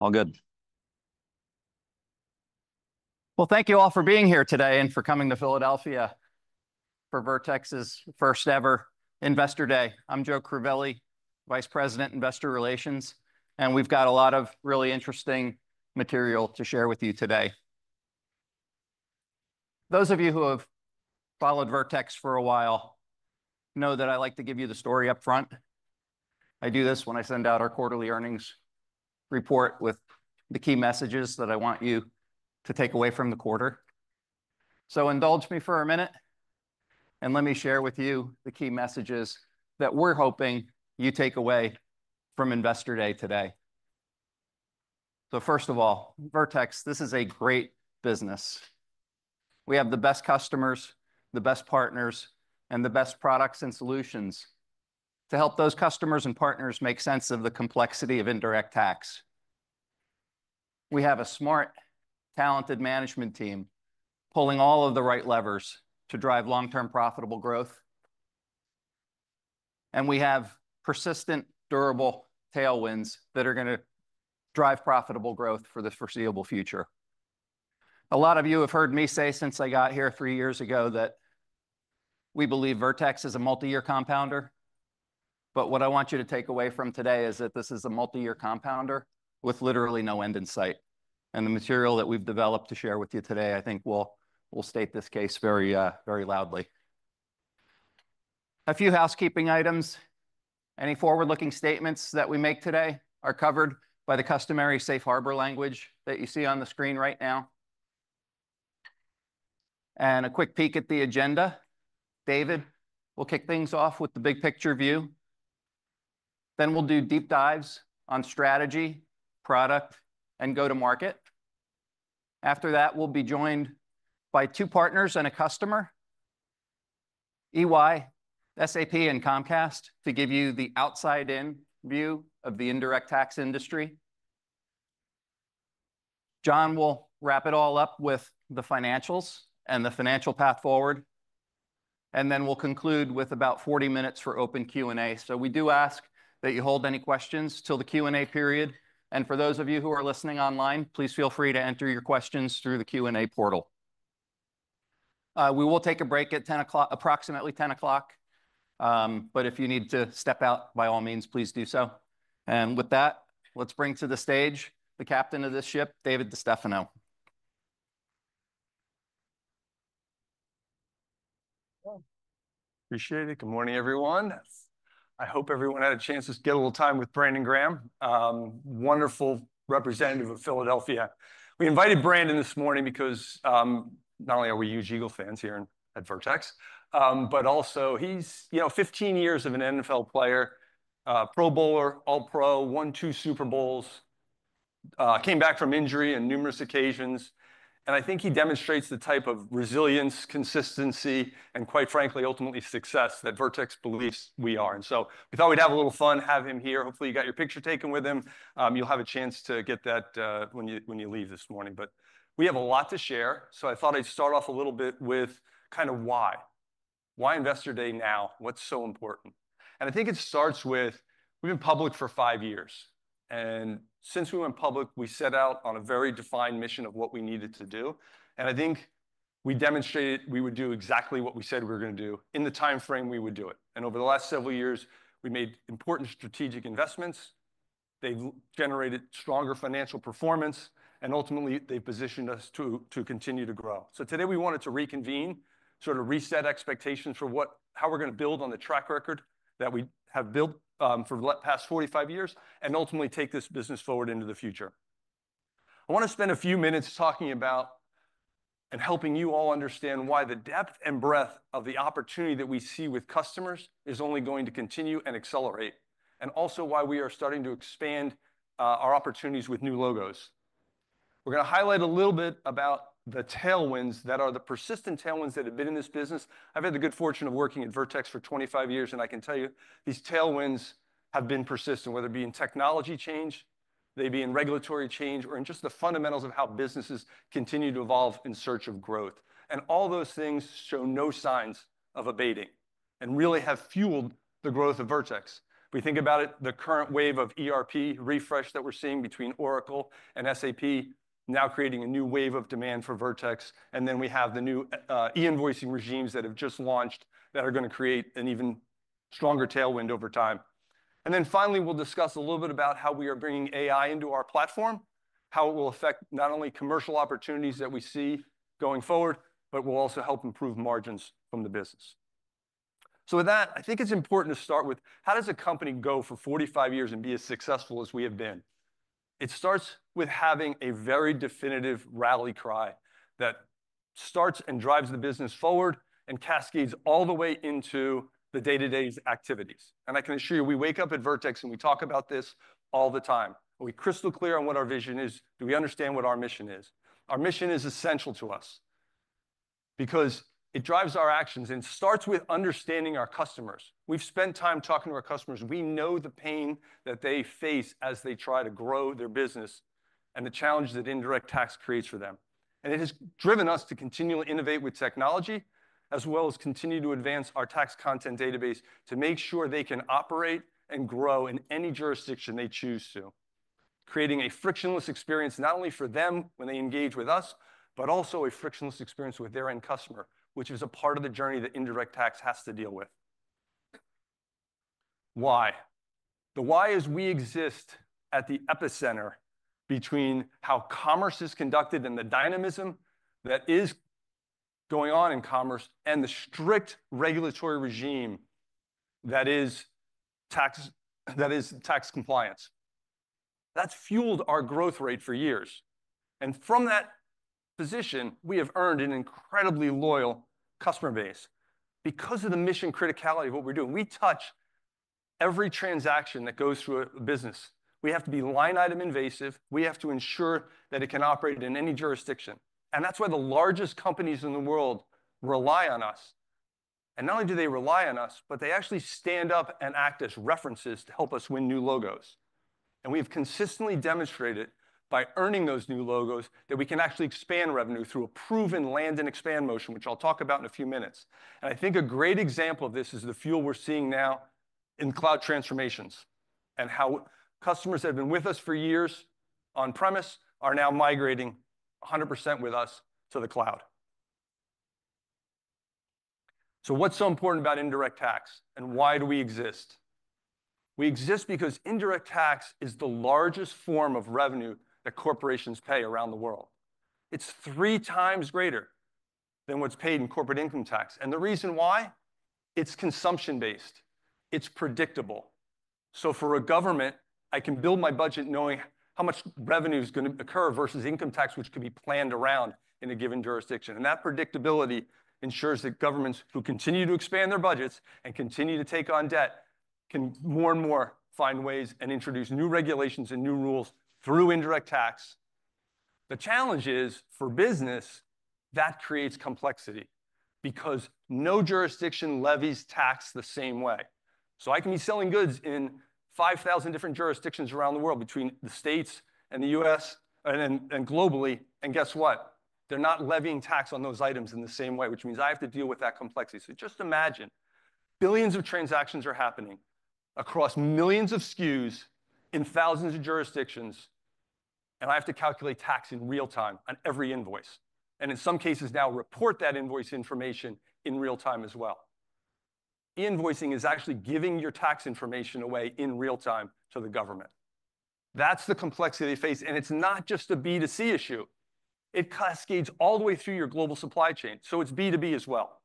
All good. Thank you all for being here today and for coming to Philadelphia for Vertex's first-ever Investor Day. I'm Joe Crivelli, Vice President, Investor Relations, and we've got a lot of really interesting material to share with you today. Those of you who have followed Vertex for a while know that I like to give you the story up front. I do this when I send out our quarterly earnings report with the key messages that I want you to take away from the quarter. Indulge me for a minute, and let me share with you the key messages that we're hoping you take away from Investor Day today. First of all, Vertex, this is a great business. We have the best customers, the best partners, and the best products and solutions to help those customers and partners make sense of the complexity of indirect tax. We have a smart, talented management team pulling all of the right levers to drive long-term profitable growth. We have persistent, durable tailwinds that are going to drive profitable growth for this foreseeable future. A lot of you have heard me say since I got here three years ago that we believe Vertex is a multi-year compounder. What I want you to take away from today is that this is a multi-year compounder with literally no end in sight. The material that we've developed to share with you today, I think, will state this case very loudly. A few housekeeping items. Any forward-looking statements that we make today are covered by the customary safe harbor language that you see on the screen right now. A quick peek at the agenda. David, we'll kick things off with the big picture view. We will do deep dives on strategy, product, and go-to-market. After that, we will be joined by two partners and a customer, EY, SAP, and Comcast, to give you the outside-in view of the indirect tax industry. John will wrap it all up with the financials and the financial path forward. We will conclude with about 40 minutes for open Q&A. We do ask that you hold any questions till the Q&A period. For those of you who are listening online, please feel free to enter your questions through the Q&A portal. We will take a break at 10:00 A.M., approximately 10:00 A.M. If you need to step out, by all means, please do so. With that, let's bring to the stage the captain of this ship, David DeStefano. Appreciate it. Good morning, everyone. I hope everyone had a chance to get a little time with Brandon Graham, wonderful representative of Philadelphia. We invited Brandon this morning because not only are we huge Eagle fans here at Vertex, but also he's, you know, 15 years of an NFL player, pro bowler, all-pro, won two Super Bowls, came back from injury on numerous occasions. I think he demonstrates the type of resilience, consistency, and, quite frankly, ultimately success that Vertex believes we are. We thought we'd have a little fun having him here. Hopefully, you got your picture taken with him. You'll have a chance to get that when you leave this morning. We have a lot to share. I thought I'd start off a little bit with kind of why. Why Investor Day now? What's so important? I think it starts with we've been public for five years. Since we went public, we set out on a very defined mission of what we needed to do. I think we demonstrated we would do exactly what we said we were going to do in the time frame we would do it. Over the last several years, we made important strategic investments. They've generated stronger financial performance. Ultimately, they've positioned us to continue to grow. Today, we wanted to reconvene, sort of reset expectations for how we're going to build on the track record that we have built for the past 45 years and ultimately take this business forward into the future. I want to spend a few minutes talking about and helping you all understand why the depth and breadth of the opportunity that we see with customers is only going to continue and accelerate, and also why we are starting to expand our opportunities with new logos. We are going to highlight a little bit about the tailwinds that are the persistent tailwinds that have been in this business. I have had the good fortune of working at Vertex for 25 years. I can tell you these tailwinds have been persistent, whether it be in technology change, they be in regulatory change, or in just the fundamentals of how businesses continue to evolve in search of growth. All those things show no signs of abating and really have fueled the growth of Vertex. We think about it, the current wave of ERP refresh that we're seeing between Oracle and SAP now creating a new wave of demand for Vertex. We have the new e-invoicing regimes that have just launched that are going to create an even stronger tailwind over time. Finally, we'll discuss a little bit about how we are bringing AI into our platform, how it will affect not only commercial opportunities that we see going forward, but will also help improve margins from the business. With that, I think it's important to start with how does a company go for 45 years and be as successful as we have been? It starts with having a very definitive rally cry that starts and drives the business forward and cascades all the way into the day-to-day activities. I can assure you we wake up at Vertex and we talk about this all the time. Are we crystal clear on what our vision is? Do we understand what our mission is? Our mission is essential to us because it drives our actions and starts with understanding our customers. We've spent time talking to our customers. We know the pain that they face as they try to grow their business and the challenge that indirect tax creates for them. It has driven us to continually innovate with technology as well as continue to advance our tax content database to make sure they can operate and grow in any jurisdiction they choose to, creating a frictionless experience not only for them when they engage with us, but also a frictionless experience with their end customer, which is a part of the journey that indirect tax has to deal with. Why? The why is we exist at the epicenter between how commerce is conducted and the dynamism that is going on in commerce and the strict regulatory regime that is tax compliance. That has fueled our growth rate for years. From that position, we have earned an incredibly loyal customer base because of the mission criticality of what we're doing. We touch every transaction that goes through a business. We have to be line item invasive. We have to ensure that it can operate in any jurisdiction. That is why the largest companies in the world rely on us. Not only do they rely on us, but they actually stand up and act as references to help us win new logos. We have consistently demonstrated by earning those new logos that we can actually expand revenue through a proven land and expand motion, which I'll talk about in a few minutes. I think a great example of this is the fuel we're seeing now in cloud transformations and how customers that have been with us for years on premise are now migrating 100% with us to the cloud. What is so important about indirect tax and why do we exist? We exist because indirect tax is the largest form of revenue that corporations pay around the world. It's three times greater than what's paid in corporate income tax. The reason why? It's consumption-based. It's predictable. For a government, I can build my budget knowing how much revenue is going to occur versus income tax, which could be planned around in a given jurisdiction. That predictability ensures that governments who continue to expand their budgets and continue to take on debt can more and more find ways and introduce new regulations and new rules through indirect tax. The challenge is for business that creates complexity because no jurisdiction levies tax the same way. I can be selling goods in 5,000 different jurisdictions around the world between the States and the U.S. and globally. Guess what? They're not levying tax on those items in the same way, which means I have to deal with that complexity. Just imagine billions of transactions are happening across millions of SKUs in thousands of jurisdictions. I have to calculate tax in real time on every invoice. In some cases, now report that invoice information in real time as well. E-invoicing is actually giving your tax information away in real time to the government. That is the complexity they face. It is not just a B2C issue. It cascades all the way through your global supply chain. It is B2B as well.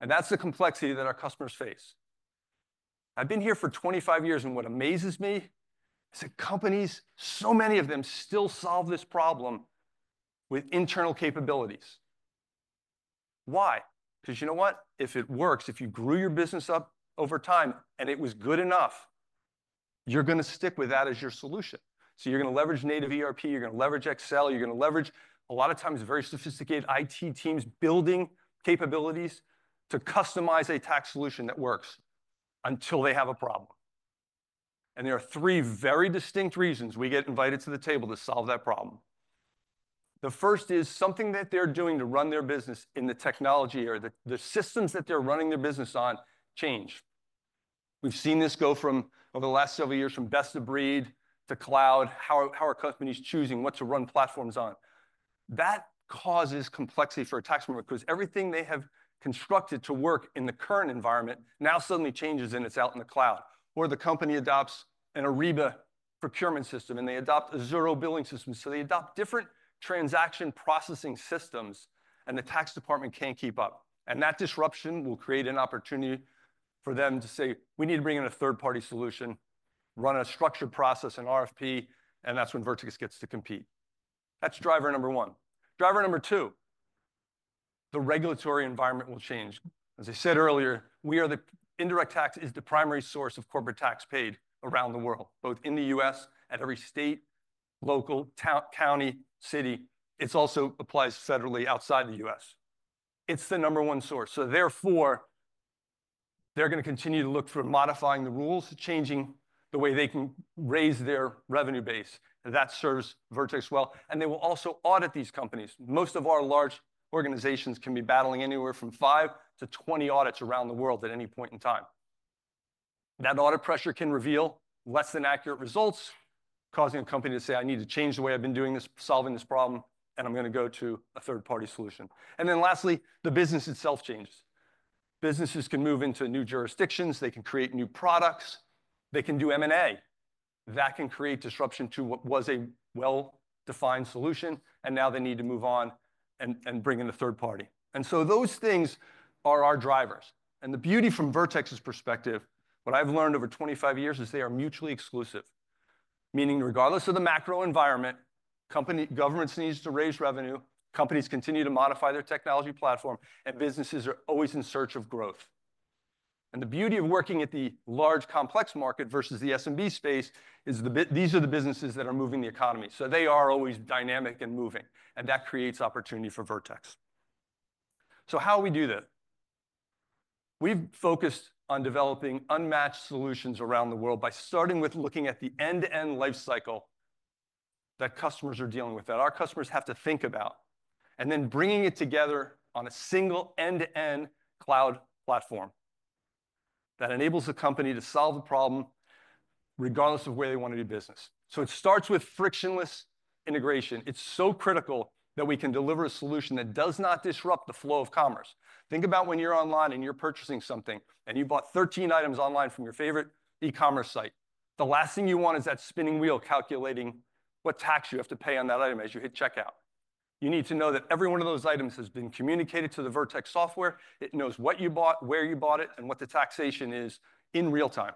That is the complexity that our customers face. I have been here for 25 years. What amazes me is that companies, so many of them, still solve this problem with internal capabilities. Why? Because, you know what, if it works, if you grew your business up over time and it was good enough, you are going to stick with that as your solution. You're going to leverage native ERP. You're going to leverage Excel. You're going to leverage a lot of times very sophisticated IT teams building capabilities to customize a tax solution that works until they have a problem. There are three very distinct reasons we get invited to the table to solve that problem. The first is something that they're doing to run their business in the technology or the systems that they're running their business on change. We've seen this go from over the last several years from best of breed to cloud, how our company is choosing what to run platforms on. That causes complexity for a taxpayer because everything they have constructed to work in the current environment now suddenly changes and it's out in the cloud. The company adopts an Ariba procurement system and they adopt a Zuora Billing system. They adopt different transaction processing systems and the tax department can't keep up. That disruption will create an opportunity for them to say, "We need to bring in a third-party solution, run a structured process, an RFP." That's when Vertex gets to compete. That's driver number one. Driver number two, the regulatory environment will change. As I said earlier, indirect tax is the primary source of corporate tax paid around the world, both in the U.S. at every state, local, county, city. It also applies federally outside the U.S. It's the number one source. Therefore, they're going to continue to look for modifying the rules, changing the way they can raise their revenue base. That serves Vertex well. They will also audit these companies. Most of our large organizations can be battling anywhere from 5-20 audits around the world at any point in time. That audit pressure can reveal less than accurate results, causing a company to say, "I need to change the way I've been doing this, solving this problem, and I'm going to go to a third-party solution." Lastly, the business itself changes. Businesses can move into new jurisdictions. They can create new products. They can do M&A that can create disruption to what was a well-defined solution. Now they need to move on and bring in a third party. Those things are our drivers. The beauty from Vertex's perspective, what I've learned over 25 years is they are mutually exclusive, meaning regardless of the macro environment, government needs to raise revenue, companies continue to modify their technology platform, and businesses are always in search of growth. The beauty of working at the large complex market versus the SMB space is these are the businesses that are moving the economy. They are always dynamic and moving. That creates opportunity for Vertex. How do we do that? We've focused on developing unmatched solutions around the world by starting with looking at the end-to-end life cycle that customers are dealing with that our customers have to think about, and then bringing it together on a single end-to-end cloud platform that enables the company to solve a problem regardless of where they want to do business. It starts with frictionless integration. It's so critical that we can deliver a solution that does not disrupt the flow of commerce. Think about when you're online and you're purchasing something and you bought 13 items online from your favorite e-commerce site. The last thing you want is that spinning wheel calculating what tax you have to pay on that item as you hit checkout. You need to know that every one of those items has been communicated to the Vertex software. It knows what you bought, where you bought it, and what the taxation is in real time.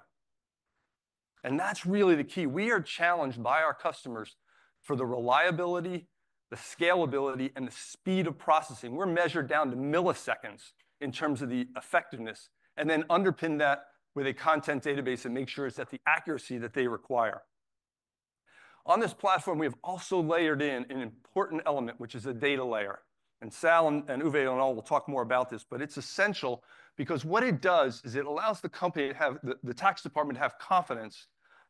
That's really the key. We are challenged by our customers for the reliability, the scalability, and the speed of processing. We're measured down to milliseconds in terms of the effectiveness and then underpin that with a content database and make sure it's at the accuracy that they require. On this platform, we have also layered in an important element, which is a data layer. Sal and Uwe and all will talk more about this, but it's essential because what it does is it allows the company to have the tax department to have confidence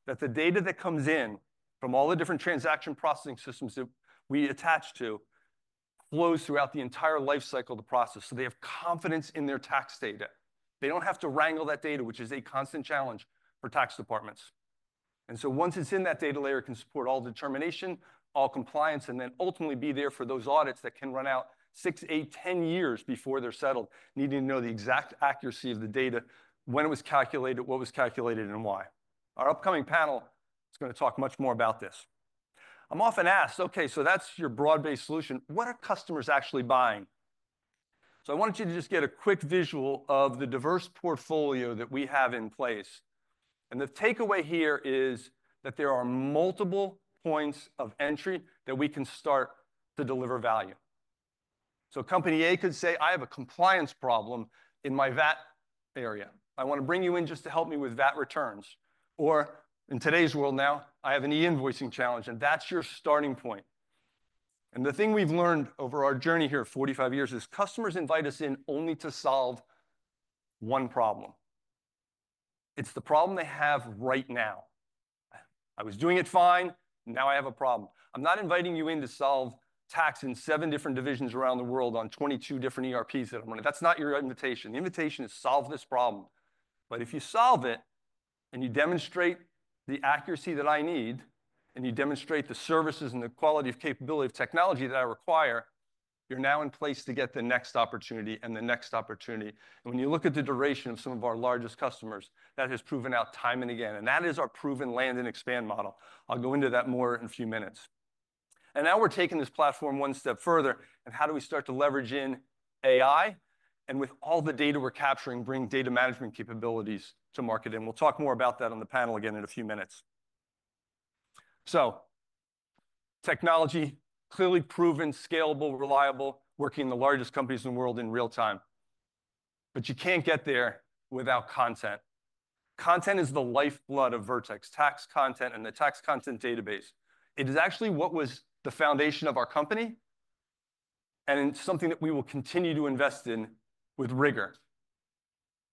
that the data that comes in from all the different transaction processing systems that we attach to flows throughout the entire life cycle of the process. They have confidence in their tax data. They don't have to wrangle that data, which is a constant challenge for tax departments. Once it's in, that data layer can support all determination, all compliance, and then ultimately be there for those audits that can run out six, eight, 10 years before they're settled, needing to know the exact accuracy of the data, when it was calculated, what was calculated, and why. Our upcoming panel is going to talk much more about this. I'm often asked, "Okay, so that's your broad-based solution. What are customers actually buying?" I wanted you to just get a quick visual of the diverse portfolio that we have in place. The takeaway here is that there are multiple points of entry that we can start to deliver value. Company A could say, "I have a compliance problem in my VAT area. I want to bring you in just to help me with VAT returns." In today's world now, "I have an e-invoicing challenge," and that's your starting point. The thing we've learned over our journey here for 45 years is customers invite us in only to solve one problem. It's the problem they have right now. I was doing it fine. Now I have a problem. I'm not inviting you in to solve tax in seven different divisions around the world on 22 different ERPs that I'm running. That is not your invitation. The invitation is to solve this problem. If you solve it and you demonstrate the accuracy that I need and you demonstrate the services and the quality of capability of technology that I require, you are now in place to get the next opportunity and the next opportunity. When you look at the duration of some of our largest customers, that has proven out time and again. That is our proven land and expand model. I will go into that more in a few minutes. Now we are taking this platform one step further. How do we start to leverage in AI and with all the data we are capturing, bring data management capabilities to market? We will talk more about that on the panel again in a few minutes. Technology, clearly proven, scalable, reliable, working in the largest companies in the world in real time. You cannot get there without content. Content is the lifeblood of Vertex tax content and the tax content database. It is actually what was the foundation of our company and something that we will continue to invest in with rigor.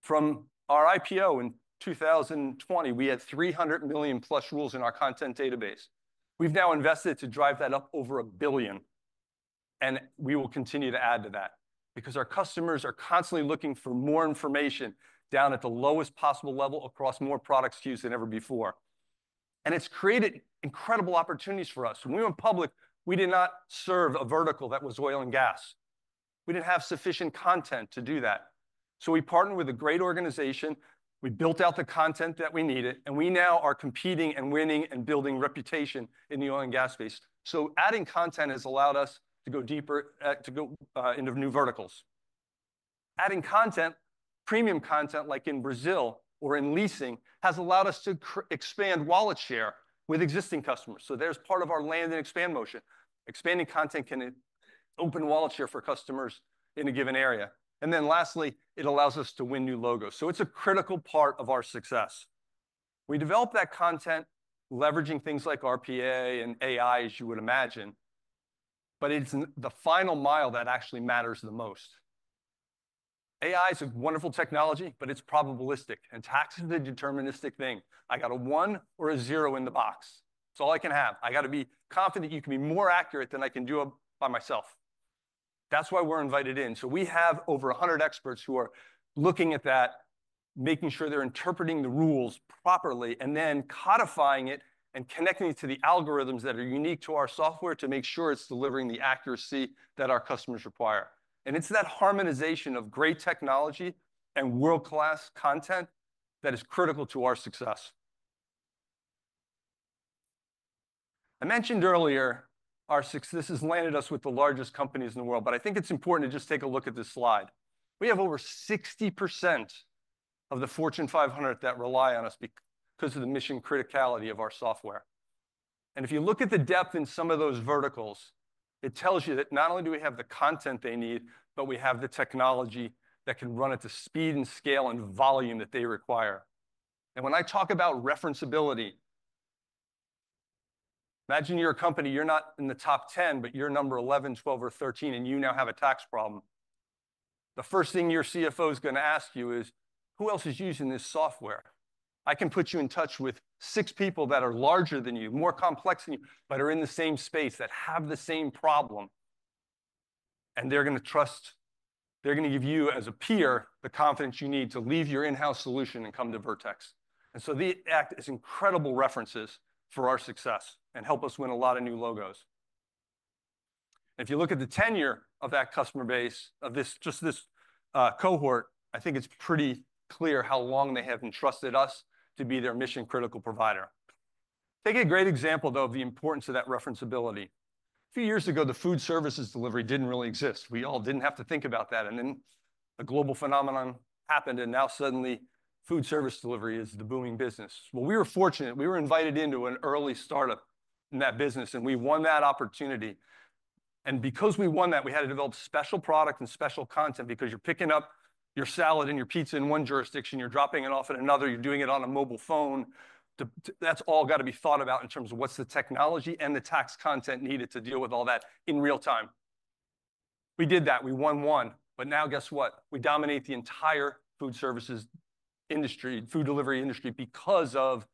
From our IPO in 2020, we had 300 million+ rules in our content database. We have now invested to drive that up over a billion. We will continue to add to that because our customers are constantly looking for more information down at the lowest possible level across more products used than ever before. It has created incredible opportunities for us. When we went public, we did not serve a vertical that was oil and gas. We didn't have sufficient content to do that. We partnered with a great organization. We built out the content that we needed, and we now are competing and winning and building reputation in the oil and gas space. Adding content has allowed us to go deeper, to go into new verticals. Adding content, premium content like in Brazil or in leasing, has allowed us to expand wallet share with existing customers. There is part of our land and expand motion. Expanding content can open wallet share for customers in a given area. Lastly, it allows us to win new logos. It is a critical part of our success. We develop that content leveraging things like RPA and AI, as you would imagine. It is the final mile that actually matters the most. AI is a wonderful technology, but it is probabilistic and tax is a deterministic thing. I got a one or a zero in the box. It's all I can have. I got to be confident you can be more accurate than I can do by myself. That's why we're invited in. We have over 100 experts who are looking at that, making sure they're interpreting the rules properly and then codifying it and connecting it to the algorithms that are unique to our software to make sure it's delivering the accuracy that our customers require. It's that harmonization of great technology and world-class content that is critical to our success. I mentioned earlier our success has landed us with the largest companies in the world. I think it's important to just take a look at this slide. We have over 60% of the Fortune 500 that rely on us because of the mission criticality of our software. If you look at the depth in some of those verticals, it tells you that not only do we have the content they need, but we have the technology that can run at the speed and scale and volume that they require. When I talk about referenceability, imagine you're a company, you're not in the top 10, but you're number 11, 12, or 13, and you now have a tax problem. The first thing your CFO is going to ask you is, "Who else is using this software?" I can put you in touch with six people that are larger than you, more complex than you, but are in the same space that have the same problem. They're going to trust. They're going to give you as a peer the confidence you need to leave your in-house solution and come to Vertex. The act is incredible references for our success and help us win a lot of new logos. If you look at the tenure of that customer base, of just this cohort, I think it's pretty clear how long they have entrusted us to be their mission-critical provider. Take a great example, though, of the importance of that referenceability. A few years ago, the food services delivery didn't really exist. We all didn't have to think about that. A global phenomenon happened. Now suddenly, food service delivery is the booming business. We were fortunate. We were invited into an early startup in that business, and we won that opportunity. Because we won that, we had to develop special product and special content because you're picking up your salad and your pizza in one jurisdiction, you're dropping it off in another, you're doing it on a mobile phone. That's all got to be thought about in terms of what's the technology and the tax content needed to deal with all that in real time. We did that. We won one. Now guess what? We dominate the entire food services industry, food delivery industry, because of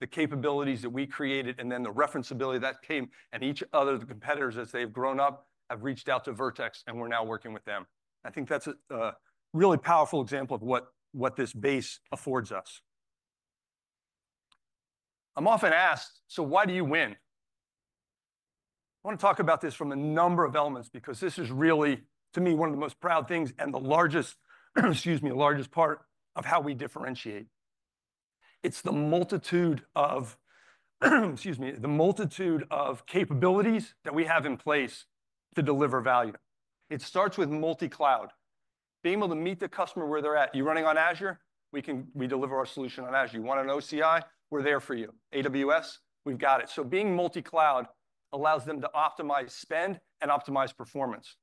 the capabilities that we created and then the referenceability that came and each other of the competitors as they've grown up have reached out to Vertex and we're now working with them. I think that's a really powerful example of what this base affords us. I'm often asked, "So why do you win?" I want to talk about this from a number of elements because this is really, to me, one of the most proud things and the largest, excuse me, largest part of how we differentiate. It's the multitude of, excuse me, the multitude of capabilities that we have in place to deliver value. It starts with multi-cloud. Being able to meet the customer where they're at. You're running on Azure? We can deliver our solution on Azure. You want an OCI? We're there for you. AWS? We've got it. Being multi-cloud allows them to optimize spend and optimize performance.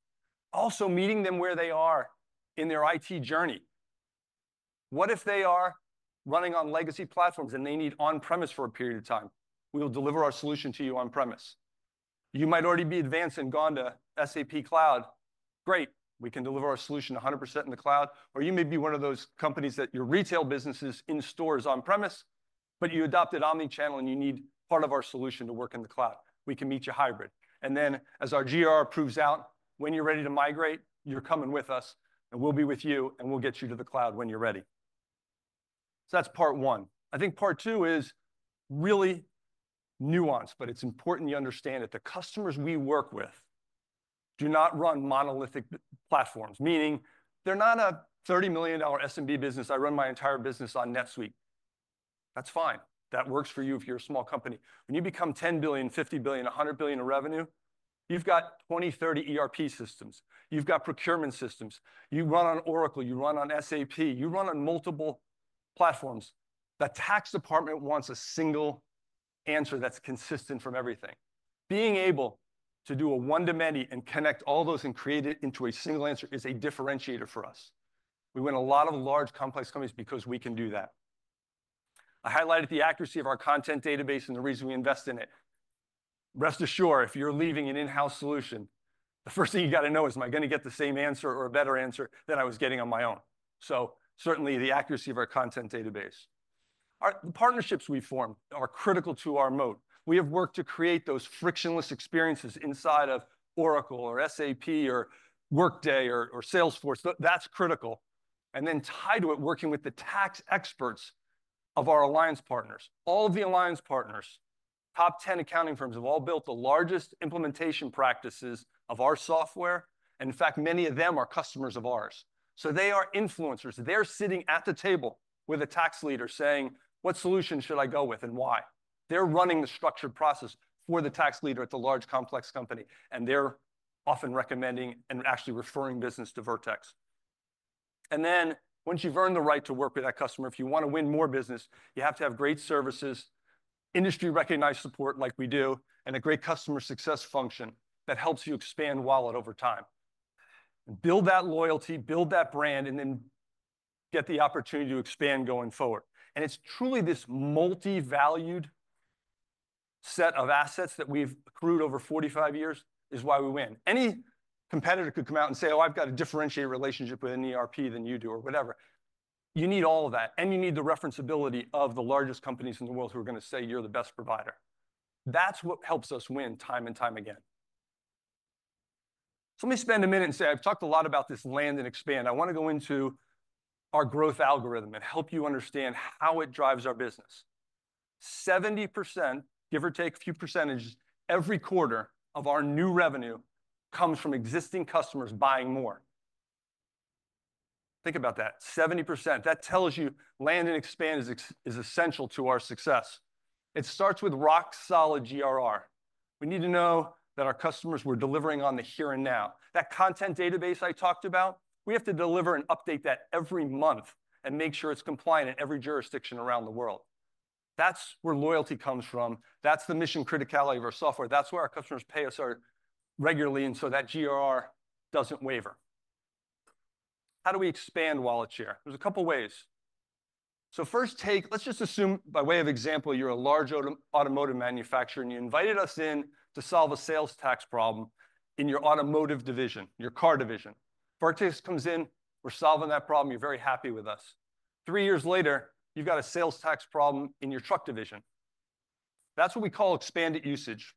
Also meeting them where they are in their IT journey. What if they are running on legacy platforms and they need on-premise for a period of time? We'll deliver our solution to you on-premise. You might already be advanced and gone to SAP Cloud. Great. We can deliver our solution 100% in the cloud. You may be one of those companies that your retail business is in stores on-premise, but you adopted omnichannel and you need part of our solution to work in the cloud. We can meet you hybrid. As our GRR proves out, when you're ready to migrate, you're coming with us and we'll be with you and we'll get you to the cloud when you're ready. That's part one. I think part two is really nuanced, but it's important you understand that the customers we work with do not run monolithic platforms, meaning they're not a $30 million SMB business. I run my entire business on NetSuite. That's fine. That works for you if you're a small company. When you become $10 billion, $50 billion, $100 billion in revenue, you've got 20, 30 ERP systems. You've got procurement systems. You run on Oracle. You run on SAP. You run on multiple platforms. The tax department wants a single answer that's consistent from everything. Being able to do a one-to-many and connect all those and create it into a single answer is a differentiator for us. We win a lot of large complex companies because we can do that. I highlighted the accuracy of our content database and the reason we invest in it. Rest assured, if you're leaving an in-house solution, the first thing you got to know is, "Am I going to get the same answer or a better answer than I was getting on my own?" Certainly the accuracy of our content database. The partnerships we form are critical to our moat. We have worked to create those frictionless experiences inside of Oracle or SAP or Workday or Salesforce. That is critical. Then tied to it, working with the tax experts of our alliance partners. All of the alliance partners, top 10 accounting firms have all built the largest implementation practices of our software. In fact, many of them are customers of ours. They are influencers. They are sitting at the table with a tax leader saying, "What solution should I go with and why?" They are running the structured process for the tax leader at the large complex company, and they are often recommending and actually referring business to Vertex. Once you've earned the right to work with that customer, if you want to win more business, you have to have great services, industry-recognized support like we do, and a great customer success function that helps you expand wallet over time. You build that loyalty, build that brand, and then get the opportunity to expand going forward. It is truly this multi-valued set of assets that we've accrued over 45 years that is why we win. Any competitor could come out and say, "Oh, I've got a differentiated relationship with an ERP than you do," or whatever. You need all of that, and you need the referenceability of the largest companies in the world who are going to say you're the best provider. That is what helps us win time and time again. Let me spend a minute and say, "I've talked a lot about this land and expand. I want to go into our growth algorithm and help you understand how it drives our business. 70%, give or take a few %, every quarter of our new revenue comes from existing customers buying more. Think about that. 70%. That tells you land and expand is essential to our success. It starts with rock-solid GRR. We need to know that our customers were delivering on the here and now. That content database I talked about, we have to deliver and update that every month and make sure it's compliant in every jurisdiction around the world. That's where loyalty comes from. That's the mission criticality of our software. That's why our customers pay us regularly and so that GRR doesn't waver. How do we expand wallet share? There's a couple of ways. First, let's just assume by way of example, you're a large automotive manufacturer and you invited us in to solve a sales tax problem in your automotive division, your car division. Vertex comes in, we're solving that problem, you're very happy with us. Three years later, you've got a sales tax problem in your truck division. That's what we call expanded usage.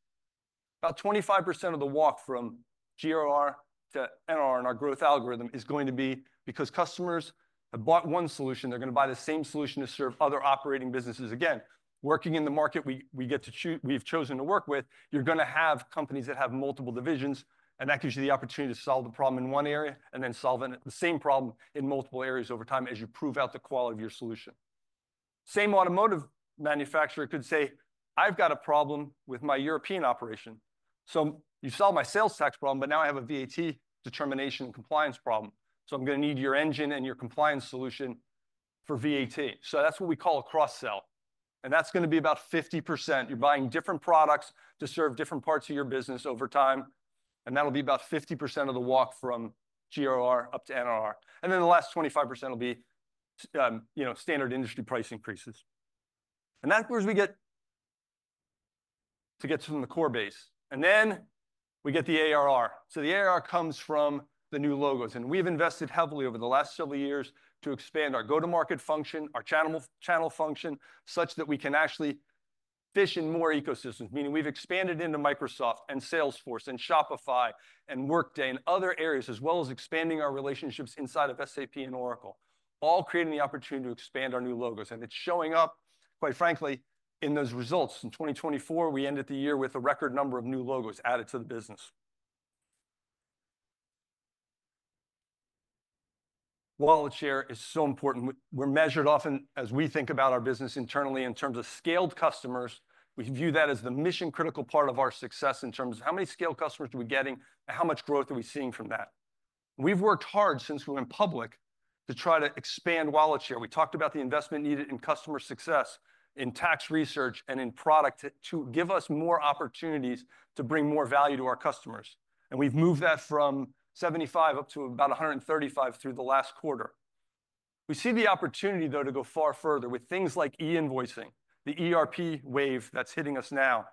About 25% of the walk from GRR to NRR in our growth algorithm is going to be because customers have bought one solution, they're going to buy the same solution to serve other operating businesses. Again, working in the market we get to choose, we've chosen to work with, you're going to have companies that have multiple divisions, and that gives you the opportunity to solve the problem in one area and then solve the same problem in multiple areas over time as you prove out the quality of your solution. Same automotive manufacturer could say, "I've got a problem with my European operation. You solved my sales tax problem, but now I have a VAT determination and compliance problem. I'm going to need your engine and your compliance solution for VAT." That's what we call a cross-sell. That's going to be about 50%. You're buying different products to serve different parts of your business over time. That'll be about 50% of the walk from GRR up to NRR. The last 25% will be standard industry price increases. That's where we get to the core base. Then we get the ARR. The ARR comes from the new logos. We've invested heavily over the last several years to expand our go-to-market function, our channel function, such that we can actually fish in more ecosystems. Meaning we've expanded into Microsoft and Salesforce and Shopify and Workday and other areas, as well as expanding our relationships inside of SAP and Oracle, all creating the opportunity to expand our new logos. It's showing up, quite frankly, in those results. In 2024, we ended the year with a record number of new logos added to the business. Wallet share is so important. We're measured often as we think about our business internally in terms of scaled customers. We view that as the mission-critical part of our success in terms of how many scaled customers are we getting and how much growth are we seeing from that. We have worked hard since we went public to try to expand wallet share. We talked about the investment needed in customer success, in tax research, and in product to give us more opportunities to bring more value to our customers. We have moved that from 75 up to about 135 through the last quarter. We see the opportunity, though, to go far further with things like e-invoicing, the ERP wave that is hitting us now,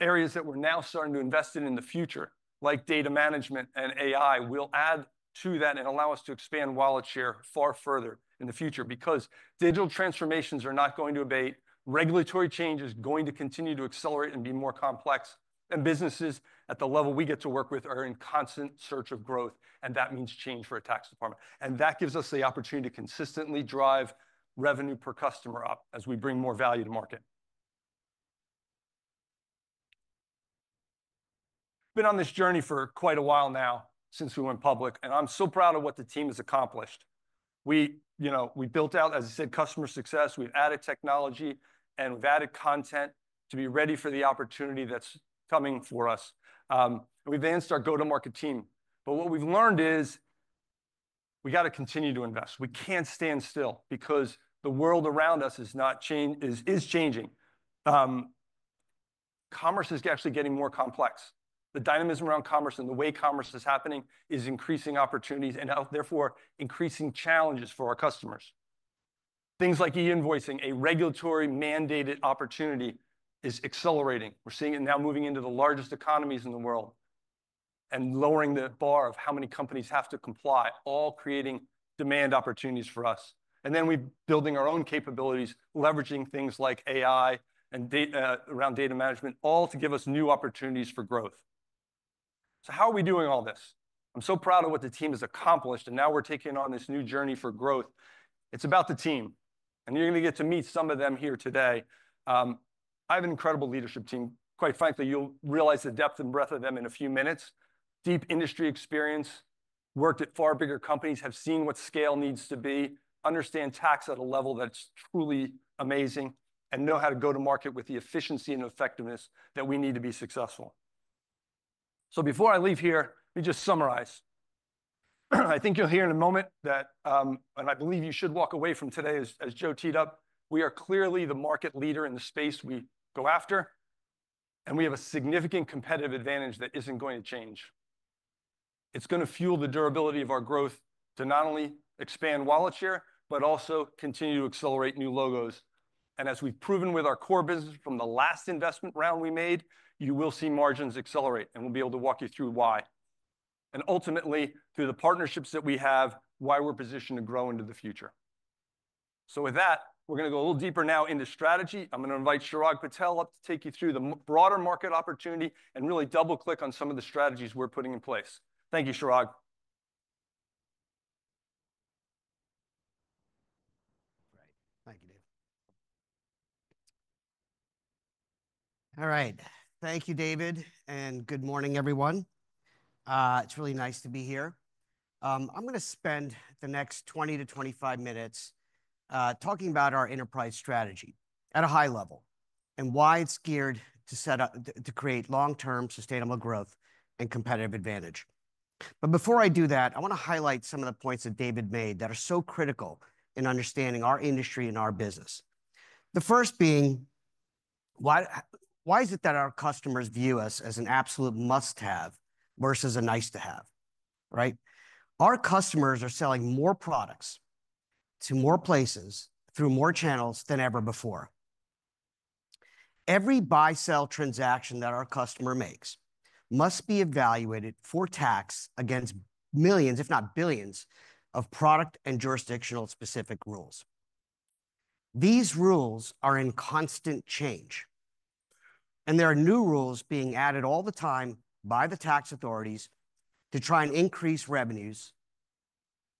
areas that we are now starting to invest in in the future, like data management and AI will add to that and allow us to expand wallet share far further in the future because digital transformations are not going to abate. Regulatory change is going to continue to accelerate and be more complex. Businesses at the level we get to work with are in constant search of growth. That means change for a tax department. That gives us the opportunity to consistently drive revenue per customer up as we bring more value to market. Been on this journey for quite a while now since we went public, and I'm so proud of what the team has accomplished. We built out, as I said, customer success. We've added technology, and we've added content to be ready for the opportunity that's coming for us. We've advanced our go-to-market team. What we've learned is we got to continue to invest. We can't stand still because the world around us is not changing. Commerce is actually getting more complex. The dynamism around commerce and the way commerce is happening is increasing opportunities and therefore increasing challenges for our customers. Things like e-invoicing, a regulatory mandated opportunity, is accelerating. We're seeing it now moving into the largest economies in the world and lowering the bar of how many companies have to comply, all creating demand opportunities for us. We're building our own capabilities, leveraging things like AI and data around data management, all to give us new opportunities for growth. How are we doing all this? I'm so proud of what the team has accomplished, and now we're taking on this new journey for growth. It's about the team. You're going to get to meet some of them here today. I have an incredible leadership team. Quite frankly, you'll realize the depth and breadth of them in a few minutes. Deep industry experience, worked at far bigger companies, have seen what scale needs to be, understand tax at a level that's truly amazing, and know how to go to market with the efficiency and effectiveness that we need to be successful. Before I leave here, let me just summarize. I think you'll hear in a moment that, and I believe you should walk away from today as Joe teed up, we are clearly the market leader in the space we go after. We have a significant competitive advantage that isn't going to change. It's going to fuel the durability of our growth to not only expand wallet share, but also continue to accelerate new logos. As we've proven with our core business from the last investment round we made, you will see margins accelerate, and we'll be able to walk you through why. Ultimately, through the partnerships that we have, why we're positioned to grow into the future. With that, we're going to go a little deeper now into strategy. I'm going to invite Chirag Patel up to take you through the broader market opportunity and really double-click on some of the strategies we're putting in place. Thank you, Chirag. Right. Thank you, David. All right. Thank you, David. Good morning, everyone. It's really nice to be here. I'm going to spend the next 20-25 minutes talking about our enterprise strategy at a high level and why it's geared to set up to create long-term sustainable growth and competitive advantage. Before I do that, I want to highlight some of the points that David made that are so critical in understanding our industry and our business. The first being, why is it that our customers view us as an absolute must-have versus a nice-to-have? Right? Our customers are selling more products to more places through more channels than ever before. Every buy-sell transaction that our customer makes must be evaluated for tax against millions, if not billions, of product and jurisdictional specific rules. These rules are in constant change. There are new rules being added all the time by the tax authorities to try and increase revenues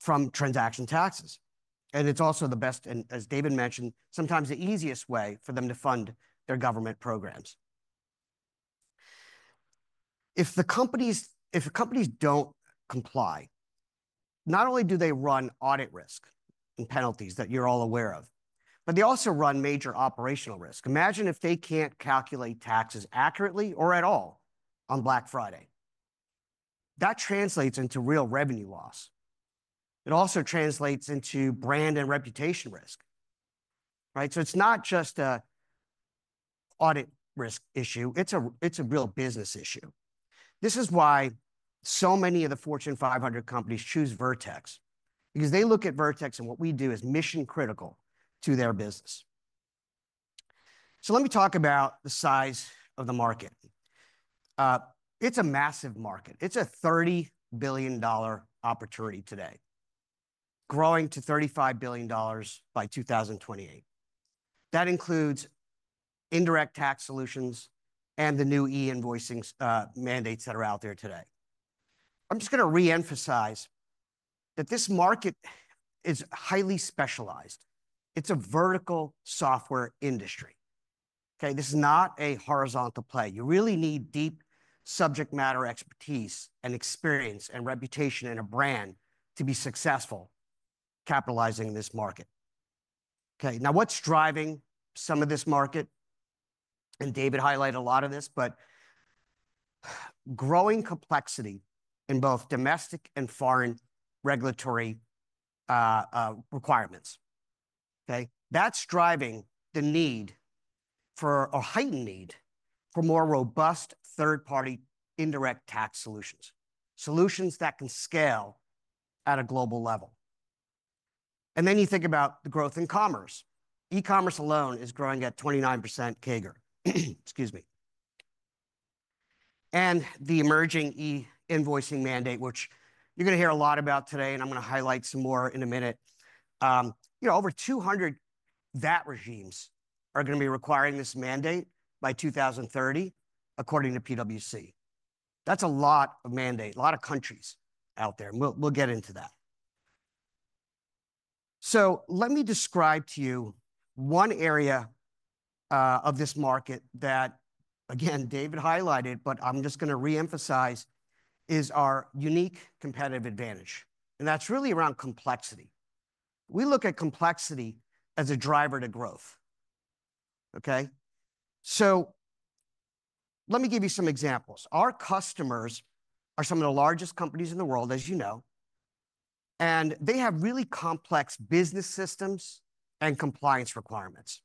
from transaction taxes. It is also the best, and as David mentioned, sometimes the easiest way for them to fund their government programs. If the companies do not comply, not only do they run audit risk and penalties that you are all aware of, but they also run major operational risk. Imagine if they cannot calculate taxes accurately or at all on Black Friday. That translates into real revenue loss. It also translates into brand and reputation risk. Right? It is not just an audit risk issue. It is a real business issue. This is why so many of the Fortune 500 companies choose Vertex, because they look at Vertex and what we do is mission-critical to their business. Let me talk about the size of the market. It is a massive market. It is a $30 billion opportunity today, growing to $35 billion by 2028. That includes indirect tax solutions and the new e-invoicing mandates that are out there today. I am just going to re-emphasize that this market is highly specialized. It is a vertical software industry. Okay? This is not a horizontal play. You really need deep subject matter expertise and experience and reputation and a brand to be successful capitalizing this market. Okay? Now, what is driving some of this market? David highlighted a lot of this, but growing complexity in both domestic and foreign regulatory requirements. Okay? That is driving the need for a heightened need for more robust third-party indirect tax solutions, solutions that can scale at a global level. You think about the growth in commerce. E-commerce alone is growing at 29% CAGR. Excuse me. The emerging e-invoicing mandate, which you are going to hear a lot about today, and I am going to highlight some more in a minute. You know, over 200 VAT regimes are going to be requiring this mandate by 2030, according to PwC. That is a lot of mandate, a lot of countries out there. We will get into that. Let me describe to you one area of this market that, again, David highlighted, but I am just going to re-emphasize, is our unique competitive advantage. That is really around complexity. We look at complexity as a driver to growth. Okay? Let me give you some examples. Our customers are some of the largest companies in the world, as you know. They have really complex business systems and compliance requirements.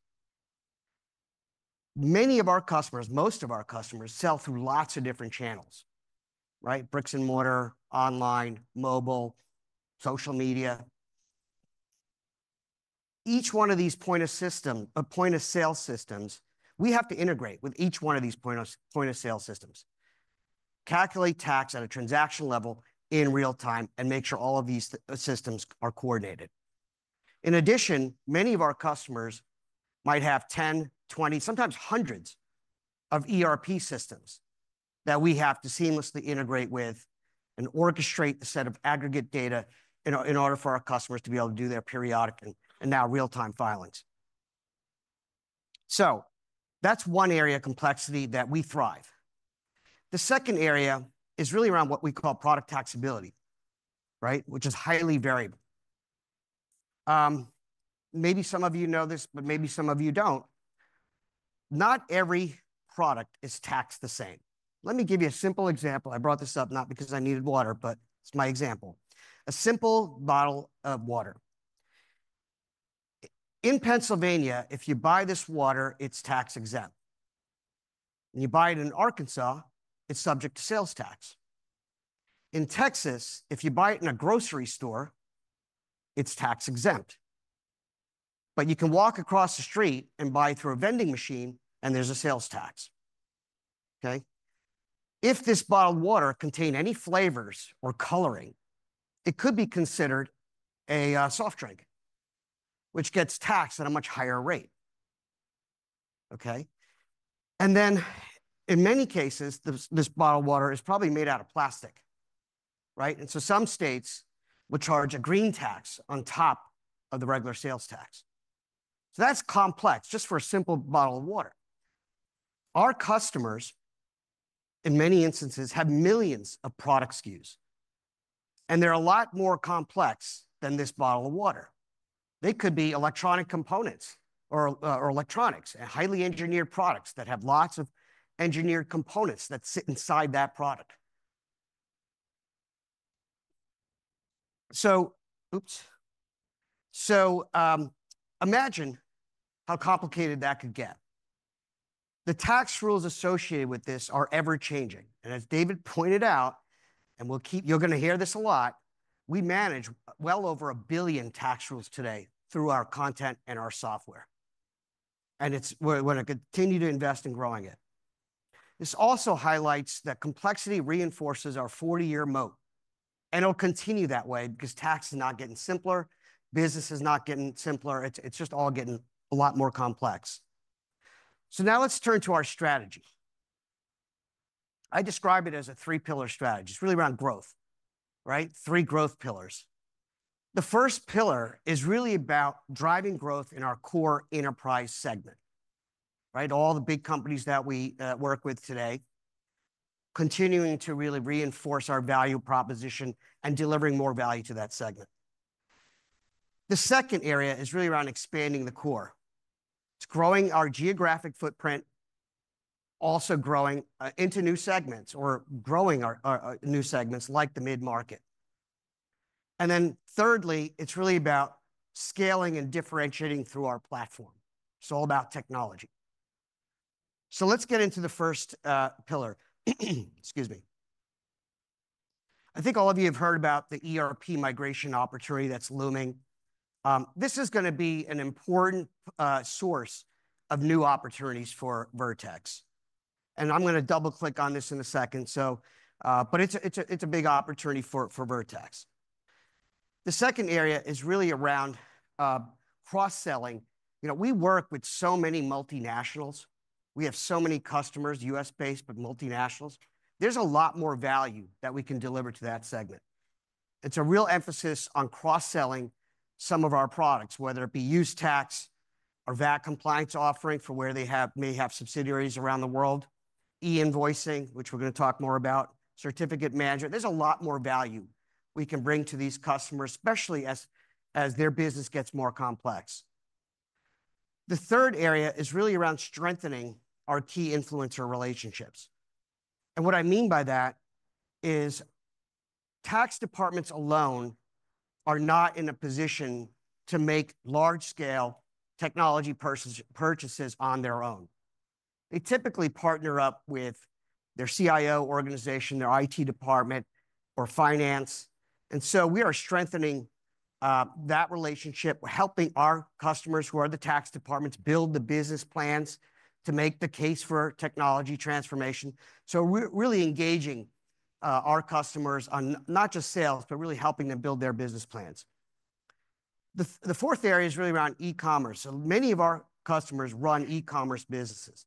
Many of our customers, most of our customers sell through lots of different channels, right? Bricks and mortar, online, mobile, social media. Each one of these point of sale systems, we have to integrate with each one of these point of sale systems, calculate tax at a transaction level in real time, and make sure all of these systems are coordinated. In addition, many of our customers might have 10, 20, sometimes hundreds of ERP systems that we have to seamlessly integrate with and orchestrate a set of aggregate data in order for our customers to be able to do their periodic and now real-time filings. That's one area of complexity that we thrive. The second area is really around what we call product taxability, right? Which is highly variable. Maybe some of you know this, but maybe some of you don't. Not every product is taxed the same. Let me give you a simple example. I brought this up not because I needed water, but it's my example. A simple bottle of water. In Pennsylvania, if you buy this water, it's tax-exempt. You buy it in Arkansas, it's subject to sales tax. In Texas, if you buy it in a grocery store, it's tax-exempt. You can walk across the street and buy through a vending machine, and there's a sales tax. If this bottled water contains any flavors or coloring, it could be considered a soft drink, which gets taxed at a much higher rate. In many cases, this bottled water is probably made out of plastic, right? Some states will charge a green tax on top of the regular sales tax. That is complex just for a simple bottle of water. Our customers, in many instances, have millions of product SKUs. They are a lot more complex than this bottle of water. They could be electronic components or electronics and highly engineered products that have lots of engineered components that sit inside that product. Oops. Imagine how complicated that could get. The tax rules associated with this are ever-changing. As David pointed out, and you are going to hear this a lot, we manage well over a billion tax rules today through our content and our software. It is going to continue to invest in growing it. This also highlights that complexity reinforces our 40-year moat. It'll continue that way because tax is not getting simpler. Business is not getting simpler. It's just all getting a lot more complex. Now let's turn to our strategy. I describe it as a three-pillar strategy. It's really around growth, right? Three growth pillars. The first pillar is really about driving growth in our core enterprise segment, right? All the big companies that we work with today, continuing to really reinforce our value proposition and delivering more value to that segment. The second area is really around expanding the core. It's growing our geographic footprint, also growing into new segments or growing our new segments like the mid-market. Thirdly, it's really about scaling and differentiating through our platform. It's all about technology. Let's get into the first pillar. Excuse me. I think all of you have heard about the ERP migration opportunity that's looming. This is going to be an important source of new opportunities for Vertex. I'm going to double-click on this in a second. It is a big opportunity for Vertex. The second area is really around cross-selling. You know, we work with so many multinationals. We have so many customers, U.S.-based, but multinationals. There's a lot more value that we can deliver to that segment. It's a real emphasis on cross-selling some of our products, whether it be use tax or VAT compliance offering for where they may have subsidiaries around the world, e-invoicing, which we're going to talk more about, certificate management. There's a lot more value we can bring to these customers, especially as their business gets more complex. The third area is really around strengthening our key influencer relationships. What I mean by that is tax departments alone are not in a position to make large-scale technology purchases on their own. They typically partner up with their CIO organization, their IT department, or finance. We are strengthening that relationship, helping our customers who are the tax departments build the business plans to make the case for technology transformation. We are really engaging our customers on not just sales, but really helping them build their business plans. The fourth area is really around e-commerce. Many of our customers run e-commerce businesses.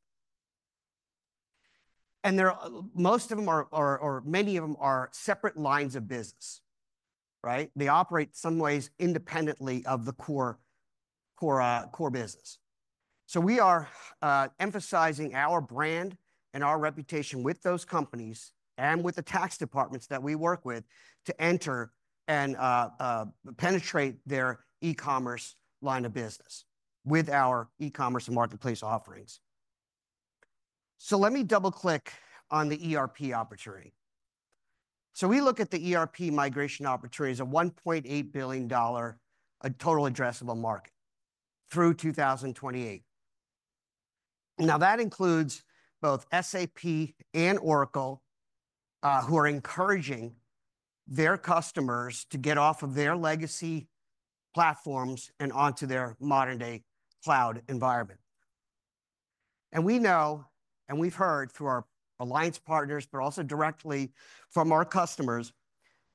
Most of them, or many of them, are separate lines of business, right? They operate in some ways independently of the core business. We are emphasizing our brand and our reputation with those companies and with the tax departments that we work with to enter and penetrate their e-commerce line of business with our e-commerce and marketplace offerings. Let me double-click on the ERP opportunity. We look at the ERP migration opportunity as a $1.8 billion total addressable market through 2028. That includes both SAP and Oracle, who are encouraging their customers to get off of their legacy platforms and onto their modern-day cloud environment. We know, and we've heard through our alliance partners, but also directly from our customers,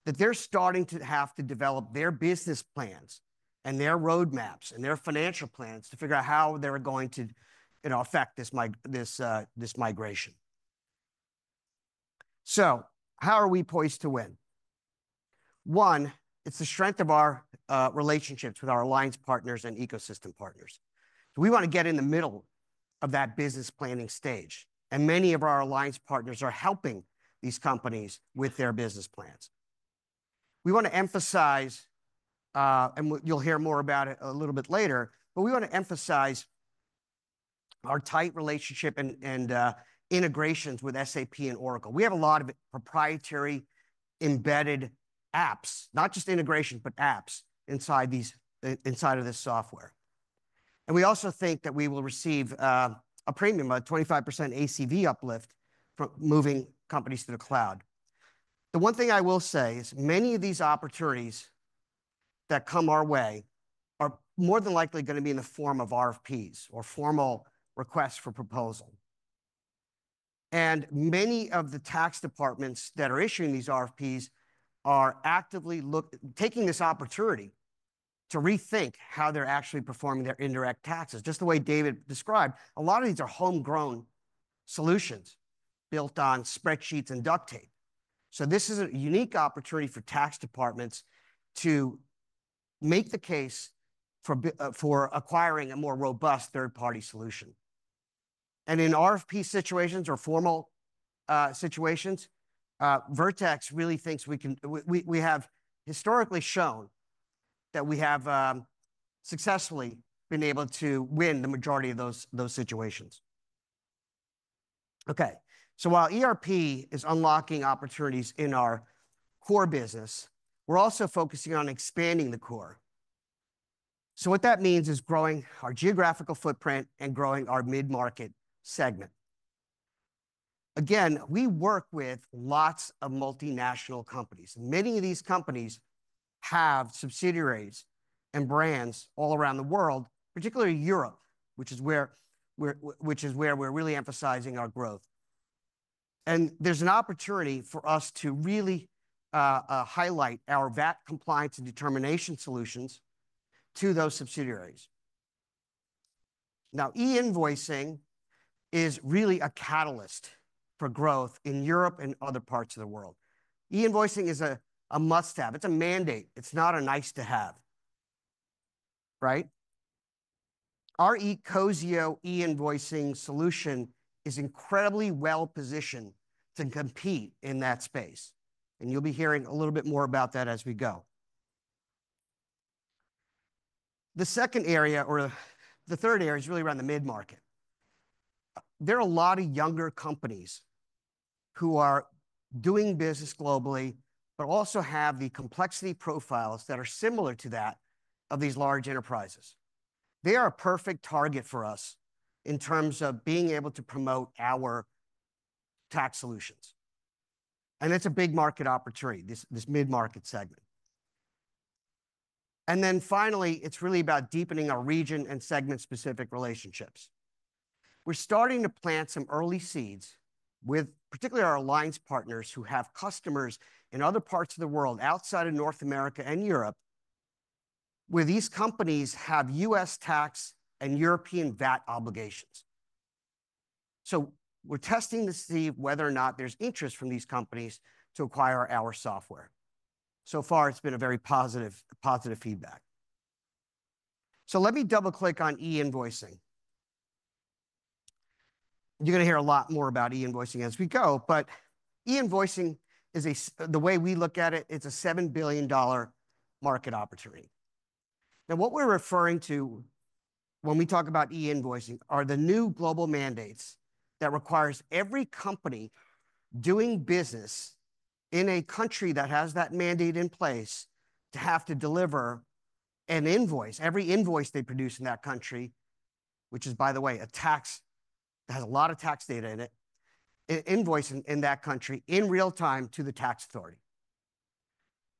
that they're starting to have to develop their business plans and their roadmaps and their financial plans to figure out how they're going to affect this migration. How are we poised to win? One, it's the strength of our relationships with our alliance partners and ecosystem partners. We want to get in the middle of that business planning stage. Many of our alliance partners are helping these companies with their business plans. We want to emphasize, and you'll hear more about it a little bit later, our tight relationship and integrations with SAP and Oracle. We have a lot of proprietary embedded apps, not just integrations, but apps inside of this software. We also think that we will receive a premium, a 25% ACV uplift for moving companies to the cloud. The one thing I will say is many of these opportunities that come our way are more than likely going to be in the form of RFPs or formal requests for proposal. Many of the tax departments that are issuing these RFPs are actively taking this opportunity to rethink how they're actually performing their indirect taxes. Just the way David described, a lot of these are homegrown solutions built on spreadsheets and duct tape. This is a unique opportunity for tax departments to make the case for acquiring a more robust third-party solution. In RFP situations or formal situations, Vertex really thinks we can, we have historically shown that we have successfully been able to win the majority of those situations. Okay. While ERP is unlocking opportunities in our core business, we're also focusing on expanding the core. What that means is growing our geographical footprint and growing our mid-market segment. Again, we work with lots of multinational companies. Many of these companies have subsidiaries and brands all around the world, particularly Europe, which is where we're really emphasizing our growth. There is an opportunity for us to really highlight our VAT compliance and determination solutions to those subsidiaries. Now, e-invoicing is really a catalyst for growth in Europe and other parts of the world. E-invoicing is a must-have. It's a mandate. It's not a nice-to-have, right? Our ecosio e-invoicing solution is incredibly well-positioned to compete in that space. You'll be hearing a little bit more about that as we go. The second area, or the third area, is really around the mid-market. There are a lot of younger companies who are doing business globally, but also have the complexity profiles that are similar to that of these large enterprises. They are a perfect target for us in terms of being able to promote our tax solutions. It's a big market opportunity, this mid-market segment. Finally, it's really about deepening our region and segment-specific relationships. We're starting to plant some early seeds with particularly our alliance partners who have customers in other parts of the world outside of North America and Europe, where these companies have U.S. tax and European VAT obligations. We're testing to see whether or not there's interest from these companies to acquire our software. So far, it's been very positive feedback. Let me double-click on e-invoicing. You're going to hear a lot more about e-invoicing as we go, but e-invoicing is, the way we look at it, it's a $7 billion market opportunity. Now, what we're referring to when we talk about e-invoicing are the new global mandates that require every company doing business in a country that has that mandate in place to have to deliver an invoice, every invoice they produce in that country, which is, by the way, a tax that has a lot of tax data in it, an invoice in that country in real time to the tax authority.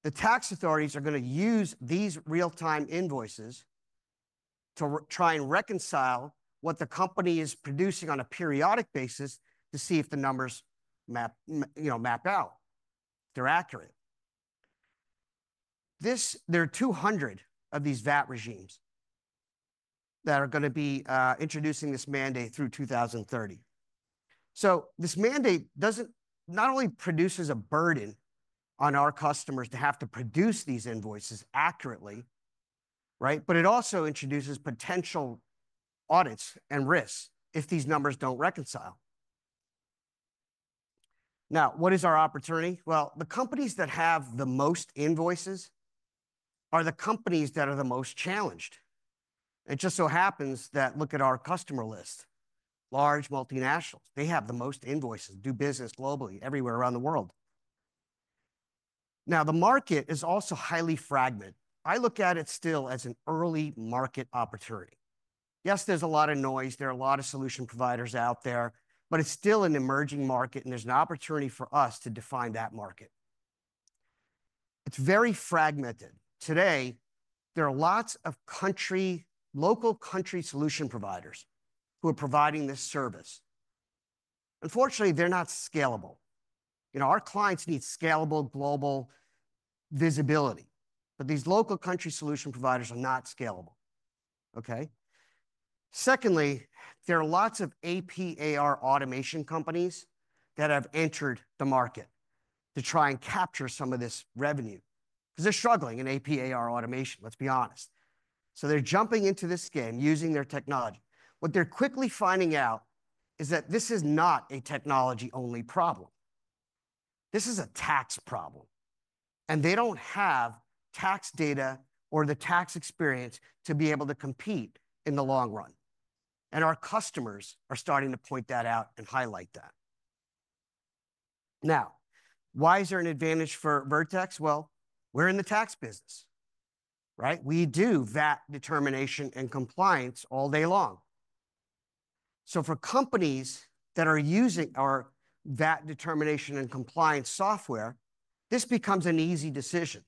The tax authorities are going to use these real-time invoices to try and reconcile what the company is producing on a periodic basis to see if the numbers map out, if they're accurate. There are 200 of these VAT regimes that are going to be introducing this mandate through 2030. This mandate does not only produce a burden on our customers to have to produce these invoices accurately, right, but it also introduces potential audits and risks if these numbers do not reconcile. Now, what is our opportunity? The companies that have the most invoices are the companies that are the most challenged. It just so happens that look at our customer list, large multinationals. They have the most invoices, do business globally, everywhere around the world. The market is also highly fragmented. I look at it still as an early market opportunity. Yes, there is a lot of noise. There are a lot of solution providers out there, but it is still an emerging market, and there is an opportunity for us to define that market. It is very fragmented. Today, there are lots of local country solution providers who are providing this service. Unfortunately, they are not scalable. Our clients need scalable global visibility, but these local country solution providers are not scalable, okay? Secondly, there are lots of APAR automation companies that have entered the market to try and capture some of this revenue because they're struggling in APAR automation, let's be honest. They're jumping into this game using their technology. What they're quickly finding out is that this is not a technology-only problem. This is a tax problem. They don't have tax data or the tax experience to be able to compete in the long run. Our customers are starting to point that out and highlight that. Now, why is there an advantage for Vertex? We're in the tax business, right? We do VAT determination and compliance all day long. For companies that are using our VAT determination and compliance software, this becomes an easy decision.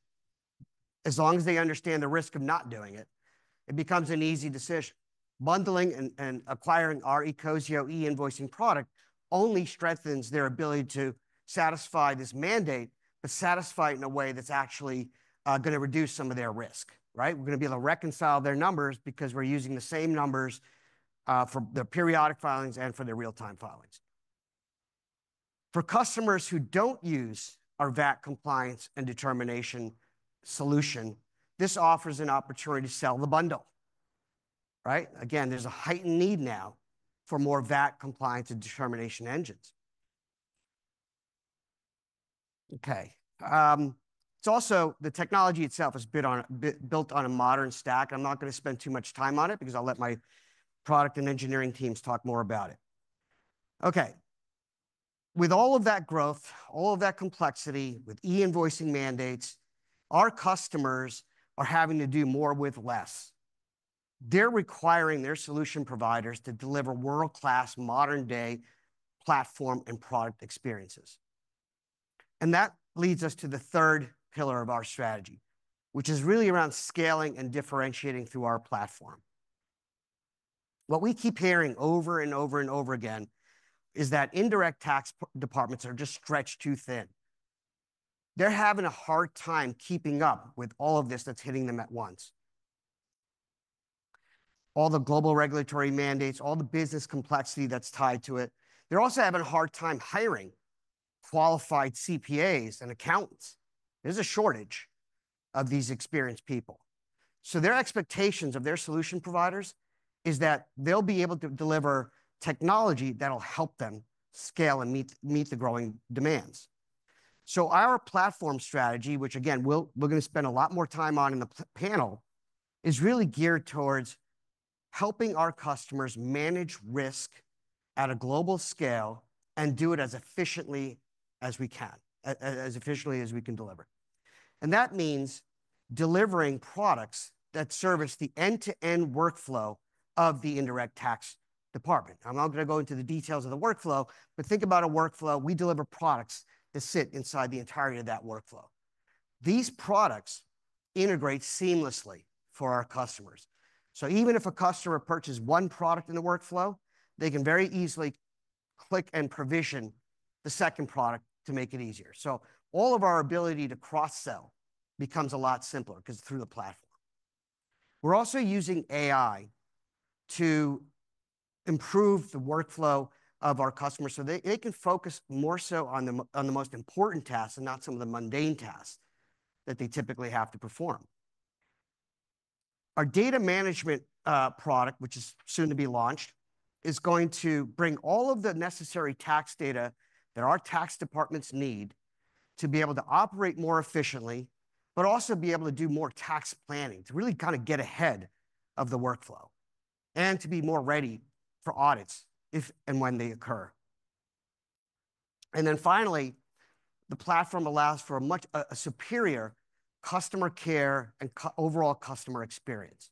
As long as they understand the risk of not doing it, it becomes an easy decision. Bundling and acquiring our ecosio e-invoicing product only strengthens their ability to satisfy this mandate, but satisfy it in a way that's actually going to reduce some of their risk, right? We're going to be able to reconcile their numbers because we're using the same numbers for the periodic filings and for the real-time filings. For customers who don't use our VAT compliance and determination solution, this offers an opportunity to sell the bundle, right? Again, there's a heightened need now for more VAT compliance and determination engines. Okay. It's also the technology itself is built on a modern stack. I'm not going to spend too much time on it because I'll let my product and engineering teams talk more about it. Okay. With all of that growth, all of that complexity with e-invoicing mandates, our customers are having to do more with less. They're requiring their solution providers to deliver world-class, modern-day platform and product experiences. That leads us to the third pillar of our strategy, which is really around scaling and differentiating through our platform. What we keep hearing over and over and over again is that indirect tax departments are just stretched too thin. They're having a hard time keeping up with all of this that's hitting them at once. All the global regulatory mandates, all the business complexity that's tied to it. They're also having a hard time hiring qualified CPAs and accountants. There's a shortage of these experienced people. Their expectations of their solution providers is that they'll be able to deliver technology that'll help them scale and meet the growing demands. Our platform strategy, which again, we're going to spend a lot more time on in the panel, is really geared towards helping our customers manage risk at a global scale and do it as efficiently as we can, as efficiently as we can deliver. That means delivering products that service the end-to-end workflow of the indirect tax department. I'm not going to go into the details of the workflow, but think about a workflow. We deliver products that sit inside the entirety of that workflow. These products integrate seamlessly for our customers. Even if a customer purchases one product in the workflow, they can very easily click and provision the second product to make it easier. All of our ability to cross-sell becomes a lot simpler because it's through the platform. We're also using AI to improve the workflow of our customers so they can focus more so on the most important tasks and not some of the mundane tasks that they typically have to perform. Our data management product, which is soon to be launched, is going to bring all of the necessary tax data that our tax departments need to be able to operate more efficiently, but also be able to do more tax planning to really kind of get ahead of the workflow and to be more ready for audits if and when they occur. Finally, the platform allows for a much superior customer care and overall customer experience.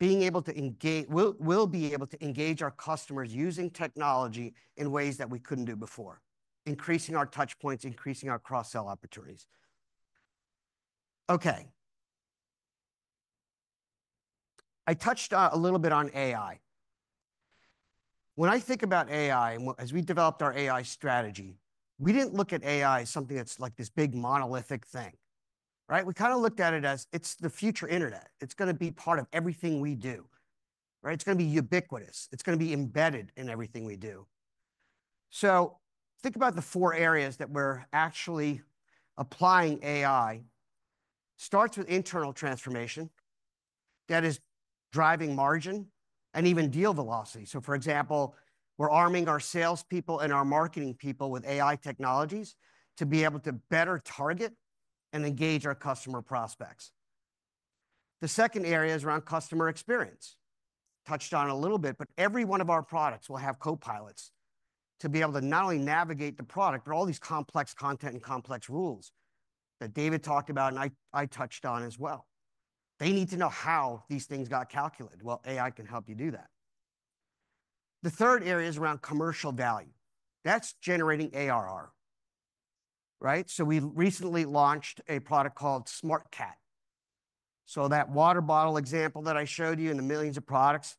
Being able to engage, we'll be able to engage our customers using technology in ways that we couldn't do before, increasing our touchpoints, increasing our cross-sell opportunities. Okay. I touched a little bit on AI. When I think about AI, as we developed our AI strategy, we didn't look at AI as something that's like this big monolithic thing, right? We kind of looked at it as it's the future internet. It's going to be part of everything we do, right? It's going to be ubiquitous. It's going to be embedded in everything we do. Think about the four areas that we're actually applying AI. It starts with internal transformation that is driving margin and even deal velocity. For example, we're arming our salespeople and our marketing people with AI technologies to be able to better target and engage our customer prospects. The second area is around customer experience. Touched on a little bit, but every one of our products will have copilots to be able to not only navigate the product, but all these complex content and complex rules that David talked about and I touched on as well. They need to know how these things got calculated. AI can help you do that. The third area is around commercial value. That's generating ARR, right? We recently launched a product called SmartCat. That water bottle example that I showed you and the millions of products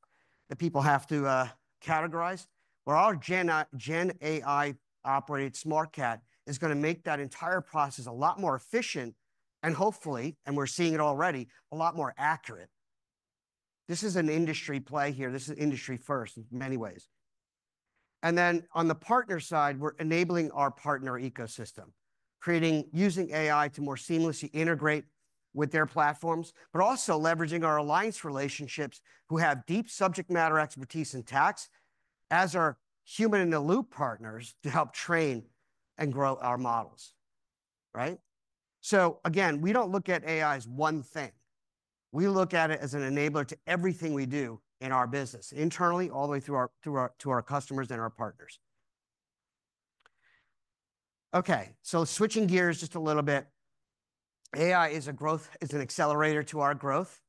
that people have to categorize, where our GenAI-operated SmartCat is going to make that entire process a lot more efficient and hopefully, and we're seeing it already, a lot more accurate. This is an industry play here. This is industry first in many ways. On the partner side, we're enabling our partner ecosystem, creating using AI to more seamlessly integrate with their platforms, but also leveraging our alliance relationships who have deep subject matter expertise in tax as our human-in-the-loop partners to help train and grow our models, right? Again, we don't look at AI as one thing. We look at it as an enabler to everything we do in our business, internally, all the way through our customers and our partners. Okay. Switching gears just a little bit, AI is an accelerator to our growth,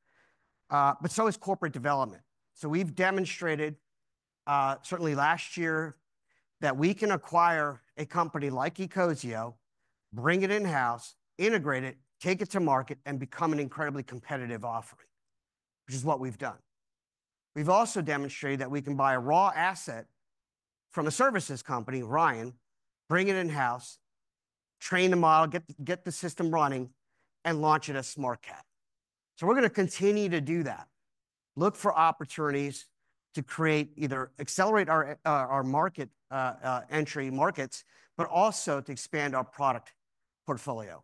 but so is corporate development. We've demonstrated, certainly last year, that we can acquire a company like ecosio, bring it in-house, integrate it, take it to market, and become an incredibly competitive offering, which is what we've done. We've also demonstrated that we can buy a raw asset from a services company, Ryan, bring it in-house, train the model, get the system running, and launch it as SmartCat. We are going to continue to do that, look for opportunities to create either accelerate our market entry markets, but also to expand our product portfolio.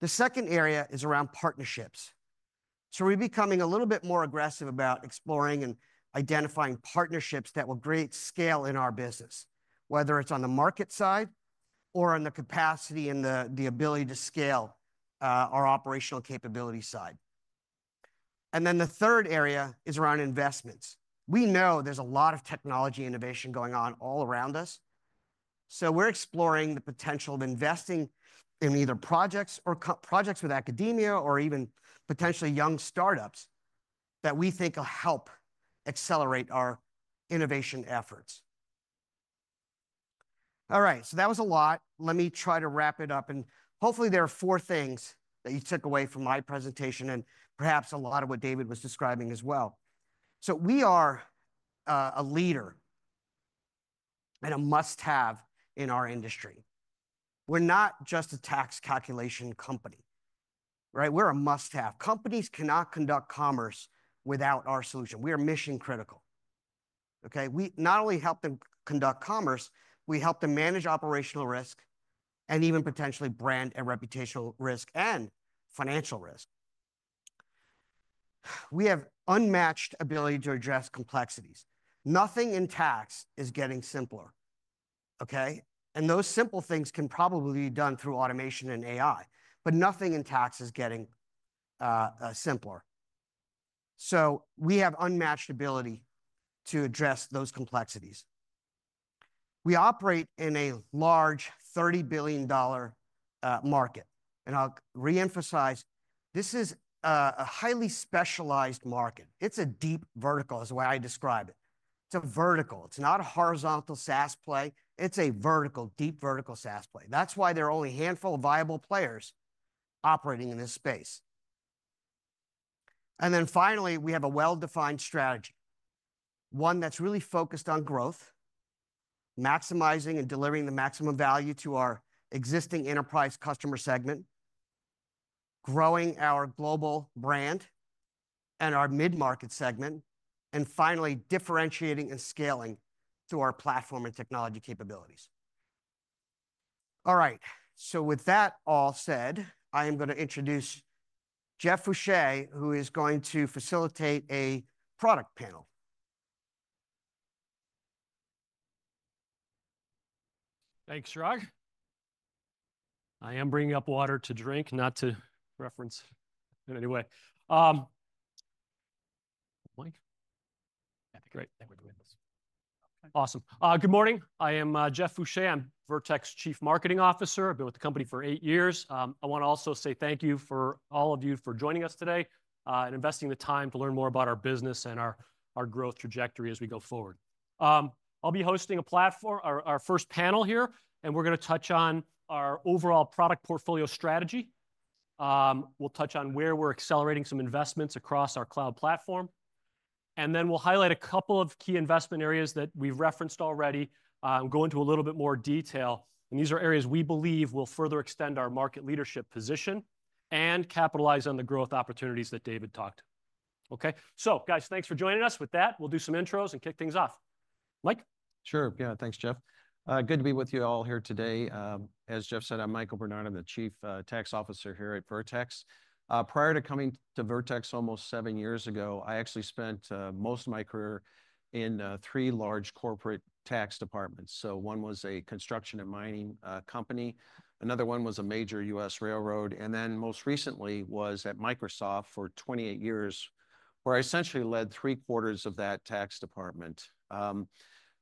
The second area is around partnerships. We are becoming a little bit more aggressive about exploring and identifying partnerships that will create scale in our business, whether it's on the market side or on the capacity and the ability to scale our operational capability side. The third area is around investments. We know there's a lot of technology innovation going on all around us. We are exploring the potential of investing in either projects or projects with academia or even potentially young startups that we think will help accelerate our innovation efforts. All right. That was a lot. Let me try to wrap it up. Hopefully, there are four things that you took away from my presentation and perhaps a lot of what David was describing as well. We are a leader and a must-have in our industry. We're not just a tax calculation company, right? We're a must-have. Companies cannot conduct commerce without our solution. We are mission-critical, okay? We not only help them conduct commerce, we help them manage operational risk and even potentially brand and reputational risk and financial risk. We have unmatched ability to address complexities. Nothing in tax is getting simpler, okay? Those simple things can probably be done through automation and AI, but nothing in tax is getting simpler. We have unmatched ability to address those complexities. We operate in a large $30 billion market. I'll reemphasize, this is a highly specialized market. It's a deep vertical is the way I describe it. It's a vertical. It's not a horizontal SaaS play. It's a vertical, deep vertical SaaS play. That's why there are only a handful of viable players operating in this space. Finally, we have a well-defined strategy, one that's really focused on growth, maximizing and delivering the maximum value to our existing enterprise customer segment, growing our global brand and our mid-market segment, and finally, differentiating and scaling through our platform and technology capabilities. All right. With that all said, I am going to introduce Jeff Foucher, who is going to facilitate a product panel. Thanks, Chirag. I am bringing up water to drink, not to reference in any way. Great. Awesome. Good morning. I am Jeff Foucher. I'm Vertex Chief Marketing Officer. I've been with the company for eight years. I want to also say thank you for all of you for joining us today and investing the time to learn more about our business and our growth trajectory as we go forward. I'll be hosting our first panel here, and we're going to touch on our overall product portfolio strategy. We'll touch on where we're accelerating some investments across our cloud platform. Then we'll highlight a couple of key investment areas that we've referenced already and go into a little bit more detail. These are areas we believe will further extend our market leadership position and capitalize on the growth opportunities that David talked about. Okay. Guys, thanks for joining us. With that, we'll do some intros and kick things off. Mike? Sure. Yeah. Thanks, Jeff. Good to be with you all here today. As Jeff said, I'm Michael Bernard. I'm the Chief Tax Officer here at Vertex. Prior to coming to Vertex almost seven years ago, I actually spent most of my career in three large corporate tax departments. One was a construction and mining company. Another one was a major U.S. railroad. Most recently was at Microsoft for 28 years, where I essentially led three quarters of that tax department.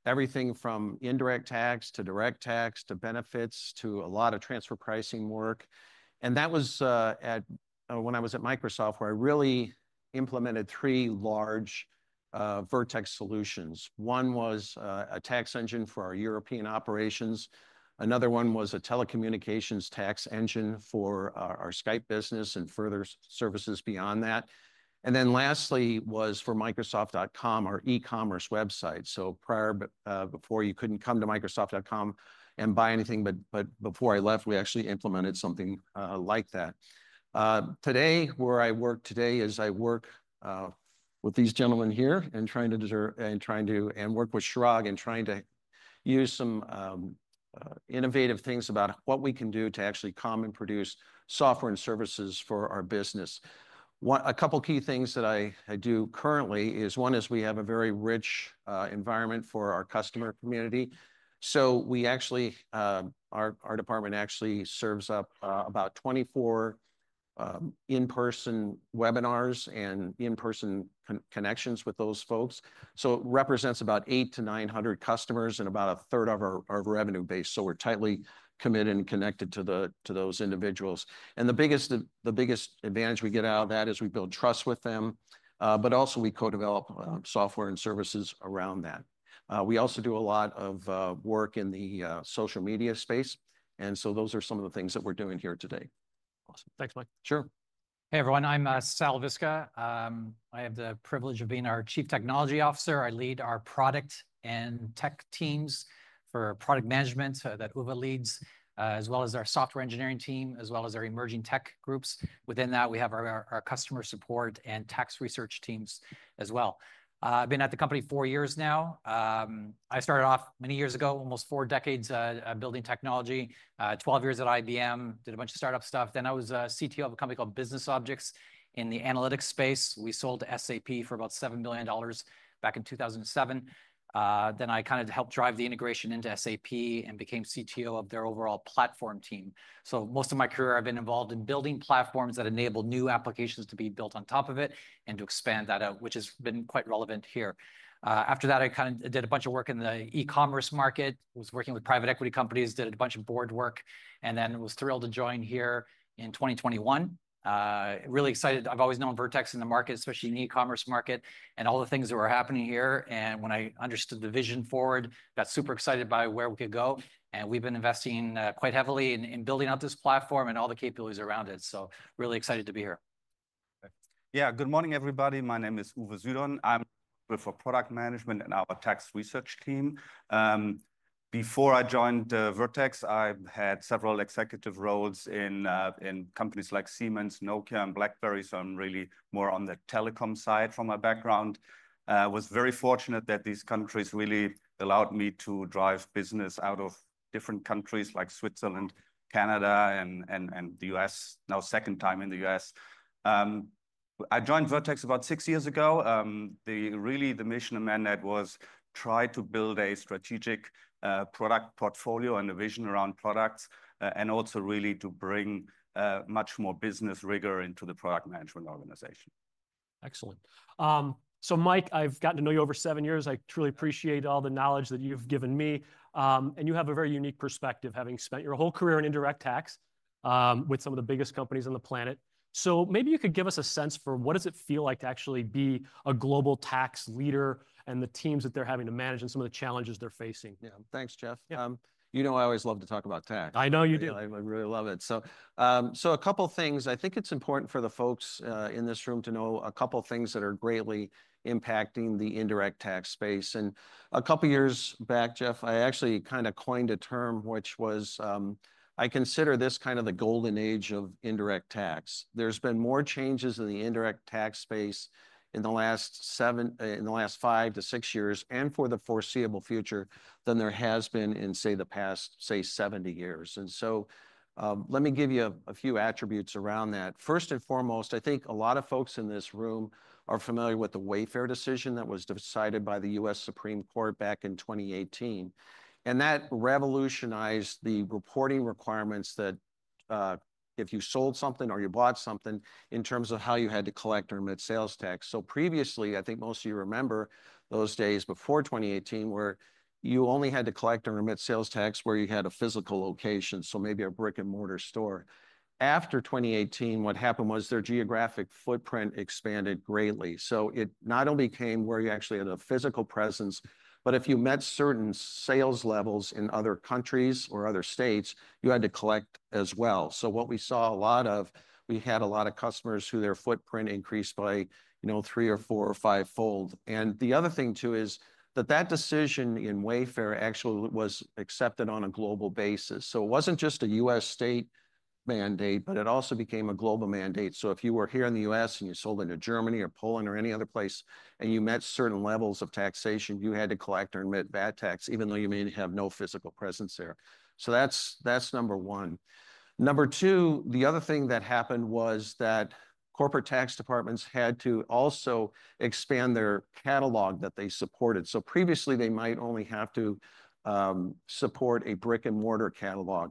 Everything from indirect tax to direct tax to benefits to a lot of transfer pricing work. That was when I was at Microsoft, where I really implemented three large Vertex solutions. One was a tax engine for our European operations. Another one was a telecommunications tax engine for our Skype business and further services beyond that. Lastly was for Microsoft.com, our e-commerce website. Prior, before you couldn't come to Microsoft.com and buy anything, but before I left, we actually implemented something like that. Today, where I work today is I work with these gentlemen here and trying to work with Chirag and trying to use some innovative things about what we can do to actually come and produce software and services for our business. A couple of key things that I do currently is one is we have a very rich environment for our customer community. We actually, our department actually serves up about 24 in-person webinars and in-person connections with those folks. It represents about 800-900 customers and about a third of our revenue base. We are tightly committed and connected to those individuals. The biggest advantage we get out of that is we build trust with them, but also we co-develop software and services around that. We also do a lot of work in the social media space. Those are some of the things that we're doing here today. Awesome. Thanks, Mike. Sure. Hey, everyone. I'm Sal Visca. I have the privilege of being our Chief Technology Officer. I lead our product and tech teams for product management that Uwe leads, as well as our software engineering team, as well as our emerging tech groups. Within that, we have our customer support and tax research teams as well. I've been at the company four years now. I started off many years ago, almost four decades building technology, 12 years at IBM, did a bunch of startup stuff. I was a CTO of a company called BusinessObjects in the analytics space. We sold to SAP for about $7 million back in 2007. I kind of helped drive the integration into SAP and became CTO of their overall platform team. Most of my career, I've been involved in building platforms that enable new applications to be built on top of it and to expand that out, which has been quite relevant here. After that, I kind of did a bunch of work in the e-commerce market, was working with private equity companies, did a bunch of board work, and then was thrilled to join here in 2021. Really excited. I've always known Vertex in the market, especially in the e-commerce market and all the things that were happening here. When I understood the vision forward, got super excited by where we could go. We have been investing quite heavily in building out this platform and all the capabilities around it. Really excited to be here. Yeah. Good morning, everybody. My name is Uwe Sydon. I'm with product management and our tax research team. Before I joined Vertex, I had several executive roles in companies like Siemens, Nokia, and BlackBerry. I'm really more on the telecom side from my background. I was very fortunate that these countries really allowed me to drive business out of different countries like Switzerland, Canada, and the U.S. Now, second time in the U.S. I joined Vertex about six years ago. Really, the mission of MANET was to try to build a strategic product portfolio and a vision around products and also really to bring much more business rigor into the product management organization. Excellent. Mike, I've gotten to know you over seven years. I truly appreciate all the knowledge that you've given me. You have a very unique perspective, having spent your whole career in indirect tax with some of the biggest companies on the planet. Maybe you could give us a sense for what does it feel like to actually be a global tax leader and the teams that they're having to manage and some of the challenges they're facing. Yeah. Thanks, Jeff. You know I always love to talk about tax. I know you do. I really love it. A couple of things. I think it's important for the folks in this room to know a couple of things that are greatly impacting the indirect tax space. A couple of years back, Jeff, I actually kind of coined a term, which was, I consider this kind of the golden age of indirect tax. There's been more changes in the indirect tax space in the last seven, in the last five to six years, and for the foreseeable future than there has been in, say, the past, say, 70 years. Let me give you a few attributes around that. First and foremost, I think a lot of folks in this room are familiar with the Wayfair decision that was decided by the U.S. Supreme Court back in 2018. That revolutionized the reporting requirements that if you sold something or you bought something in terms of how you had to collect or remit sales tax. Previously, I think most of you remember those days before 2018 where you only had to collect and remit sales tax where you had a physical location, so maybe a brick-and-mortar store. After 2018, what happened was their geographic footprint expanded greatly. It not only came where you actually had a physical presence, but if you met certain sales levels in other countries or other states, you had to collect as well. What we saw a lot of, we had a lot of customers who their footprint increased by three or four or five-fold. The other thing too is that that decision in Wayfair actually was accepted on a global basis. It was not just a U.S. state mandate, but it also became a global mandate. If you were here in the U.S. and you sold into Germany or Poland or any other place and you met certain levels of taxation, you had to collect or remit VAT tax, even though you may have no physical presence there. That is number one. Number two, the other thing that happened was that corporate tax departments had to also expand their catalog that they supported. Previously, they might only have to support a brick-and-mortar catalog.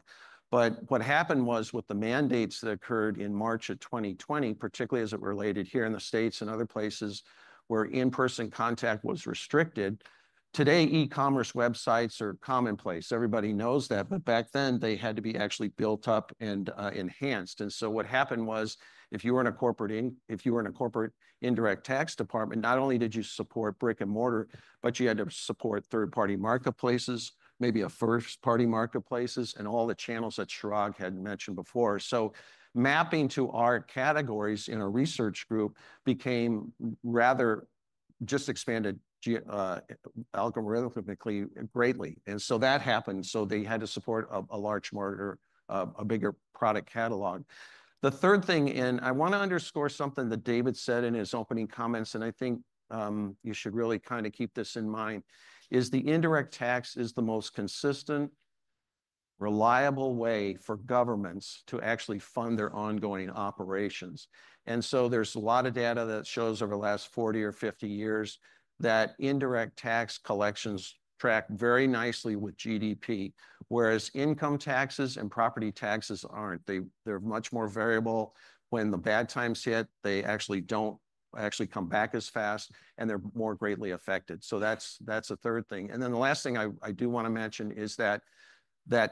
What happened was with the mandates that occurred in March of 2020, particularly as it related here in the U.S. and other places where in-person contact was restricted, today, e-commerce websites are commonplace. Everybody knows that. Back then, they had to be actually built up and enhanced. What happened was if you were in a corporate indirect tax department, not only did you support brick-and-mortar, but you had to support third-party marketplaces, maybe a first-party marketplaces, and all the channels that Chirag had mentioned before. Mapping to our categories in a research group became rather just expanded algorithmically greatly. That happened. They had to support a large market, a bigger product catalog. The third thing, and I want to underscore something that David said in his opening comments, and I think you should really kind of keep this in mind, is the indirect tax is the most consistent, reliable way for governments to actually fund their ongoing operations. There is a lot of data that shows over the last 40 or 50 years that indirect tax collections track very nicely with GDP, whereas income taxes and property taxes are not. They are much more variable. When the bad times hit, they actually do not come back as fast, and they are more greatly affected. That is a third thing. The last thing I do want to mention is that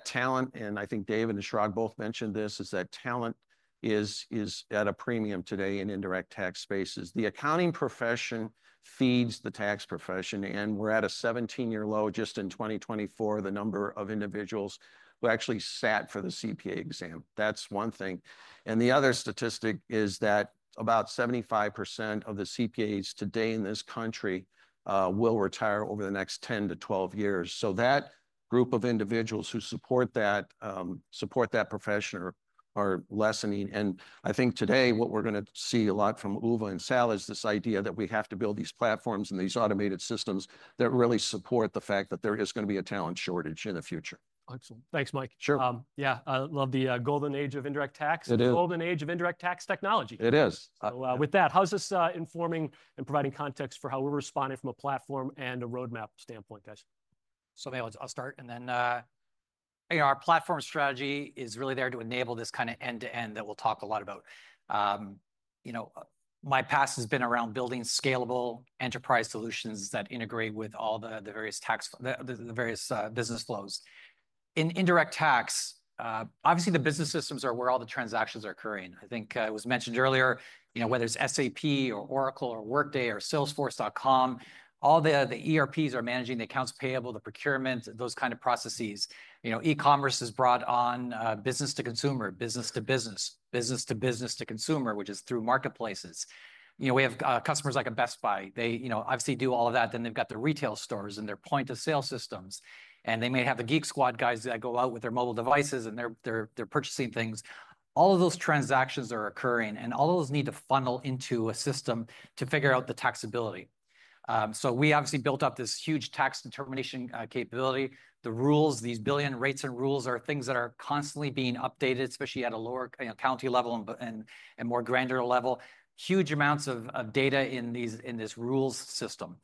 talent, and I think David and Chirag both mentioned this, is that talent is at a premium today in indirect tax spaces. The accounting profession feeds the tax profession, and we're at a 17-year low just in 2024, the number of individuals who actually sat for the CPA exam. That's one thing. The other statistic is that about 75% of the CPAs today in this country will retire over the next 10-12 years. That group of individuals who support that profession are lessening. I think today what we're going to see a lot from Uwe and Sal is this idea that we have to build these platforms and these automated systems that really support the fact that there is going to be a talent shortage in the future. Excellent. Thanks, Mike. Sure. Yeah. I love the golden age of indirect tax. It is. The golden age of indirect tax technology. It is. With that, how's this informing and providing context for how we're responding from a platform and a roadmap standpoint, guys? Maybe I'll start, and then our platform strategy is really there to enable this kind of end-to-end that we'll talk a lot about. My past has been around building scalable enterprise solutions that integrate with all the various tax, the various business flows. In indirect tax, obviously the business systems are where all the transactions are occurring. I think it was mentioned earlier, whether it's SAP or Oracle or Workday or Salesforce.com, all the ERPs are managing the accounts payable, the procurement, those kind of processes. E-commerce has brought on business to consumer, business to business, business to business to consumer, which is through marketplaces. We have customers like a Best Buy. They obviously do all of that. They have their retail stores and their point-of-sale systems. They may have the Geek Squad guys that go out with their mobile devices and they're purchasing things. All of those transactions are occurring, and all of those need to funnel into a system to figure out the taxability. We obviously built up this huge tax determination capability. The rules, these billion rates and rules are things that are constantly being updated, especially at a lower county level and more grander level. Huge amounts of data in this rules system.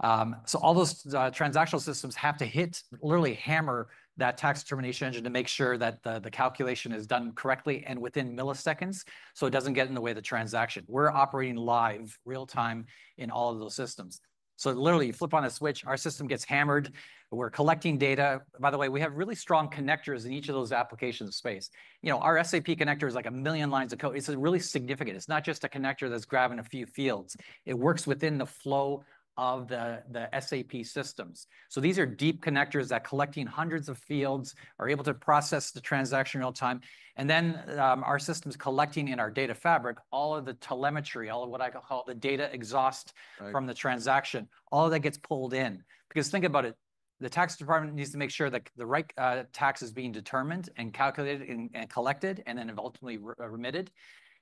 All those transactional systems have to hit, literally hammer that tax determination engine to make sure that the calculation is done correctly and within milliseconds so it doesn't get in the way of the transaction. We're operating live, real-time in all of those systems. Literally, you flip on a switch, our system gets hammered. We're collecting data. By the way, we have really strong connectors in each of those applications space. Our SAP connector is like a million lines of code. It's really significant. It's not just a connector that's grabbing a few fields. It works within the flow of the SAP systems. These are deep connectors that are collecting hundreds of fields, are able to process the transaction real-time. Our system is collecting in our data fabric all of the telemetry, all of what I call the data exhaust from the transaction, all of that gets pulled in. Because think about it, the tax department needs to make sure that the right tax is being determined and calculated and collected and then ultimately remitted.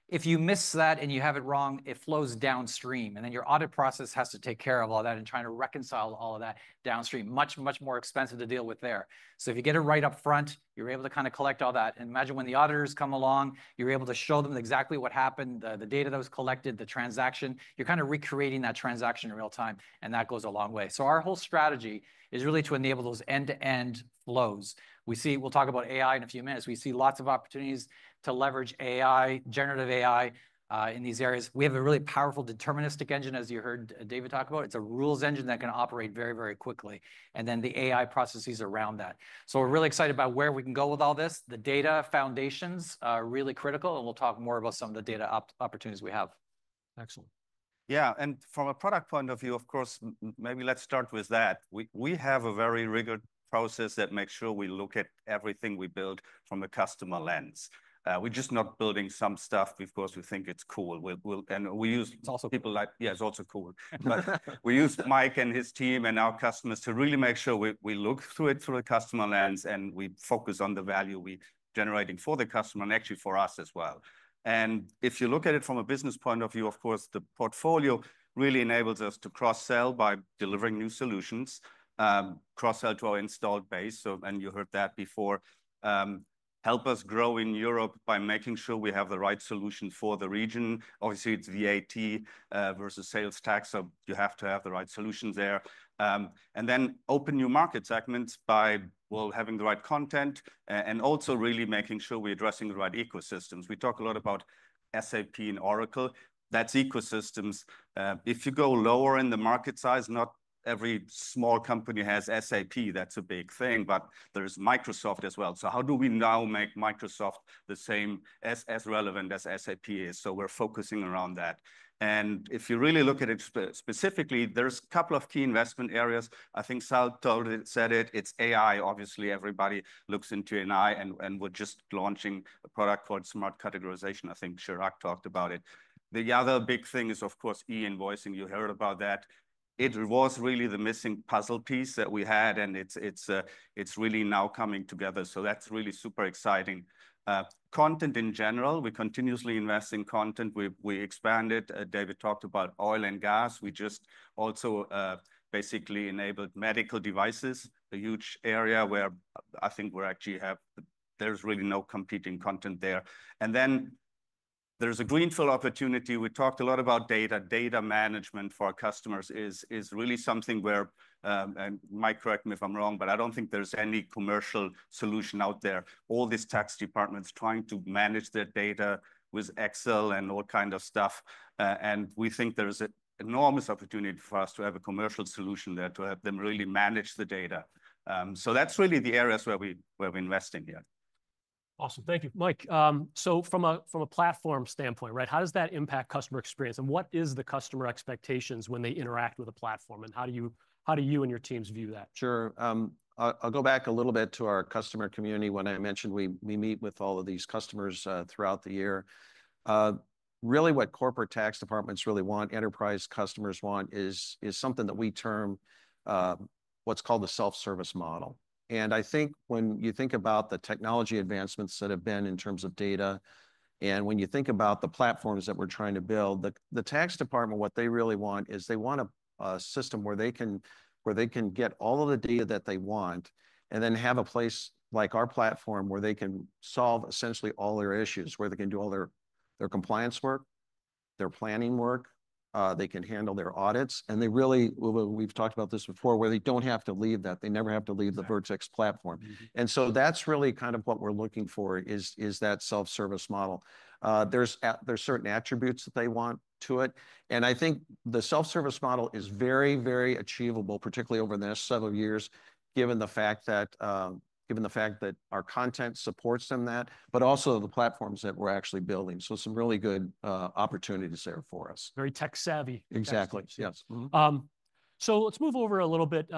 If you miss that and you have it wrong, it flows downstream. Your audit process has to take care of all that and try to reconcile all of that downstream. Much, much more expensive to deal with there. If you get it right up front, you're able to kind of collect all that. Imagine when the auditors come along, you're able to show them exactly what happened, the data that was collected, the transaction. You're kind of recreating that transaction in real-time, and that goes a long way. Our whole strategy is really to enable those end-to-end flows. We'll talk about AI in a few minutes. We see lots of opportunities to leverage AI, generative AI in these areas. We have a really powerful deterministic engine, as you heard David talk about. It's a rules engine that can operate very, very quickly. The AI processes are around that. We're really excited about where we can go with all this. The data foundations are really critical, and we'll talk more about some of the data opportunities we have. Excellent. Yeah. From a product point of view, of course, maybe let's start with that. We have a very rigor process that makes sure we look at everything we build from a customer lens. We're just not building some stuff. Of course, we think it's cool. We use people like, yeah, it's also cool. We use Mike and his team and our customers to really make sure we look through it through a customer lens and we focus on the value we're generating for the customer and actually for us as well. If you look at it from a business point of view, of course, the portfolio really enables us to cross-sell by delivering new solutions, cross-sell to our installed base. You heard that before. Help us grow in Europe by making sure we have the right solution for the region. Obviously, it's VAT versus sales tax, so you have to have the right solution there. Open new market segments by, well, having the right content and also really making sure we're addressing the right ecosystems. We talk a lot about SAP and Oracle. That's ecosystems. If you go lower in the market size, not every small company has SAP. That's a big thing. There's Microsoft as well. How do we now make Microsoft the same as relevant as SAP is? We're focusing around that. If you really look at it specifically, there's a couple of key investment areas. I think Sal said it. It's AI. Obviously, everybody looks into AI and we're just launching a product called smart categorization. I think Chirag talked about it. The other big thing is, of course, e-invoicing. You heard about that. It was really the missing puzzle piece that we had, and it's really now coming together. That's really super exciting. Content in general, we continuously invest in content. We expanded. David talked about oil and gas. We just also basically enabled medical devices, a huge area where I think we actually have there's really no competing content there. There is a greenfield opportunity. We talked a lot about data. Data management for our customers is really something where, and Mike correct me if I'm wrong, but I don't think there's any commercial solution out there. All these tax departments trying to manage their data with Excel and all kinds of stuff. We think there's an enormous opportunity for us to have a commercial solution there to help them really manage the data. That's really the areas where we invest in here. Awesome. Thank you, Mike. From a platform standpoint, right, how does that impact customer experience? What is the customer expectations when they interact with a platform? How do you and your teams view that? Sure. I'll go back a little bit to our customer community when I mentioned we meet with all of these customers throughout the year. Really, what corporate tax departments really want, enterprise customers want is something that we term what's called the self-service model. I think when you think about the technology advancements that have been in terms of data, and when you think about the platforms that we're trying to build, the tax department, what they really want is they want a system where they can get all of the data that they want and then have a place like our platform where they can solve essentially all their issues, where they can do all their compliance work, their planning work, they can handle their audits. They really, we've talked about this before, where they don't have to leave that. They never have to leave the Vertex platform. That's really kind of what we're looking for is that self-service model. There's certain attributes that they want to it. I think the self-service model is very, very achievable, particularly over the next several years, given the fact that our content supports them that, but also the platforms that we're actually building. Some really good opportunities there for us. Very tech-savvy. Exactly. Yes. Let's move over a little bit.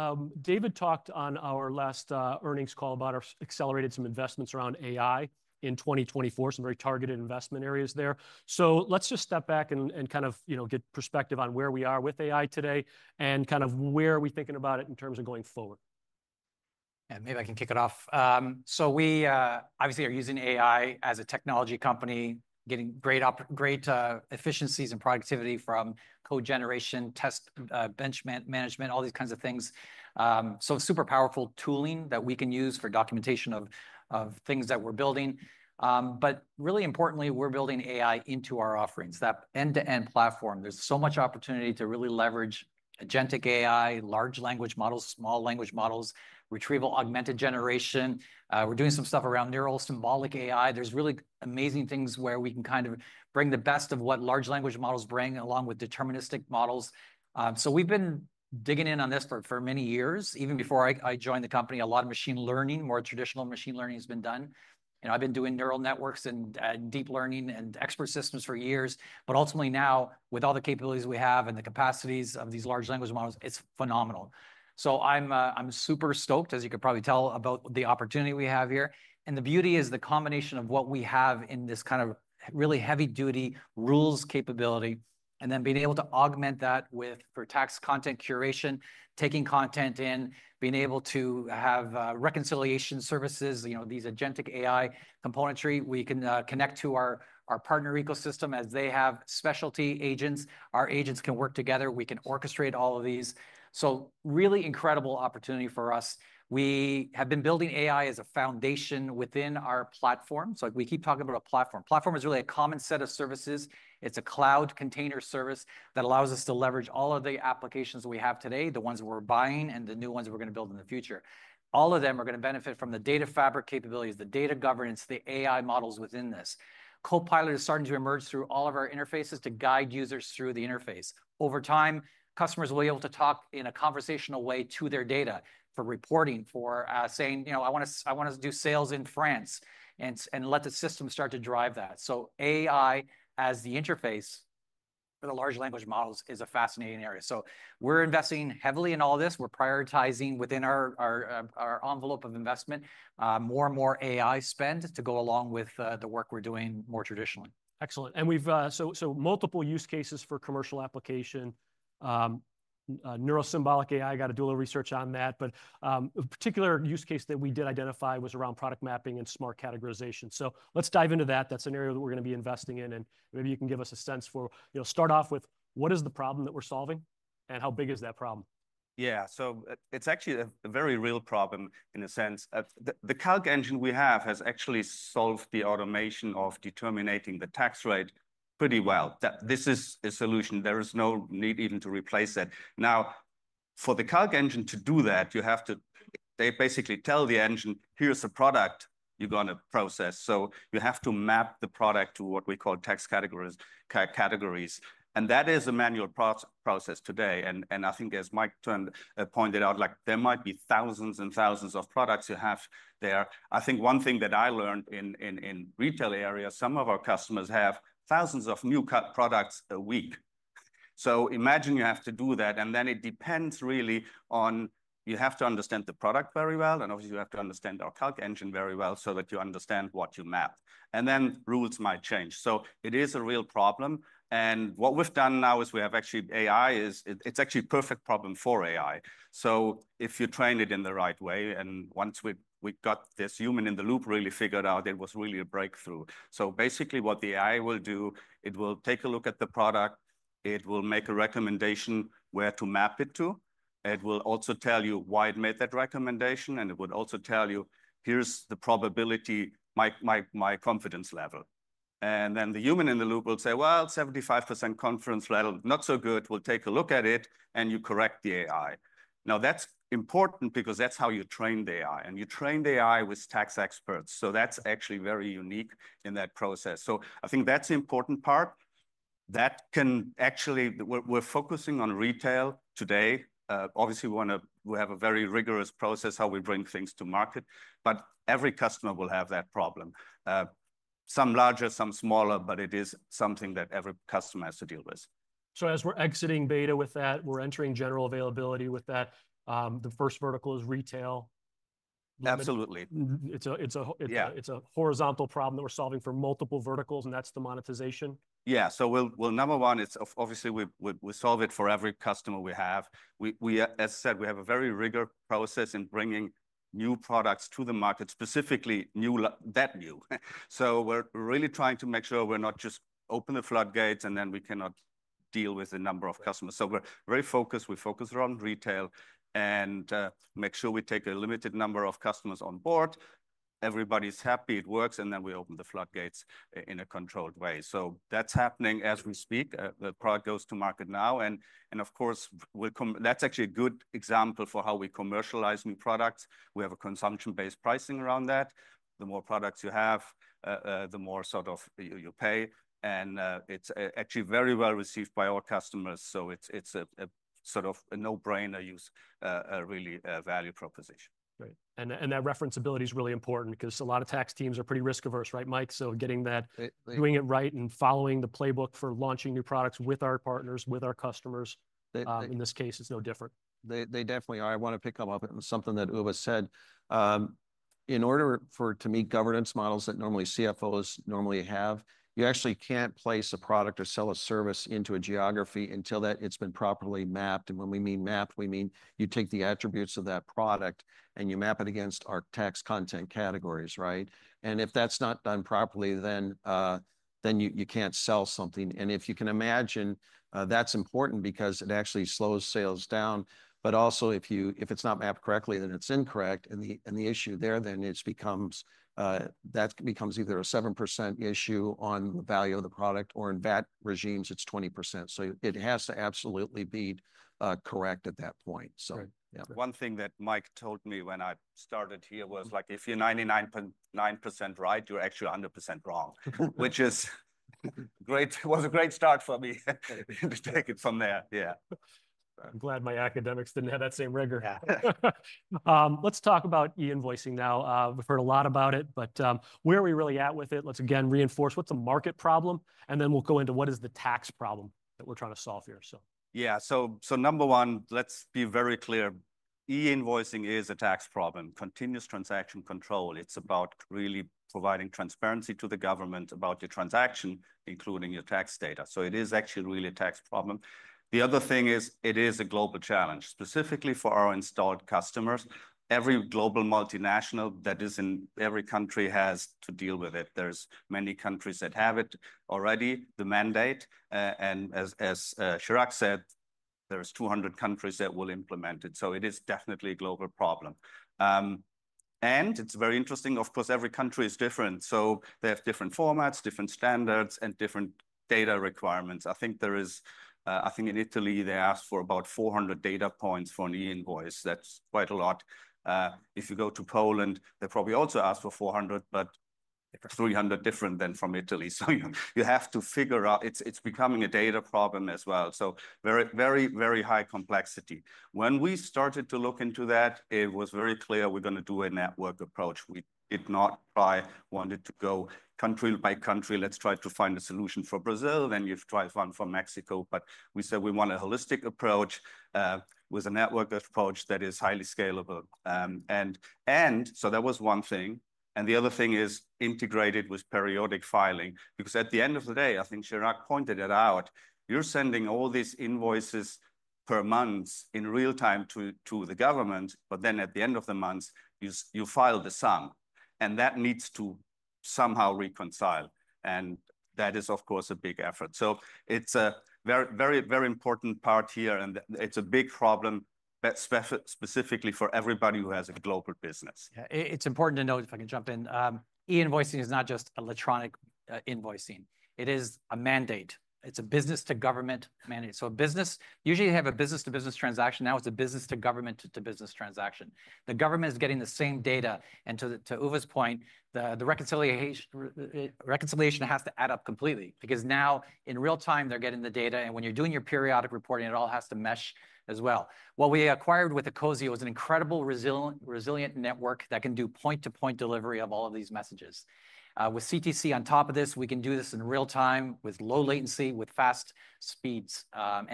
David talked on our last earnings call about accelerating some investments around AI in 2024, some very targeted investment areas there. Let's just step back and kind of get perspective on where we are with AI today and kind of where are we thinking about it in terms of going forward. Yeah, maybe I can kick it off. We obviously are using AI as a technology company, getting great efficiencies and productivity from code generation, test bench management, all these kinds of things. Super powerful tooling that we can use for documentation of things that we're building. Really importantly, we're building AI into our offerings, that end-to-end platform. There's so much opportunity to really leverage agentic AI, large language models, small language models, retrieval augmented generation. We're doing some stuff around neural symbolic AI. There are really amazing things where we can kind of bring the best of what large language models bring along with deterministic models. We've been digging in on this for many years. Even before I joined the company, a lot of machine learning, more traditional machine learning has been done. I've been doing neural networks and deep learning and expert systems for years. Ultimately now, with all the capabilities we have and the capacities of these large language models, it's phenomenal. I'm super stoked, as you could probably tell, about the opportunity we have here. The beauty is the combination of what we have in this kind of really heavy-duty rules capability and then being able to augment that with, for tax content curation, taking content in, being able to have reconciliation services, these Agentic AI componentry. We can connect to our partner ecosystem as they have specialty agents. Our agents can work together. We can orchestrate all of these. Really incredible opportunity for us. We have been building AI as a foundation within our platform. We keep talking about a platform. Platform is really a common set of services. It is a cloud container service that allows us to leverage all of the applications we have today, the ones we are buying and the new ones we are going to build in the future. All of them are going to benefit from the data fabric capabilities, the data governance, the AI models within this. Copilot is starting to emerge through all of our interfaces to guide users through the interface. Over time, customers will be able to talk in a conversational way to their data for reporting, for saying, "I want to do sales in France," and let the system start to drive that. AI as the interface for the large language models is a fascinating area. We are investing heavily in all this. We are prioritizing within our envelope of investment more and more AI spend to go along with the work we are doing more traditionally. Excellent. We have seen multiple use cases for commercial application. Neuro-symbolic AI, got to do a little research on that. A particular use case that we did identify was around product mapping and smart categorization. Let's dive into that. That is an area that we are going to be investing in. Maybe you can give us a sense for, to start off with, what is the problem that we're solving and how big is that problem? Yeah, it's actually a very real problem in a sense. The CalcEngine we have has actually solved the automation of determining the tax rate pretty well. This is a solution. There is no need even to replace it. Now, for the Calc ezngine to do that, you have to basically tell the engine, "Here's the product you're going to process." You have to map the product to what we call tax categories. That is a manual process today. I think, as Mike Turn pointed out, there might be thousands and thousands of products you have there. I think one thing that I learned in retail areas, some of our customers have thousands of new products a week. Imagine you have to do that. It depends really on you have to understand the product very well. Obviously, you have to understand our Calc engine very well so that you understand what you map. Rules might change. It is a real problem. What we've done now is we have actually AI is it's actually a perfect problem for AI. If you train it in the right way, and once we got this human in the loop really figured out, it was really a breakthrough. Basically, what the AI will do, it will take a look at the product. It will make a recommendation where to map it to. It will also tell you why it made that recommendation. It would also tell you, "Here's the probability, my confidence level." The human in the loop will say, "Well, 75% confidence level, not so good." We'll take a look at it, and you correct the AI. That is important because that's how you train the AI. You train the AI with tax experts. That is actually very unique in that process. I think that's an important part. That can actually—we're focusing on retail today. Obviously, we have a very rigorous process for how we bring things to market. Every customer will have that problem. Some larger, some smaller, but it is something that every customer has to deal with. As we're exiting beta with that, we're entering general availability with that. The first vertical is retail. Absolutely. It's a horizontal problem that we're solving for multiple verticals, and that's the. Yeah. Number one, obviously, we solve it for every customer we have. As I said, we have a very rigorous process in bringing new products to the market, specifically new, that new. We are really trying to make sure we are not just opening the floodgates and then we cannot deal with the number of customers. We are very focused. We focus around retail and make sure we take a limited number of customers on board. Everybody is happy it works, and then we open the floodgates in a controlled way. That is happening as we speak. The product goes to market now. Of course, that is actually a good example for how we commercialize new products. We have a consumption-based pricing around that. The more products you have, the more sort of you pay. It is actually very well received by our customers. It's a sort of a no-brainer use, really value proposition. Great. That referenceability is really important because a lot of tax teams are pretty risk-averse, right, Mike? Getting that, doing it right and following the playbook for launching new products with our partners, with our customers, in this case, it's no different. They definitely are. I want to pick up on something that Uwe said. In order to meet governance models that CFOs normally have, you actually can't place a product or sell a service into a geography until it's been properly mapped. When we mean mapped, we mean you take the attributes of that product and you map it against our tax content categories, right? If that's not done properly, then you can't sell something. If you can imagine, that's important because it actually slows sales down. But also, if it's not mapped correctly, then it's incorrect. The issue there then becomes that becomes either a 7% issue on the value of the product or in VAT regimes, it's 20%. It has to absolutely be correct at that point. One thing that Mike told me when I started here was like, "If you're 99% right, you're actually 100% wrong," which was a great start for me to take it from there. Yeah. I'm glad my academics didn't have that same rigor. Let's talk about e-invoicing now. We've heard a lot about it, but where are we really at with it? Let's again reinforce what's a market problem, and then we'll go into what is the tax problem that we're trying to solve here. Yeah. Number one, let's be very clear. E-invoicing is a tax problem. Continuous transaction control. It's about really providing transparency to the government about your transaction, including your tax data. It is actually really a tax problem. The other thing is it is a global challenge, specifically for our installed customers. Every global multinational that is in every country has to deal with it. There are many countries that have it already, the mandate. As Chirag said, there are 200 countries that will implement it. It is definitely a global problem. It is very interesting. Of course, every country is different. They have different formats, different standards, and different data requirements. I think in Italy, they asked for about 400 data points for an e-invoice. That's quite a lot. If you go to Poland, they probably also ask for 400, but 300 different than from Italy. You have to figure out it is becoming a data problem as well. Very, very, very high complexity. When we started to look into that, it was very clear we're going to do a network approach. We did not try, wanted to go country by country. Let's try to find a solution for Brazil. Then you've tried one for Mexico. We said we want a holistic approach with a network approach that is highly scalable. That was one thing. The other thing is integrated with periodic filing because at the end of the day, I think Chirag pointed it out, you're sending all these invoices per month in real time to the government, but then at the end of the month, you file the sum. That needs to somehow reconcile. That is, of cours, a big effort. It is a very, very, very important part here. It's a big problem, specifically for everybody who has a global business. Yeah, it's important to note, if I can jump in, e-invoicing is not just electronic invoicing. It is a mandate. It's a business-to-government mandate. Usually you have a business-to-business transaction. Now it's a business-to-government-to-business transaction. The government is getting the same data. To Uwe's point, the reconciliation has to add up completely because now in real time, they're getting the data. When you're doing your periodic reporting, it all has to mesh as well. What we acquired with ecosio is an incredibly resilient network that can do point-to-point delivery of all of these messages. With CTC on top of this, we can do this in real time with low latency, with fast speeds.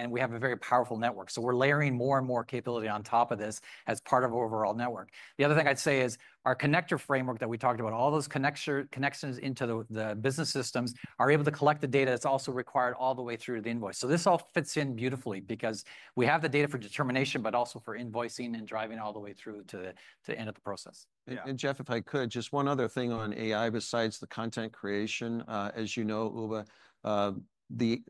We have a very powerful network. We're layering more and more capability on top of this as part of our overall network. The other thing I'd say is our connector framework that we talked about, all those connections into the business systems are able to collect the data that's also required all the way through to the invoice. This all fits in beautifully because we have the data for determination, but also for invoicing and driving all the way through to the end of the process. Yeah. Jeff, if I could, just one other thing on AI besides the content creation. As you know, Uwe, the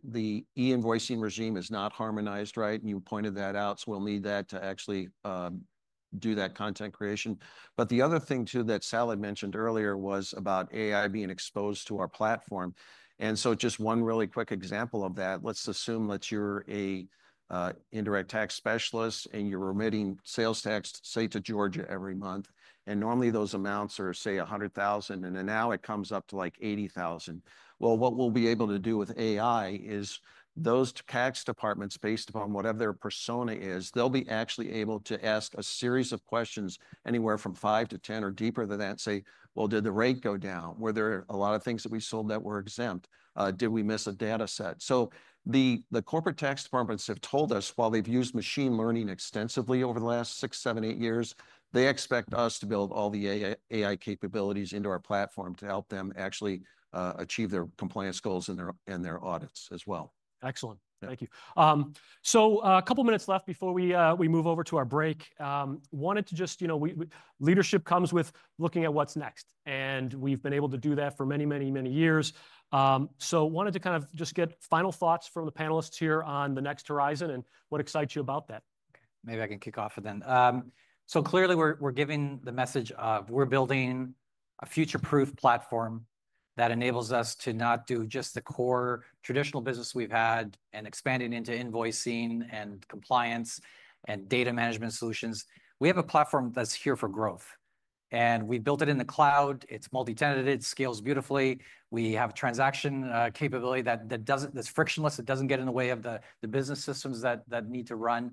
e-invoicing regime is not harmonized, right? You pointed that out. We'll need that to actually do that content creation. The other thing too that Sal mentioned earlier was about AI being exposed to our platform. Just one really quick example of that. Let's assume that you're an indirect tax specialist and you're remitting sales tax, say, to Georgia every month. Normally those amounts are, say, $100,000. Now it comes up to like $80,000. What we'll be able to do with AI is those tax departments, based upon whatever their persona is, they'll be actually able to ask a series of questions anywhere from five to ten or deeper than that and say, "Did the rate go down? Were there a lot of things that we sold that were exempt? Did we miss a data set?" The corporate tax departments have told us, while they've used machine learning extensively over the last six, seven, eight years, they expect us to build all the AI capabilities into our platform to help them actually achieve their compliance goals and their audits as well. Excellent. Thank you. A couple of minutes left before we move over to our break. Wanted to just, you know, leadership comes with looking at what's next. And we've been able to do that for many, many, many years. Wanted to kind of just get final thoughts from the panelists here on the next horizon and what excites you about that. Okay. Maybe I can kick off with then. Clearly, we're giving the message of we're building a future-proof platform that enables us to not do just the core traditional business we've had and expanding into invoicing and compliance and data management solutions. We have a platform that's here for growth. We built it in the cloud. It's multi-tenanted. It scales beautifully. We have transaction capability that's frictionless. It doesn't get in the way of the business systems that need to run.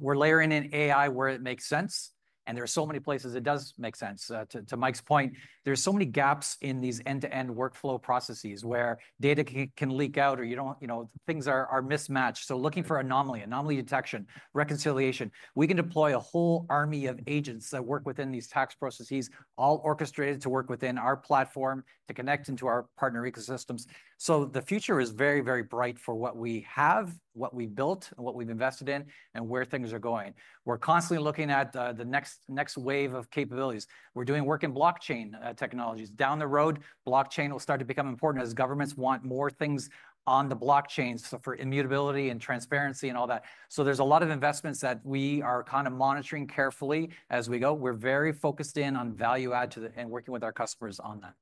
We're layering in AI where it makes sense. There are so many places it does make sense. To Mike's point, there's so many gaps in these end-to-end workflow processes where data can leak out or you don't, you know, things are mismatched. Looking for anomaly detection, reconciliation, we can deploy a whole army of agents that work within these tax processes, all orchestrated to work within our platform to connect into our partner ecosystems. The future is very, very bright for what we have, what we've built, and what we've invested in and where things are going. We're constantly looking at the next wave of capabilities. We're doing work in blockchain technologies. Down the road, blockchain will start to become important as governments want more things on the blockchains for immutability and transparency and all that. There are a lot of investments that we are kind of monitoring carefully as we go. We're very focused in on value add to the and working with our customers on that.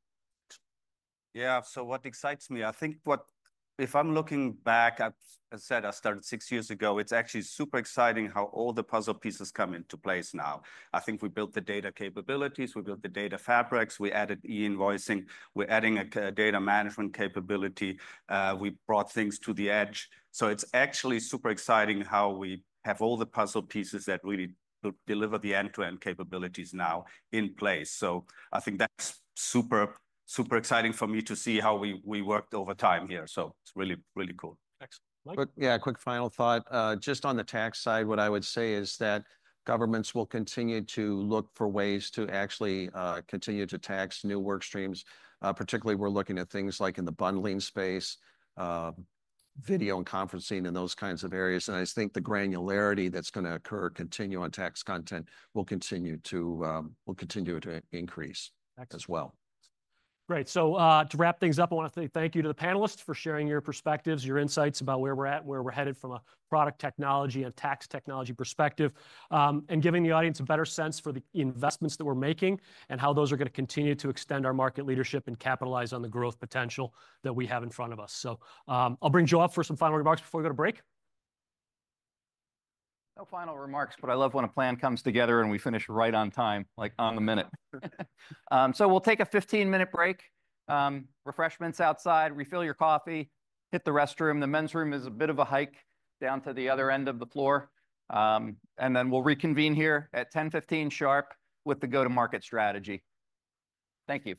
Yeah. What excites me? I think if I'm looking back, I said I started six years ago, it's actually super exciting how all the puzzle pieces come into place now. I think we built the data capabilities. We built the data fabrics. We added e-invoicing. We're adding a data management capability. We brought things to the edge. It's actually super exciting how we have all the puzzle pieces that really deliver the end-to-end capabilities now in place. I think that's super, super exciting for me to see how we worked over time here. It's really, really cool. Excellent. Yeah, quick final thought. Just on the tax side, what I would say is that governments will continue to look for ways to actually continue to tax new work streams. Particularly, we're looking at things like in the bundling space, video and conferencing in those kinds of areas. I think the granularity that's going to occur, continue on tax content, will continue to increase as well. Great. To wrap things up, I want to say thank you to the panelists for sharing your perspectives, your insights about where we're at and where we're headed from a product technology and tax technology perspective, and giving the audience a better sense for the investments that we're making and how those are going to continue to extend our market leadership and capitalize on the growth potential that we have in front of us. I'll bring Joe up for some final remarks before we go to break. No final remarks, but I love when a plan comes together and we finish right on time, like on the minute. We'll take a 15-minute break. Refreshments outside. Refill your coffee. Hit the restroom. The men's room is a bit of a hike down to the other end of the floor. We'll reconvene here at 10:15 A.M. sharp with the go-to-market strategy. Thank you.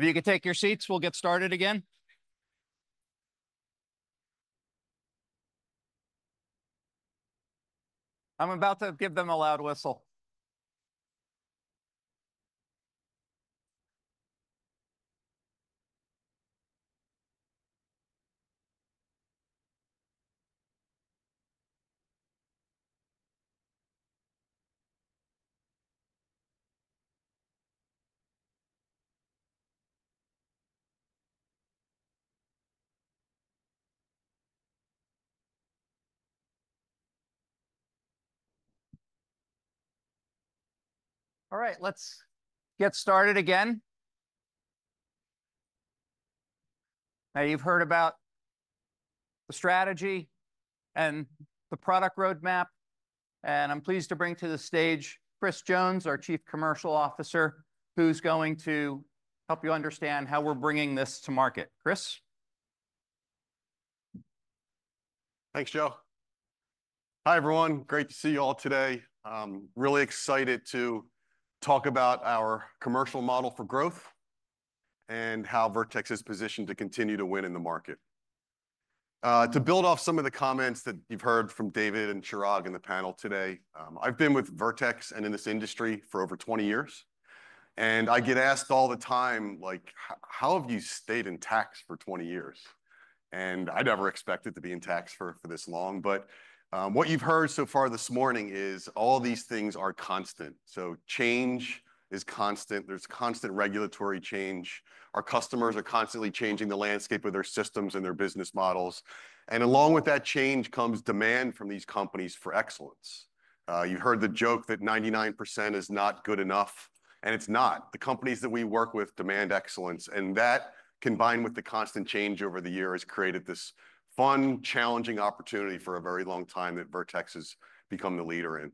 If you could take your seats, we'll get started again. I'm about to give them a loud whistle. All right, let's get started again. Now you've heard about the strategy and the product roadmap, and I'm pleased to bring to the stage Chris Jones, our Chief Commercial Officer, who's going to help you understand how we're bringing this to market. Chris? Thanks, Joe. Hi everyone. Great to see you all today. I'm really excited to talk about our commercial model for growth and how Vertex is positioned to continue to win in the market. To build off some of the comments that you've heard from David and in the panel today, I've been with Vertex and in this industry for over 20 years, and I get asked all the time, like, how have you stayed in tax for 20 years? I never expected to be in tax for this long. What you've heard so far this morning is all these things are constant. Change is constant. There's constant regulatory change. Our customers are constantly changing the landscape of their systems and their business models. Along with that change comes demand from these companies for excellence. You've heard the joke that 99% is not good enough, and it's not. The companies that we work with demand excellence, and that, combined with the constant change over the years, has created this fun, challenging opportunity for a very long time that Vertex has become the leader in.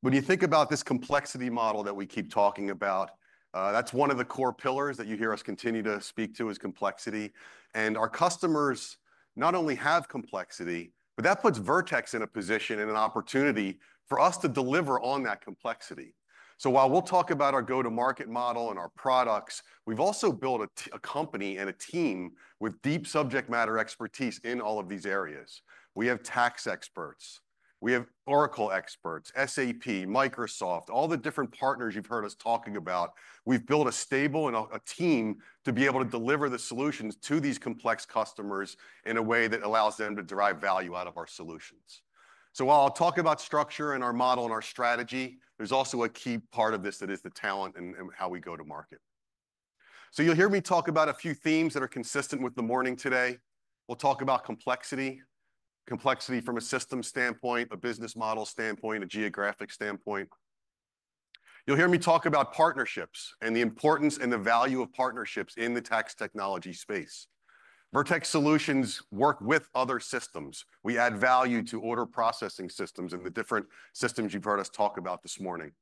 When you think about this complexity model that we keep talking about, that's one of the core pillars that you hear us continue to speak to is complexity. Our customers not only have complexity, but that puts Vertex in a position and an opportunity for us to deliver on that complexity. While we'll talk about our go-to-market model and our products, we've also built a company and a team with deep subject matter expertise in all of these areas. We have tax experts. We have Oracle experts, SAP, Microsoft, all the different partners you've heard us talking about. We've built a stable and a team to be able to deliver the solutions to these complex customers in a way that allows them to derive value out of our solutions. While I'll talk about structure and our model and our strategy, there's also a key part of this that is the talent and how we go to market. You'll hear me talk about a few themes that are consistent with the morning today. We'll talk about complexity, complexity from a system standpoint, a business model standpoint, a geographic standpoint. You'll hear me talk about partnerships and the importance and the value of partnerships in the tax technology space. Vertex solutions work with other systems. We add value to order processing systems and the different systems you've heard us talk about this morning.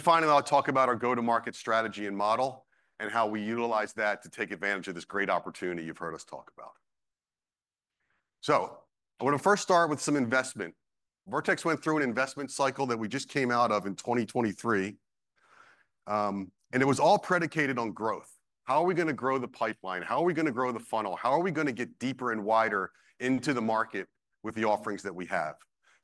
Finally, I'll talk about our go-to-market strategy and model and how we utilize that to take advantage of this great opportunity you've heard us talk about. I want to first start with some investment. Vertex went through an investment cycle that we just came out of in 2023, and it was all predicated on growth. How are we going to grow the pipeline? How are we going to grow the funnel? How are we going to get deeper and wider into the market with the offerings that we have?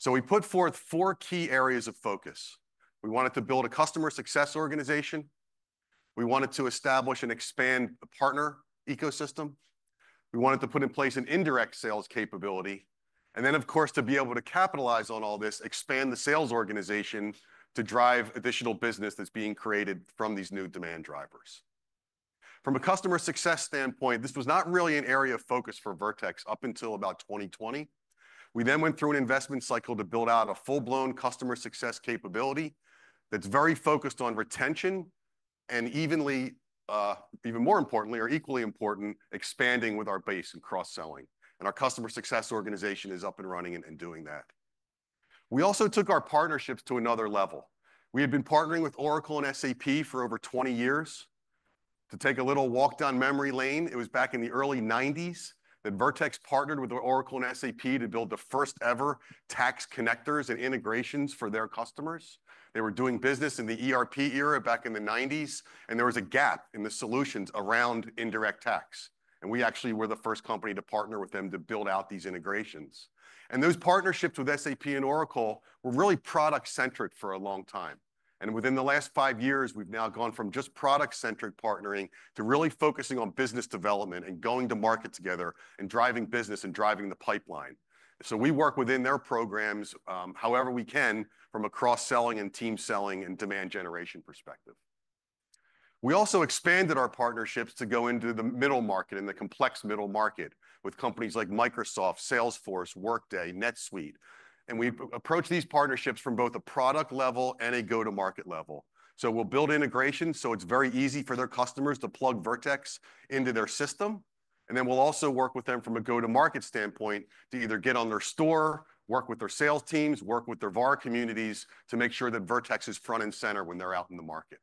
We put forth four key areas of focus. We wanted to build a customer success organization. We wanted to establish and expand the partner ecosystem. We wanted to put in place an indirect sales capability. To be able to capitalize on all this, expand the sales organization to drive additional business that's being created from these new demand drivers. From a customer success standpoint, this was not really an area of focus for Vertex up until about 2020. We then went through an investment cycle to build out a full-blown customer success capability that's very focused on retention and, even more importantly, or equally important, expanding with our base and cross-selling. Our customer success organization is up and running and doing that. We also took our partnerships to another level. We had been partnering with Oracle and SAP for over 20 years. To take a little walk down memory lane, it was back in the early 1990s that Vertex partnered with Oracle and SAP to build the first-ever tax connectors and integrations for their customers. They were doing business in the ERP era back in the 1990s, and there was a gap in the solutions around indirect tax. We actually were the first company to partner with them to build out these integrations. Those partnerships with SAP and Oracle were really product-centric for a long time. Within the last five years, we've now gone from just product-centric partnering to really focusing on business development and going to market together and driving business and driving the pipeline. We work within their programs however we can from a cross-selling and team selling and demand generation perspective. We also expanded our partnerships to go into the middle market and the complex middle market with companies like Microsoft, Salesforce, Workday, NetSuite. We approach these partnerships from both a product level and a go-to-market level. We'll build integrations so it's very easy for their customers to plug Vertex into their system. We'll also work with them from a go-to-market standpoint to either get on their store, work with their sales teams, work with their VAR communities to make sure that Vertex is front and center when they're out in the market.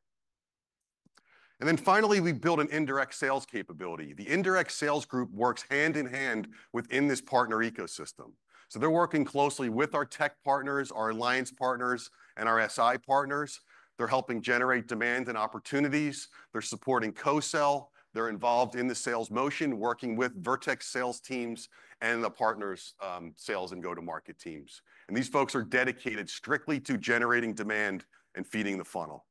Finally, we built an indirect sales capability. The indirect sales group works hand in hand within this partner ecosystem. They're working closely with our tech partners, our alliance partners, and our SI partners. They're helping generate demand and opportunities. They're supporting co-sell. They're involved in the sales motion, working with Vertex sales teams and the partners' sales and go-to-market teams. These folks are dedicated strictly to generating demand and feeding the funnel.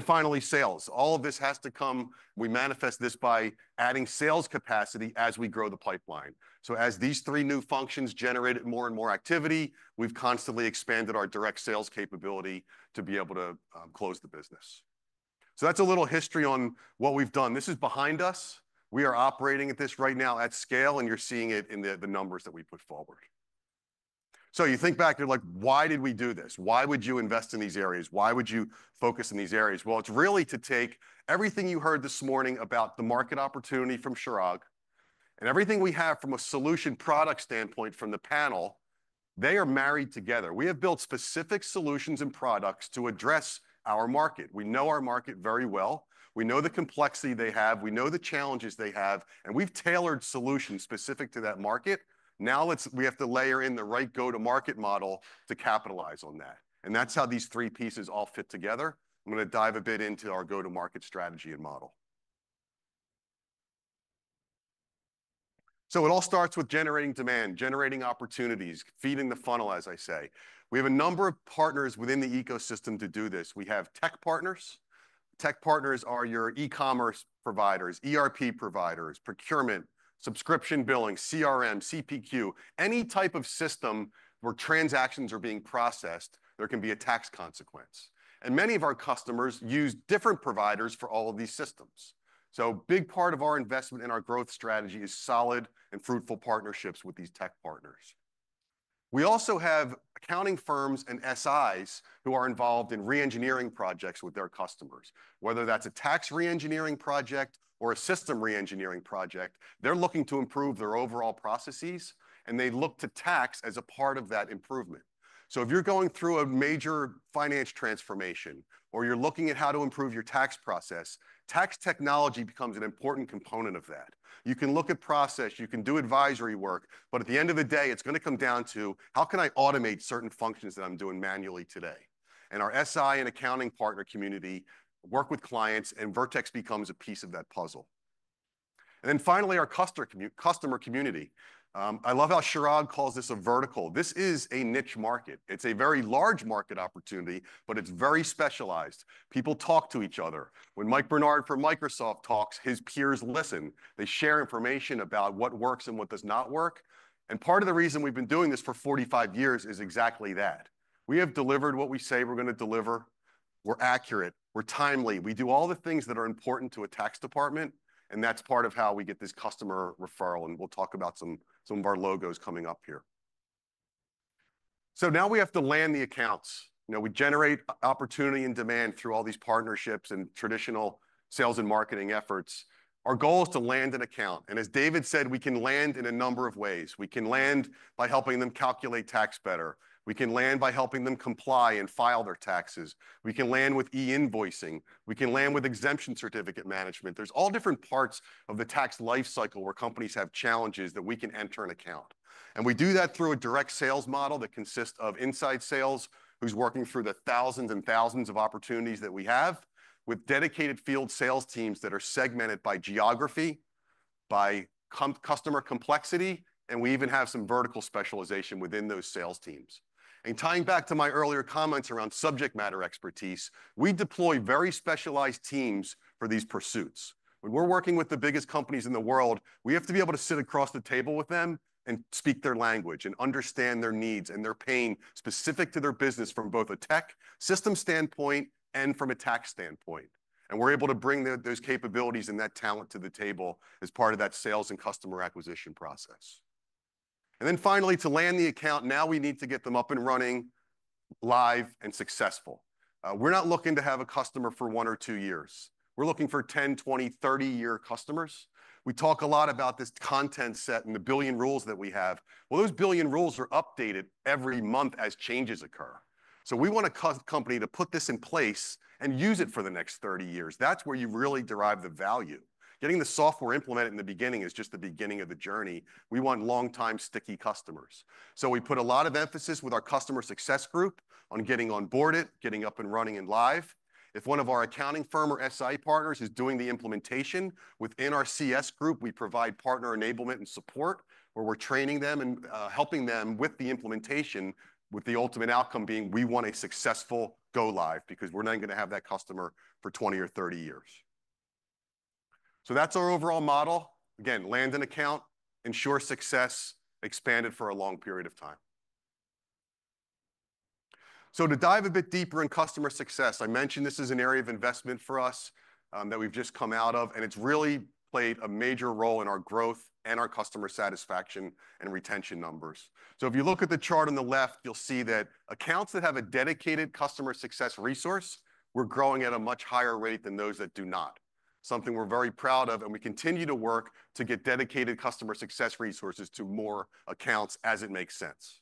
Finally, sales. All of this has to come; we manifest this by adding sales capacity as we grow the pipeline. As these three new functions generated more and more activity, we've constantly expanded our direct sales capability to be able to close the business. That's a little history on what we've done. This is behind us. We are operating at this right now at scale, and you're seeing it in the numbers that we put forward. You think back, you're like, why did we do this? Why would you invest in these areas? Why would you focus in these areas? It's really to take everything you heard this morning about the market opportunity from Chirag and everything we have from a solution product standpoint from the panel, they are married together. We have built specific solutions and products to address our market. We know our market very well. We know the complexity they have. We know the challenges they have, and we've tailored solutions specific to that market. Now we have to layer in the right go-to-market model to capitalize on that. That is how these three pieces all fit together. I'm going to dive a bit into our go-to-market strategy and model. It all starts with generating demand, generating opportunities, feeding the funnel, as I say. We have a number of partners within the ecosystem to do this. We have tech partners. Tech partners are your e-commerce providers, ERP providers, procurement, subscription billing, CRM, CPQ. Any type of system where transactions are being processed, there can be a tax consequence. Many of our customers use different providers for all of these systems. A big part of our investment in our growth strategy is solid and fruitful partnerships with these tech partners. We also have accounting firms and SIs who are involved in re-engineering projects with their customers. Whether that's a tax re-engineering project or a system re-engineering project, they're looking to improve their overall processes, and they look to tax as a part of that improvement. If you're going through a major finance transformation or you're looking at how to improve your tax process, tax technology becomes an important component of that. You can look at process, you can do advisory work, but at the end of the day, it's going to come down to how can I automate certain functions that I'm doing manually today. Our SI and accounting partner community work with clients, and Vertex becomes a piece of that puzzle. Finally, our customer community. I love how Chirag calls this a vertical. This is a niche market. It's a very large market opportunity, but it's very specialized. People talk to each other. When Mike Bernard from Microsoft talks, his peers listen. They share information about what works and what does not work. Part of the reason we've been doing this for 45 years is exactly that. We have delivered what we say we're going to deliver. We're accurate. We're timely. We do all the things that are important to a tax department, and that's part of how we get this customer referral. We'll talk about some of our logos coming up here. Now we have to land the accounts. Now we generate opportunity and demand through all these partnerships and traditional sales and marketing efforts. Our goal is to land an account. As David said, we can land in a number of ways. We can land by helping them calculate tax better. We can land by helping them comply and file their taxes. We can land with e-invoicing. We can land with exemption certificate management. There are all different parts of the tax lifecycle where companies have challenges that we can enter an account. We do that through a direct sales model that consists of inside sales who is working through the thousands and thousands of opportunities that we have with dedicated field sales teams that are segmented by geography, by customer complexity, and we even have some vertical specialization within those sales teams. Tying back to my earlier comments around subject matter expertise, we deploy very specialized teams for these pursuits. When we're working with the biggest companies in the world, we have to be able to sit across the table with them and speak their language and understand their needs and their pain specific to their business from both a tech system standpoint and from a tax standpoint. We're able to bring those capabilities and that talent to the table as part of that sales and customer acquisition process. Finally, to land the account, now we need to get them up and running, live, and successful. We're not looking to have a customer for one or two years. We're looking for 10, 20, 30-year customers. We talk a lot about this content set and the billion rules that we have. Those billion rules are updated every month as changes occur. We want a company to put this in place and use it for the next 30 years. That is where you really derive the value. Getting the software implemented in the beginning is just the beginning of the journey. We want long-time sticky customers. We put a lot of emphasis with our customer success group on getting on board it, getting up and running and live. If one of our accounting firm or SI partners is doing the implementation within our CS group, we provide partner enablement and support where we are training them and helping them with the implementation, with the ultimate outcome being, we want a successful go-live because we are not going to have that customer for 20 or 30 years. That is our overall model. Again, land an account, ensure success, expand it for a long period of time. To dive a bit deeper in customer success, I mentioned this is an area of investment for us that we've just come out of, and it's really played a major role in our growth and our customer satisfaction and retention numbers. If you look at the chart on the left, you'll see that accounts that have a dedicated customer success resource are growing at a much higher rate than those that do not. Something we're very proud of, and we continue to work to get dedicated customer success resources to more accounts as it makes sense.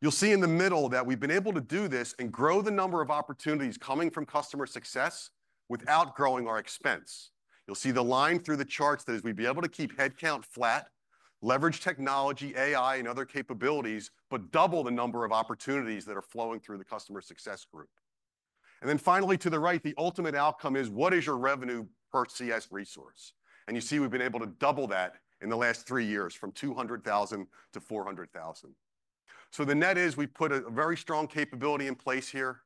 You'll see in the middle that we've been able to do this and grow the number of opportunities coming from customer success without growing our expense. You'll see the line through the charts that as we be able to keep headcount flat, leverage technology, AI, and other capabilities, but double the number of opportunities that are flowing through the customer success group. Finally, to the right, the ultimate outcome is, what is your revenue per CS resource? You see we've been able to double that in the last three years from $200,000 to $400,000. The net is we've put a very strong capability in place here.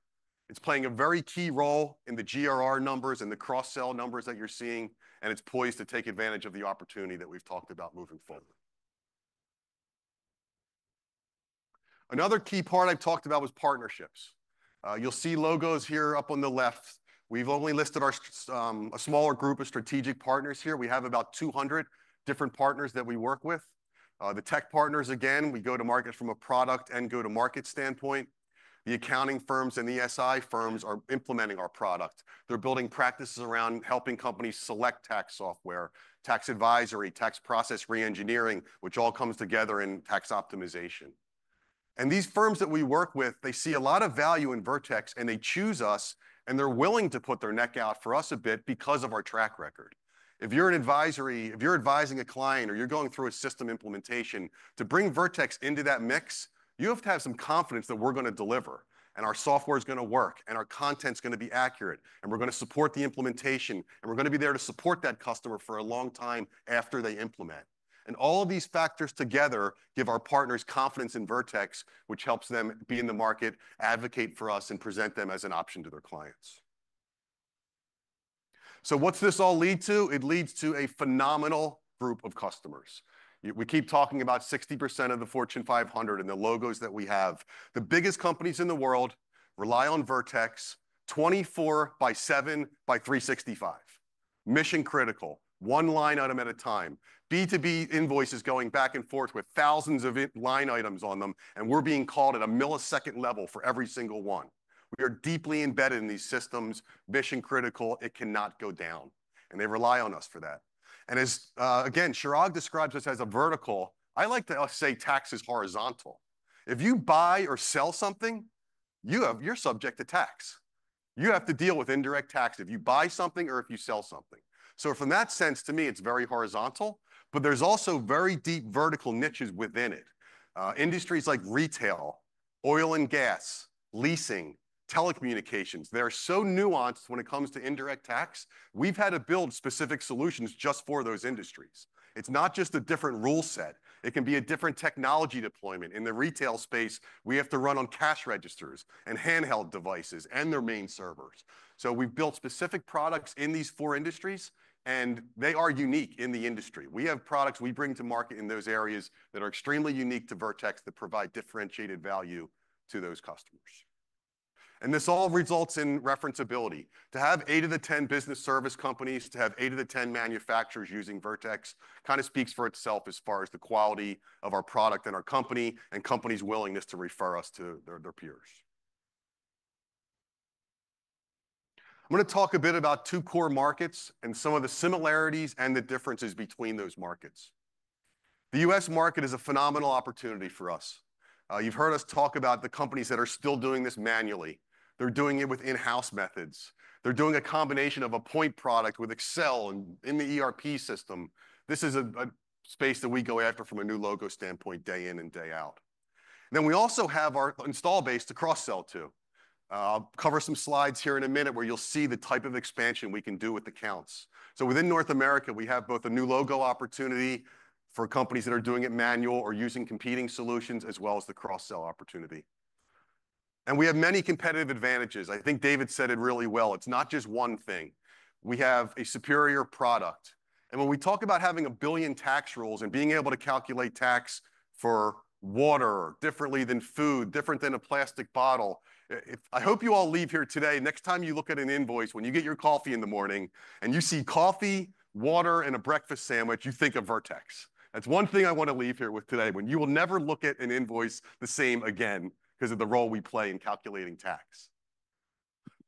It's playing a very key role in the GRR numbers and the cross-sell numbers that you're seeing, and it's poised to take advantage of the opportunity that we've talked about moving forward. Another key part I've talked about was partnerships. You'll see logos here up on the left. We've only listed a smaller group of strategic partners here. We have about 200 different partners that we work with. The tech partners, again, we go to market from a product and go-to-market standpoint. The accounting firms and the SI firms are implementing our product. They're building practices around helping companies select tax software, tax advisory, tax process re-engineering, which all comes together in tax optimization. These firms that we work with, they see a lot of value in Vertex, and they choose us, and they're willing to put their neck out for us a bit because of our track record. If you're an advisory, if you're advising a client or you're going through a system implementation, to bring Vertex into that mix, you have to have some confidence that we're going to deliver and our software is going to work and our content is going to be accurate and we're going to support the implementation and we're going to be there to support that customer for a long time after they implement. All of these factors together give our partners confidence in Vertex, which helps them be in the market, advocate for us, and present them as an option to their clients. What's this all lead to? It leads to a phenomenal group of customers. We keep talking about 60% of the Fortune 500 and the logos that we have. The biggest companies in the world rely on Vertex 24 by 7 by 365. Mission critical, one line item at a time. B2B invoices going back and forth with thousands of line items on them, and we're being called at a millisecond level for every single one. We are deeply embedded in these systems. Mission critical. It cannot go down. They rely on us for that. As again, Chirag describes us as a vertical, I like to say tax is horizontal. If you buy or sell something, you're subject to tax. You have to deal with indirect tax if you buy something or if you sell something. From that sense, to me, it's very horizontal, but there's also very deep vertical niches within it. Industries like retail, oil and gas, leasing, telecommunications, they're so nuanced when it comes to indirect tax. We've had to build specific solutions just for those industries. It's not just a different rule set. It can be a different technology deployment. In the retail space, we have to run on cash registers and handheld devices and their main servers. We have built specific products in these four industries, and they are unique in the industry. We have products we bring to market in those areas that are extremely unique to Vertex that provide differentiated value to those customers. This all results in referenceability. To have 8 of the 10 business service companies, to have 8 of the 10 manufacturers using Vertex kind of speaks for itself as far as the quality of our product and our company and companies' willingness to refer us to their peers. I'm going to talk a bit about two core markets and some of the similarities and the differences between those markets. The U.S. market is a phenomenal opportunity for us. You've heard us talk about the companies that are still doing this manually. They're doing it with in-house methods. They're doing a combination of a point product with Excel and in the ERP system. This is a space that we go after from a new logo standpoint day in and day out. We also have our install base to cross-sell to. I'll cover some slides here in a minute where you'll see the type of expansion we can do with accounts. Within North America, we have both a new logo opportunity for companies that are doing it manual or using competing solutions as well as the cross-sell opportunity. We have many competitive advantages. I think David said it really well. It's not just one thing. We have a superior product. When we talk about having a billion tax rules and being able to calculate tax for water differently than food, different than a plastic bottle, I hope you all leave here today. Next time you look at an invoice, when you get your coffee in the morning and you see coffee, water, and a breakfast sandwich, you think of Vertex. That's one thing I want to leave here with today, when you will never look at an invoice the same again because of the role we play in calculating tax.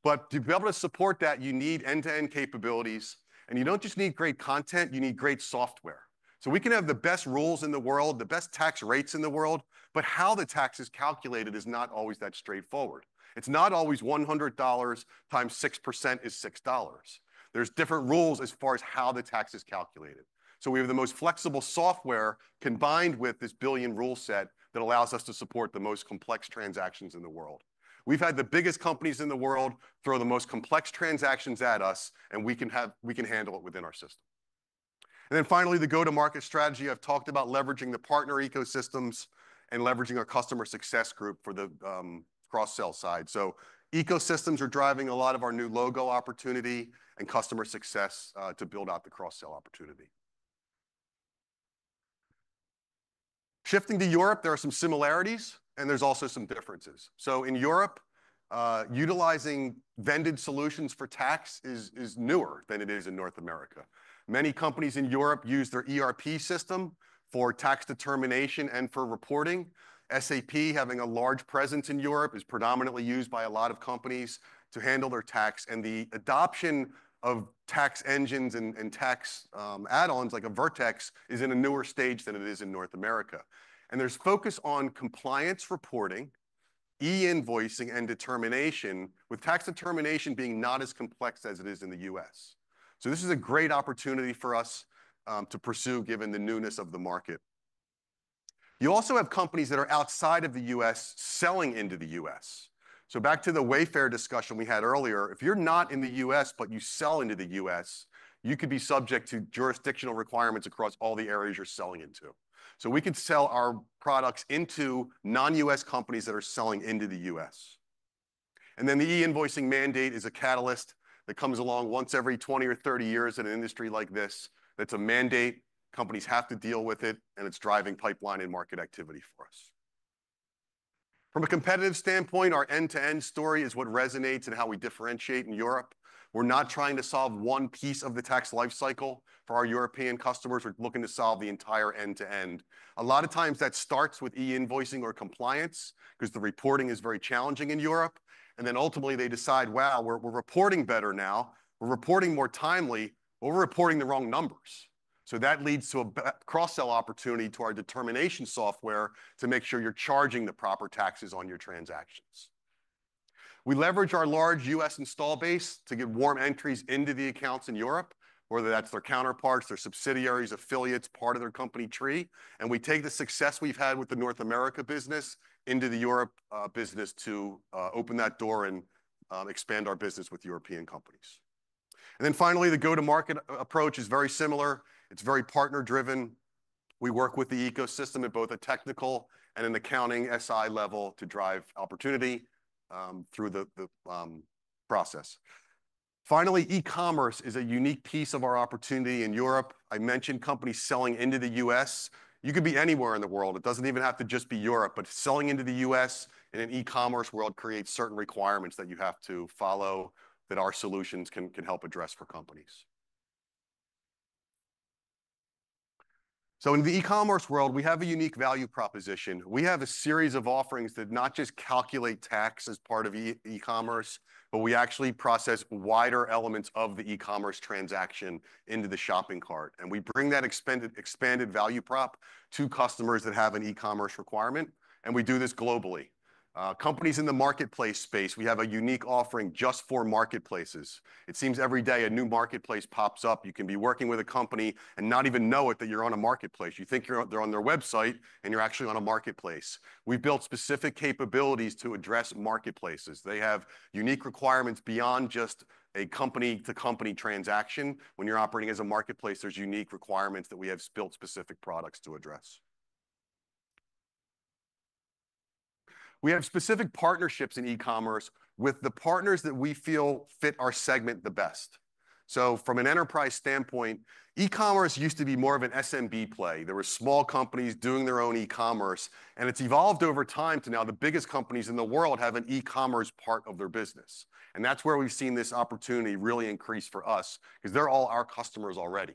To be able to support that, you need end-to-end capabilities. You do not just need great content. You need great software. We can have the best rules in the world, the best tax rates in the world, but how the tax is calculated is not always that straightforward. It's not always $100 times 6% is $6. are different rules as far as how the tax is calculated. We have the most flexible software combined with this billion rule set that allows us to support the most complex transactions in the world. We have had the biggest companies in the world throw the most complex transactions at us, and we can handle it within our system. Finally, the go-to-market strategy. I have talked about leveraging the partner ecosystems and leveraging our customer success group for the cross-sell side. Ecosystems are driving a lot of our new logo opportunity and customer success to build out the cross-sell opportunity. Shifting to Europe, there are some similarities, and there are also some differences. In Europe, utilizing vended solutions for tax is newer than it is in North America. Many companies in Europe use their ERP system for tax determination and for reporting. SAP, having a large presence in Europe, is predominantly used by a lot of companies to handle their tax. The adoption of tax engines and tax add-ons like a Vertex is in a newer stage than it is in North America. There is focus on compliance reporting, e-invoicing, and determination, with tax determination being not as complex as it is in the U.S. This is a great opportunity for us to pursue given the newness of the market. You also have companies that are outside of the U.S. selling into the U.S. Back to the Wayfair discussion we had earlier. If you're not in the U.S., but you sell into the U.S., you could be subject to jurisdictional requirements across all the areas you're selling into. We could sell our products into non-U.S. companies that are selling into the U.S. The e-invoicing mandate is a catalyst that comes along once every 20 or 30 years in an industry like this. That is a mandate. Companies have to deal with it, and it is driving pipeline and market activity for us. From a competitive standpoint, our end-to-end story is what resonates and how we differentiate in Europe. We are not trying to solve one piece of the tax lifecycle for our European customers. We are looking to solve the entire end-to-end. A lot of times that starts with e-invoicing or compliance because the reporting is very challenging in Europe. Ultimately, they decide, wow, we are reporting better now. We are reporting more timely, but we are reporting the wrong numbers. That leads to a cross-sell opportunity to our determination software to make sure you are charging the proper taxes on your transactions. We leverage our large US install base to get warm entries into the accounts in Europe, whether that's their counterparts, their subsidiaries, affiliates, part of their company tree. We take the success we've had with the North America business into the Europe business to open that door and expand our business with European companies. Finally, the go-to-market approach is very similar. It's very partner-driven. We work with the ecosystem at both a technical and an accounting SI level to drive opportunity through the process. Finally, e-commerce is a unique piece of our opportunity in Europe. I mentioned companies selling into the US. You could be anywhere in the world. It doesn't even have to just be Europe, but selling into the US in an e-commerce world creates certain requirements that you have to follow that our solutions can help address for companies. In the e-commerce world, we have a unique value proposition. We have a series of offerings that not just calculate tax as part of e-commerce, but we actually process wider elements of the e-commerce transaction into the shopping cart. We bring that expanded value prop to customers that have an e-commerce requirement. We do this globally. Companies in the marketplace space, we have a unique offering just for marketplaces. It seems every day a new marketplace pops up. You can be working with a company and not even know it that you're on a marketplace. You think they're on their website and you're actually on a marketplace. We built specific capabilities to address marketplaces. They have unique requirements beyond just a company-to-company transaction. When you're operating as a marketplace, there's unique requirements that we have built specific products to address. We have specific partnerships in e-commerce with the partners that we feel fit our segment the best. From an enterprise standpoint, e-commerce used to be more of an SMB play. There were small companies doing their own e-commerce, and it has evolved over time to now the biggest companies in the world have an e-commerce part of their business. That is where we have seen this opportunity really increase for us because they are all our customers already.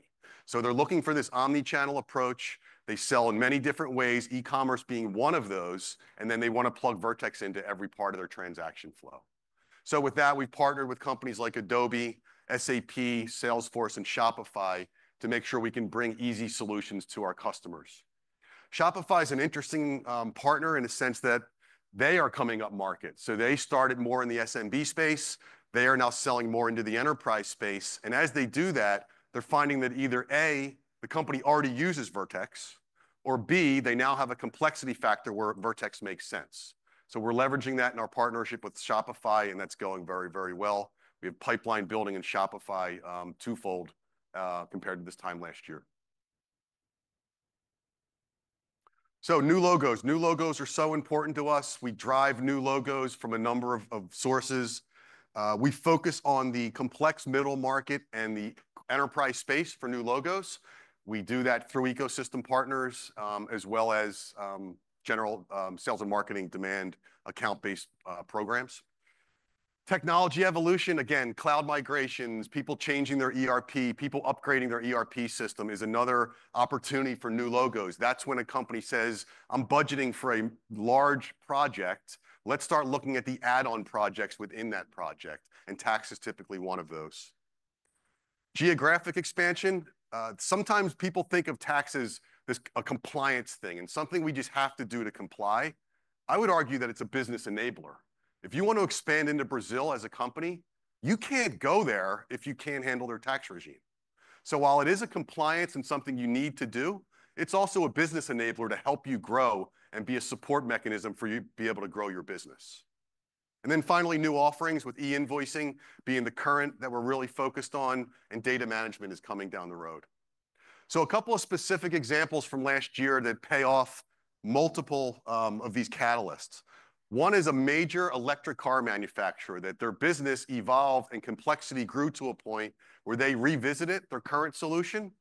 They are looking for this omnichannel approach. They sell in many different ways, e-commerce being one of those, and then they want to plug Vertex into every part of their transaction flow. With that, we have partnered with companies like Adobe, SAP, Salesforce, and Shopify to make sure we can bring easy solutions to our customers. Shopify is an interesting partner in the sense that they are coming up market. They started more in the SMB space. They are now selling more into the enterprise space. As they do that, they're finding that either A, the company already uses Vertex, or B, they now have a complexity factor where Vertex makes sense. We're leveraging that in our partnership with Shopify, and that's going very, very well. We have pipeline building in Shopify twofold compared to this time last year. New logos. New logos are so important to us. We drive new logos from a number of sources. We focus on the complex middle market and the enterprise space for new logos. We do that through ecosystem partners as well as general sales and marketing demand account-based programs. Technology evolution, again, cloud migrations, people changing their ERP, people upgrading their ERP system is another opportunity for new logos. That's when a company says, "I'm budgeting for a large project. Let's start looking at the add-on projects within that project." Tax is typically one of those. Geographic expansion. Sometimes people think of tax as a compliance thing and something we just have to do to comply. I would argue that it's a business enabler. If you want to expand into Brazil as a company, you can't go there if you can't handle their tax regime. While it is a compliance and something you need to do, it's also a business enabler to help you grow and be a support mechanism for you to be able to grow your business. Finally, new offerings with e-invoicing being the current that we're really focused on, and data management is coming down the road. A couple of specific examples from last year that pay off multiple of these catalysts. One is a major electric car manufacturer that their business evolved and complexity grew to a point where they revisited their current solution,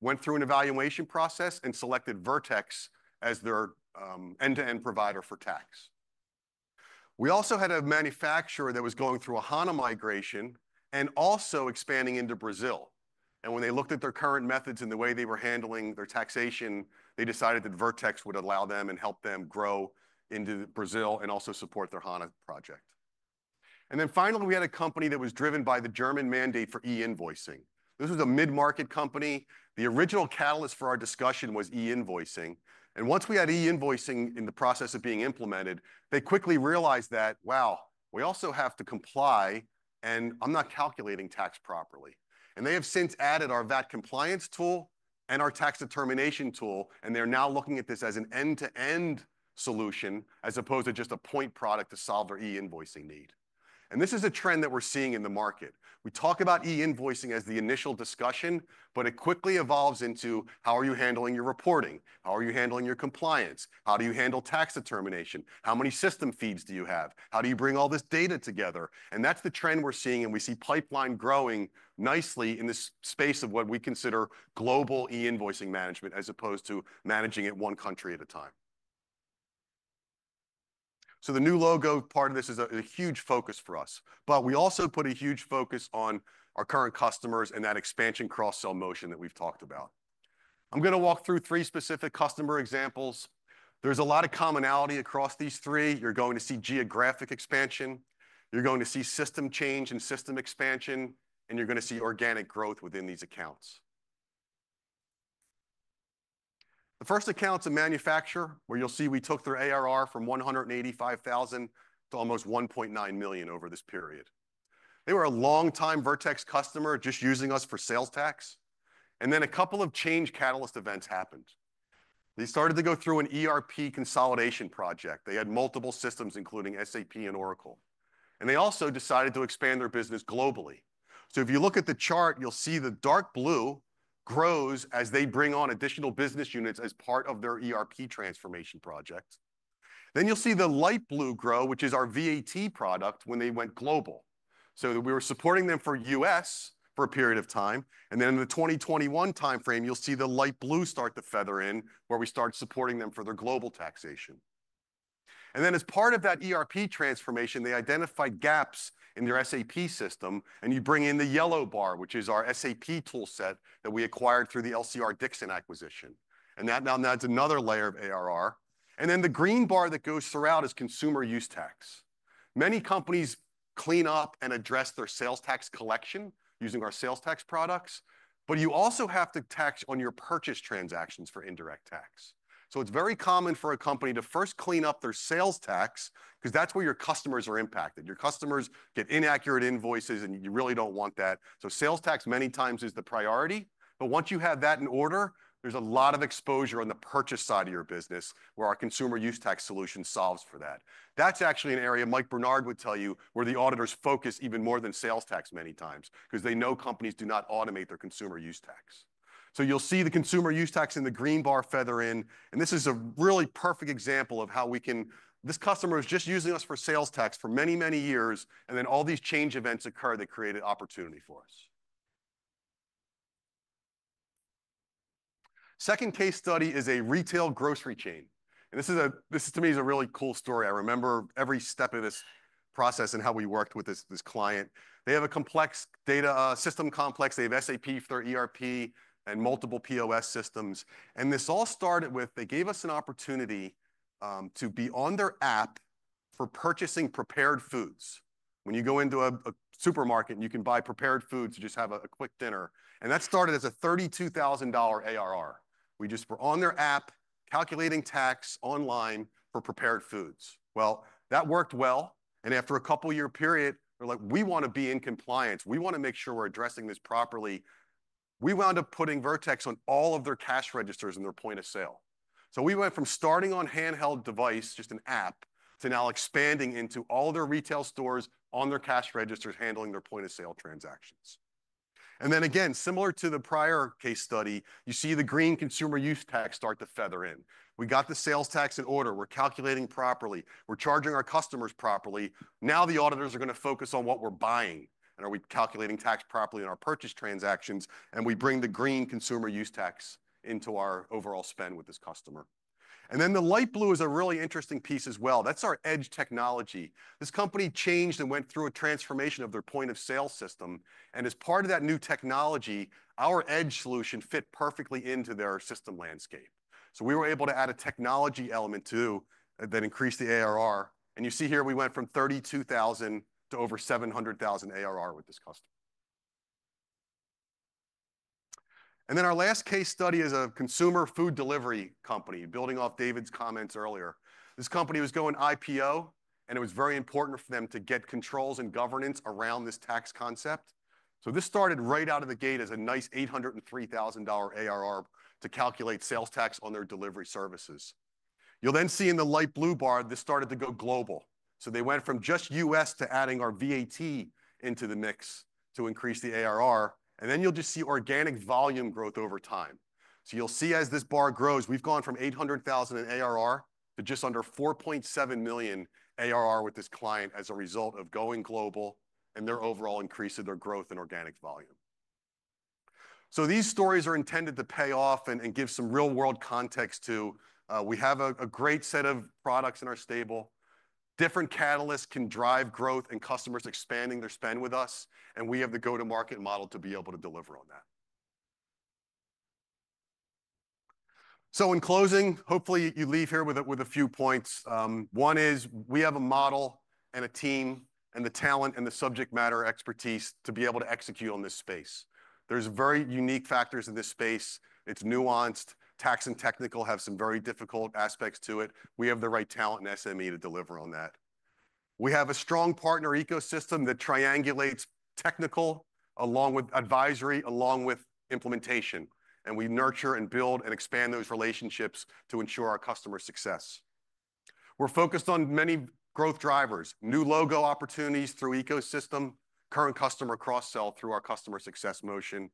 went through an evaluation process, and selected Vertex as their end-to-end provider for tax. We also had a manufacturer that was going through a Hana migration and also expanding into Brazil. When they looked at their current methods and the way they were handling their taxation, they decided that Vertex would allow them and help them grow into Brazil and also support their Hana project. Finally, we had a company that was driven by the German mandate for e-invoicing. This was a mid-market company. The original catalyst for our discussion was e-invoicing. Once we had e-invoicing in the process of being implemented, they quickly realized that, "Wow, we also have to comply, and I'm not calculating tax properly." They have since added our VAT compliance tool and our tax determination tool, and they're now looking at this as an end-to-end solution as opposed to just a point product to solve their e-invoicing need. This is a trend that we're seeing in the market. We talk about e-invoicing as the initial discussion, but it quickly evolves into how are you handling your reporting? How are you handling your compliance? How do you handle tax determination? How many system feeds do you have? How do you bring all this data together? That's the trend we're seeing, and we see pipeline growing nicely in the space of what we consider global e-invoicing management as opposed to managing it one country at a time. The new logo part of this is a huge focus for us, but we also put a huge focus on our current customers and that expansion cross-sell motion that we've talked about. I'm going to walk through three specific customer examples. There's a lot of commonality across these three. You're going to see geographic expansion. You're going to see system change and system expansion, and you're going to see organic growth within these accounts. The first account's a manufacturer where you'll see we took their ARR from $185,000 to almost $1.9 million over this period. They were a longtime Vertex customer just using us for sales tax. Then a couple of change catalyst events happened. They started to go through an ERP consolidation project. They had multiple systems, including SAP and Oracle. They also decided to expand their business globally. If you look at the chart, you'll see the dark blue grows as they bring on additional business units as part of their ERP transformation project. You'll see the light blue grow, which is our VAT product when they went global. We were supporting them for US for a period of time. In the 2021 timeframe, you'll see the light blue start to feather in where we started supporting them for their global taxation. As part of that ERP transformation, they identified gaps in their SAP system, and you bring in the yellow bar, which is our SAP toolset that we acquired through the LCR Dixon acquisition. That now adds another layer of ARR. The green bar that goes throughout is consumer use tax. Many companies clean up and address their sales tax collection using our sales tax products, but you also have to tax on your purchase transactions for indirect tax. It is very common for a company to first clean up their sales tax because that is where your customers are impacted. Your customers get inaccurate invoices, and you really do not want that. Sales tax many times is the priority. Once you have that in order, there is a lot of exposure on the purchase side of your business where our consumer use tax solution solves for that. That is actually an area Mike Bernard would tell you where the auditors focus even more than sales tax many times because they know companies do not automate their consumer use tax. You'll see the consumer use tax in the green bar feather in, and this is a really perfect example of how we can. This customer is just using us for sales tax for many, many years, and then all these change events occur that created opportunity for us. The second case study is a retail grocery chain. This to me is a really cool story. I remember every step of this process and how we worked with this client. They have a complex data system, complex. They have SAP for their ERP and multiple POS systems. This all started with they gave us an opportunity to be on their app for purchasing prepared foods. When you go into a supermarket, you can buy prepared foods to just have a quick dinner. That started as a $32,000 ARR. We just were on their app calculating tax online for prepared foods. That worked well. After a couple-year period, we're like, "We want to be in compliance. We want to make sure we're addressing this properly." We wound up putting Vertex on all of their cash registers and their point of sale. We went from starting on handheld device, just an app, to now expanding into all their retail stores on their cash registers handling their point of sale transactions. Again, similar to the prior case study, you see the green consumer use tax start to feather in. We got the sales tax in order. We're calculating properly. We're charging our customers properly. Now the auditors are going to focus on what we're buying. Are we calculating tax properly in our purchase transactions? We bring the green consumer use tax into our overall spend with this customer. The light blue is a really interesting piece as well. That's our edge technology. This company changed and went through a transformation of their point of sale system. As part of that new technology, our edge solution fit perfectly into their system landscape. We were able to add a technology element too that increased the ARR. You see here we went from $32,000 to over $700,000 ARR with this customer. Our last case study is a consumer food delivery company building off David's comments earlier. This company was going IPO, and it was very important for them to get controls and governance around this tax concept. This started right out of the gate as a nice $803,000 ARR to calculate sales tax on their delivery services. You'll then see in the light blue bar, this started to go global. They went from just U.S. to adding our VAT into the mix to increase the ARR. You'll just see organic volume growth over time. You'll see as this bar grows, we've gone from $800,000 in ARR to just under $4.7 million ARR with this client as a result of going global and their overall increase of their growth in organic volume. These stories are intended to pay off and give some real-world context too. We have a great set of products in our stable. Different catalysts can drive growth and customers expanding their spend with us, and we have the go-to-market model to be able to deliver on that. In closing, hopefully you leave here with a few points. One is we have a model and a team and the talent and the subject matter expertise to be able to execute on this space. There are very unique factors in this space. It is nuanced. Tax and technical have some very difficult aspects to it. We have the right talent and SME to deliver on that. We have a strong partner ecosystem that triangulates technical along with advisory, along with implementation. We nurture and build and expand those relationships to ensure our customer success. We are focused on many growth drivers, new logo opportunities through ecosystem, current customer cross-sell through our customer success motion.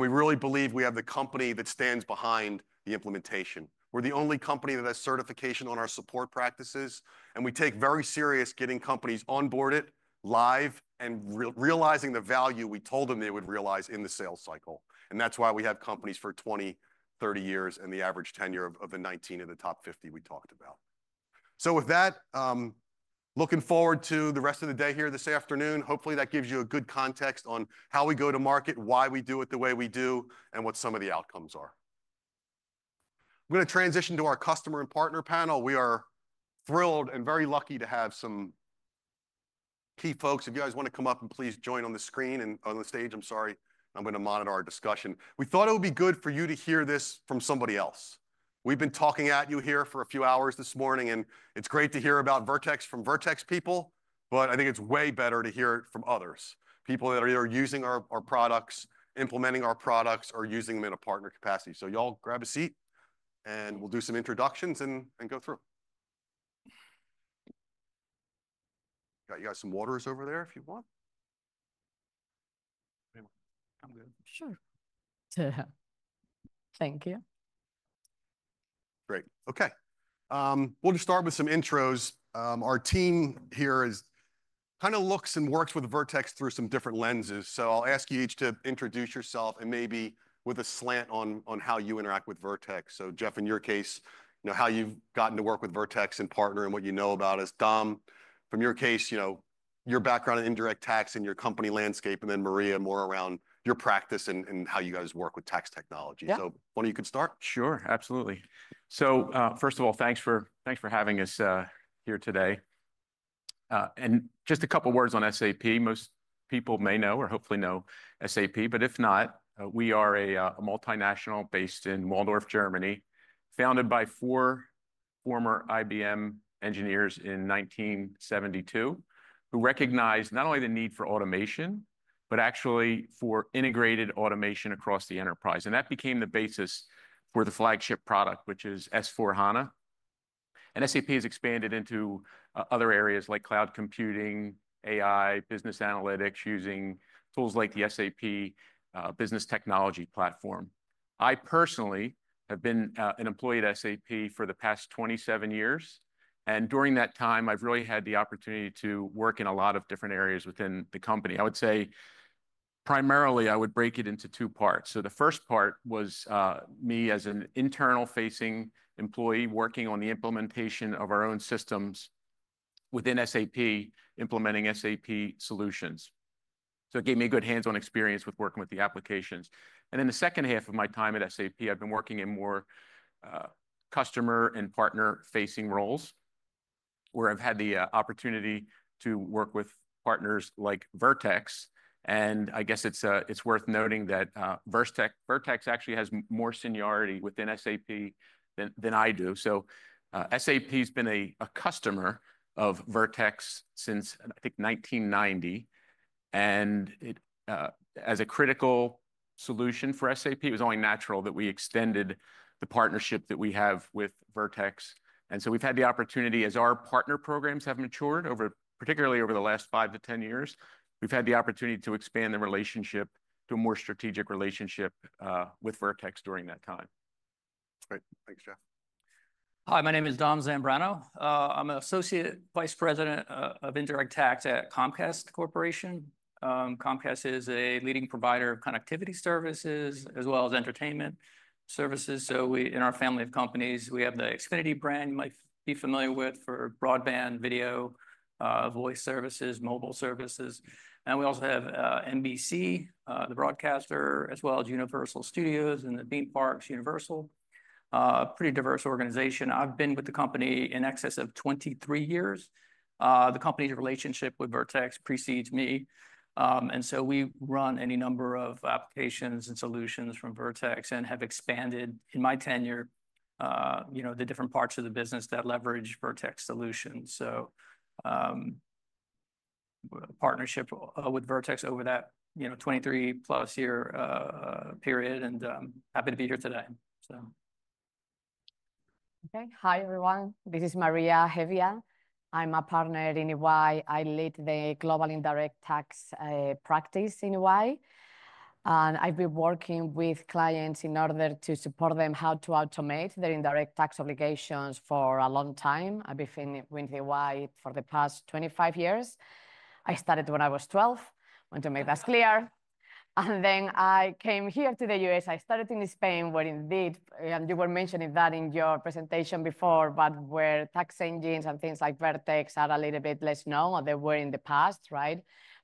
We really believe we have the company that stands behind the implementation. We are the only company that has certification on our support practices, and we take very seriously getting companies onboarded live and realizing the value we told them they would realize in the sales cycle. That is why we have companies for 20, 30 years and the average tenure of the 19 of the top 50 we talked about. With that, looking forward to the rest of the day here this afternoon. Hopefully that gives you a good context on how we go to market, why we do it the way we do, and what some of the outcomes are. I am going to transition to our customer and partner panel. We are thrilled and very lucky to have some key folks. If you guys want to come up and please join on the screen and on the stage, I am sorry. I am going to monitor our discussion. We thought it would be good for you to hear this from somebody else. We've been talking at you here for a few hours this morning, and it's great to hear about Vertex from Vertex people, but I think it's way better to hear it from others, people that are either using our products, implementing our products, or using them in a partner capacity. Y'all grab a seat, and we'll do some introductions and go through. Got you guys some waters over there if you want. I'm good. Sure. To have. Thank you. Great. Okay. We'll just start with some intros. Our team here kind of looks and works with Vertex through some different lenses. I'll ask you each to introduce yourself and maybe with a slant on how you interact with Vertex. Jeff, in your case, how you've gotten to work with Vertex and partner and what you know about is Dom. From your case, your background in indirect tax and your company landscape, and then Maria more around your practice and how you guys work with tax technology. Why don't you could start? Sure. Absolutely. First of all, thanks for having us here today. Just a couple of words on SAP. Most people may know or hopefully know SAP, but if not, we are a multinational based in Walldorf, Germany, founded by four former IBM engineers in 1972 who recognized not only the need for automation, but actually for integrated automation across the enterprise. That became the basis for the flagship product, which is S/4HANA. SAP has expanded into other areas like cloud computing, AI, business analytics using tools like the SAP Business Technology Platform. I personally have been an employee at SAP for the past 27 years. During that time, I've really had the opportunity to work in a lot of different areas within the company. I would say primarily I would break it into two parts. The first part was me as an internal-facing employee working on the implementation of our own systems within SAP, implementing SAP solutions. It gave me a good hands-on experience with working with the applications. In the second half of my time at SAP, I've been working in more customer and partner-facing roles where I've had the opportunity to work with partners like Vertex. I guess it's worth noting that Vertex actually has more seniority within SAP than I do. SAP has been a customer of Vertex since, I think, 1990. As a critical solution for SAP, it was only natural that we extended the partnership that we have with Vertex. We have had the opportunity as our partner programs have matured, particularly over the last five to ten years, we have had the opportunity to expand the relationship to a more strategic relationship with Vertex during that time. Great. Thanks, Jeff. Hi, my name is Dom Zambrano. I'm an Associate Vice President of Indirect Tax at Comcast. Comcast is a leading provider of connectivity services as well as entertainment services. In our family of companies, we have the Xfinity brand you might be familiar with for broadband, video, voice services, mobile services. We also have NBC, the broadcaster, as well as Universal Studios and the theme parks, Universal. Pretty diverse organization. I have been with the company in excess of 23 years. The company's relationship with Vertex precedes me. We run any number of applications and solutions from Vertex and have expanded in my tenure the different parts of the business that leverage Vertex solutions. Partnership with Vertex over that 23-plus year period, and happy to be here today. Okay. Hi, everyone. This is Maria Hevia. I'm a partner in EY. I lead the global indirect tax practice in EY. I've been working with clients in order to support them how to automate their indirect tax obligations for a long time. I've been with EY for the past 25 years. I started when I was 12, want to make that clear. I came here to the U.S. I started in Spain, where indeed, and you were mentioning that in your presentation before, but where tax engines and things like Vertex are a little bit less known than they were in the past, right?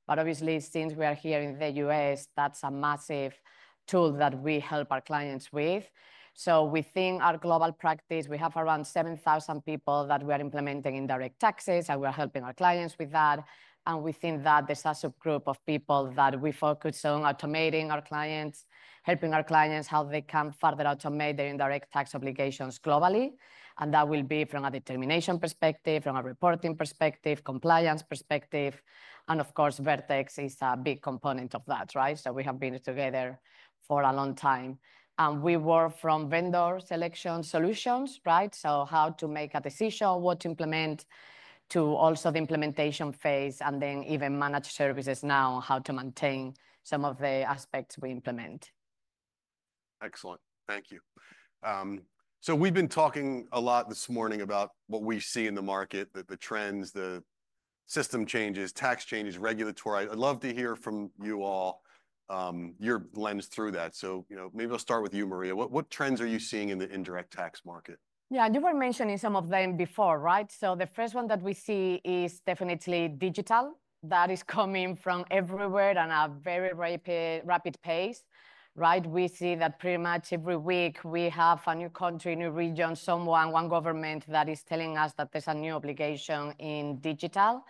Obviously, since we are here in the U.S., that's a massive tool that we help our clients with. Within our global practice, we have around 7,000 people that we are implementing indirect taxes, and we are helping our clients with that. Within that, there's a subgroup of people that we focus on automating our clients, helping our clients how they can further automate their indirect tax obligations globally. That will be from a determination perspective, from a reporting perspective, compliance perspective. Of course, Vertex is a big component of that, right? We have been together for a long time. We work from vendor selection solutions, right? How to make a decision on what to implement to also the implementation phase and then even manage services now on how to maintain some of the aspects we implement. Excellent. Thank you. We have been talking a lot this morning about what we see in the market, the trends, the system changes, tax changes, regulatory. I would love to hear from you all your lens through that. Maybe I will start with you, Maria. What trends are you seeing in the indirect tax market? Yeah, you were mentioning some of them before, right? The first one that we see is definitely digital. That is coming from everywhere and at a very rapid pace, right? We see that pretty much every week we have a new country, new region, someone, one government that is telling us that there is a new obligation in digital.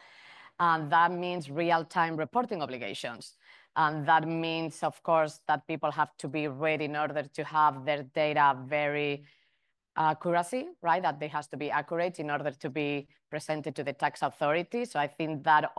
That means real-time reporting obligations. That means, of course, that people have to be ready in order to have their data very accuracy, right? That they have to be accurate in order to be presented to the tax authority. I think that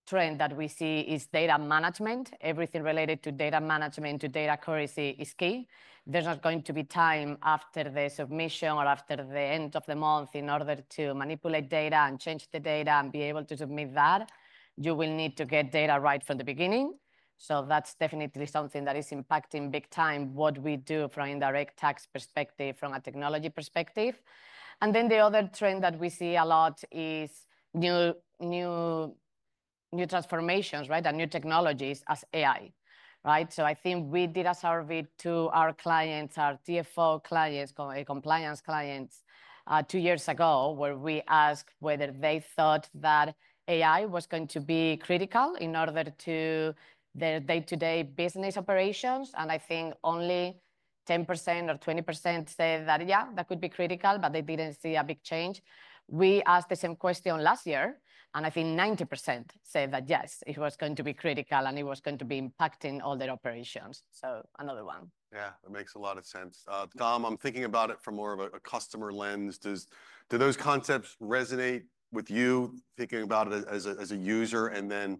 other trend that we see is data management. Everything related to data management, to data accuracy is key. There's not going to be time after the submission or after the end of the month in order to manipulate data and change the data and be able to submit that. You will need to get data right from the beginning. That's definitely something that is impacting big time what we do from an indirect tax perspective, from a technology perspective. The other trend that we see a lot is new transformations, right? New technologies as AI, right? I think we did a survey to our clients, our TFO clients, compliance clients two years ago where we asked whether they thought that AI was going to be critical in order to their day-to-day business operations. I think only 10% or 20% said that, yeah, that could be critical, but they did not see a big change. We asked the same question last year, and I think 90% said that yes, it was going to be critical and it was going to be impacting all their operations. Another one. Yeah, that makes a lot of sense. Dom, I am thinking about it from more of a customer lens. Do those concepts resonate with you thinking about it as a user? I am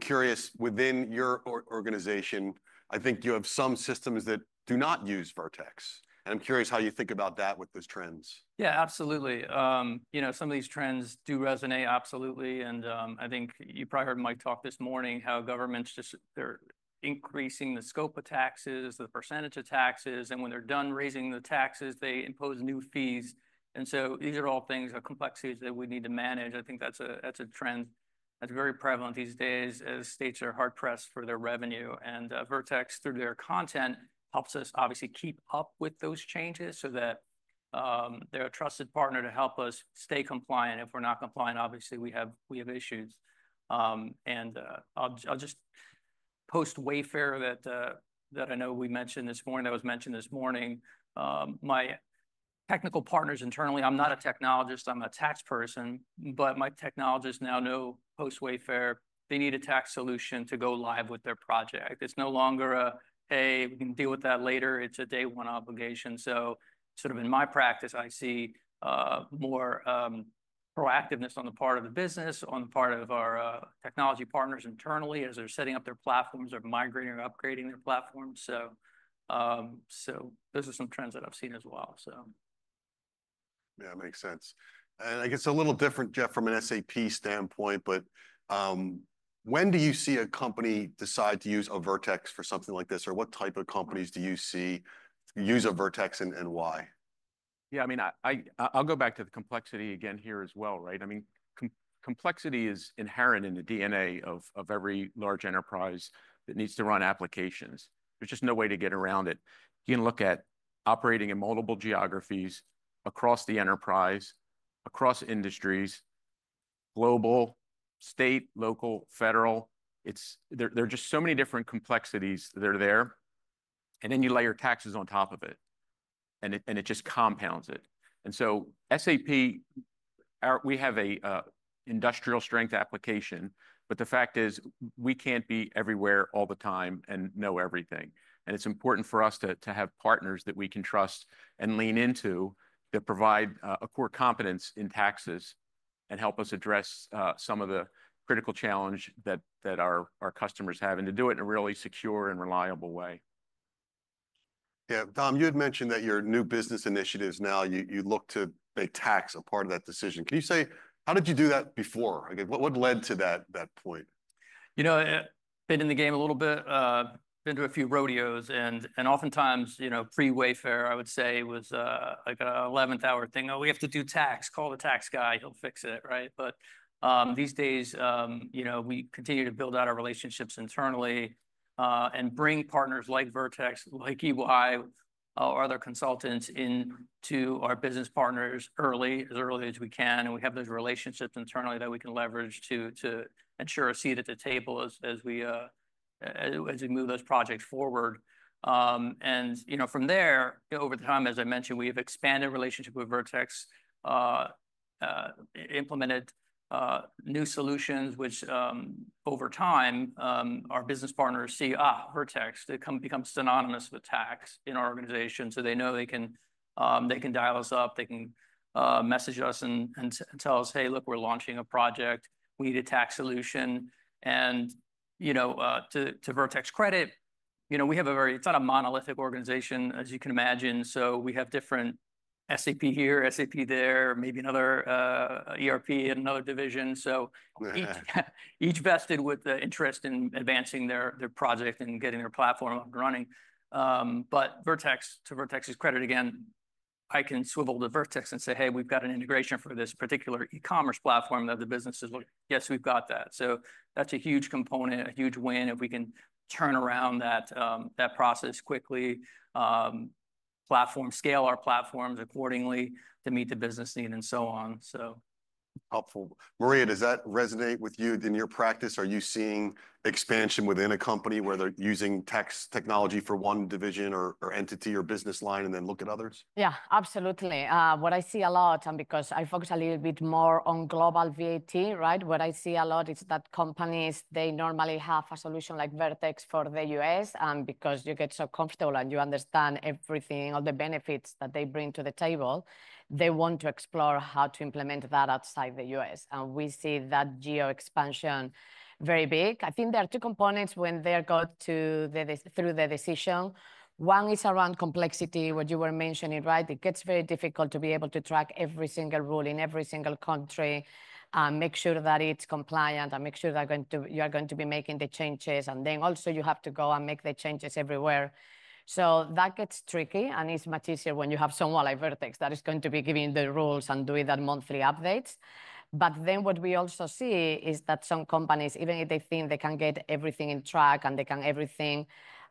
curious, within your organization, I think you have some systems that do not use Vertex. I am curious how you think about that with those trends. Yeah, absolutely. Some of these trends do resonate absolutely. I think you probably heard Mike talk this morning how governments just are increasing the scope of taxes, the percentage of taxes, and when they're done raising the taxes, they impose new fees. These are all things, complexities that we need to manage. I think that's a trend that's very prevalent these days as states are hard-pressed for their revenue. Vertex, through their content, helps us obviously keep up with those changes so that they're a trusted partner to help us stay compliant. If we're not compliant, obviously we have issues. I'll just post Wayfair that I know we mentioned this morning, that was mentioned this morning. My technical partners internally, I'm not a technologist, I'm a tax person, but my technologists now know post Wayfair, they need a tax solution to go live with their project. It's no longer a, hey, we can deal with that later. It's a day-one obligation. In my practice, I see more proactiveness on the part of the business, on the part of our technology partners internally as they're setting up their platforms or migrating or upgrading their platforms. Those are some trends that I've seen as well. Yeah, that makes sense. I guess a little different, Jeff, from an SAP standpoint, but when do you see a company decide to use a Vertex for something like this? Or what type of companies do you see use a Vertex and why? Yeah, I mean, I'll go back to the complexity again here as well, right? I mean, complexity is inherent in the DNA of every large enterprise that needs to run applications. There's just no way to get around it. You can look at operating in multiple geographies across the enterprise, across industries, global, state, local, federal. There are just so many different complexities that are there. You lay your taxes on top of it, and it just compounds it. SAP, we have an industrial strength application, but the fact is we can't be everywhere all the time and know everything. It's important for us to have partners that we can trust and lean into that provide a core competence in taxes and help us address some of the critical challenge that our customers have and to do it in a really secure and reliable way. Yeah, Dom, you had mentioned that your new business initiatives now, you look to make tax a part of that decision. Can you say how did you do that before? What led to that point? You know, been in the game a little bit, been to a few rodeos, and oftentimes, pre-Wayfair, I would say, was like an 11th-hour thing. Oh, we have to do tax, call the tax guy, he'll fix it, right? These days, we continue to build out our relationships internally and bring partners like Vertex, like EY, or other consultants into our business partners early, as early as we can. We have those relationships internally that we can leverage to ensure a seat at the table as we move those projects forward. From there, over time, as I mentioned, we have expanded relationship with Vertex, implemented new solutions, which over time, our business partners see, Vertex becomes synonymous with tax in our organization. They know they can dial us up, they can message us and tell us, hey, look, we're launching a project, we need a tax solution. To Vertex's credit, we have a very, it's not a monolithic organization, as you can imagine. We have different SAP here, SAP there, maybe another ERP in another division. Each vested with the interest in advancing their project and getting their platform up and running. To Vertex's credit again, I can swivel to Vertex and say, hey, we've got an integration for this particular e-commerce platform that the business is looking, yes, we've got that. That's a huge component, a huge win if we can turn around that process quickly, platform, scale our platforms accordingly to meet the business need and so on. Helpful. Maria, does that resonate with you in your practice? Are you seeing expansion within a company where they're using tax technology for one division or entity or business line and then look at others? Yeah, absolutely. What I see a lot, and because I focus a little bit more on global VAT, right? What I see a lot is that companies, they normally have a solution like Vertex for the U.S., and because you get so comfortable and you understand everything, all the benefits that they bring to the table, they want to explore how to implement that outside the U.S.. We see that geo expansion very big. I think there are two components when they're got to through the decision. One is around complexity, what you were mentioning, right? It gets very difficult to be able to track every single rule in every single country and make sure that it's compliant and make sure that you are going to be making the changes. You also have to go and make the changes everywhere. That gets tricky and is much easier when you have someone like Vertex that is going to be giving the rules and doing that monthly updates. What we also see is that some companies, even if they think they can get everything in track and they can everything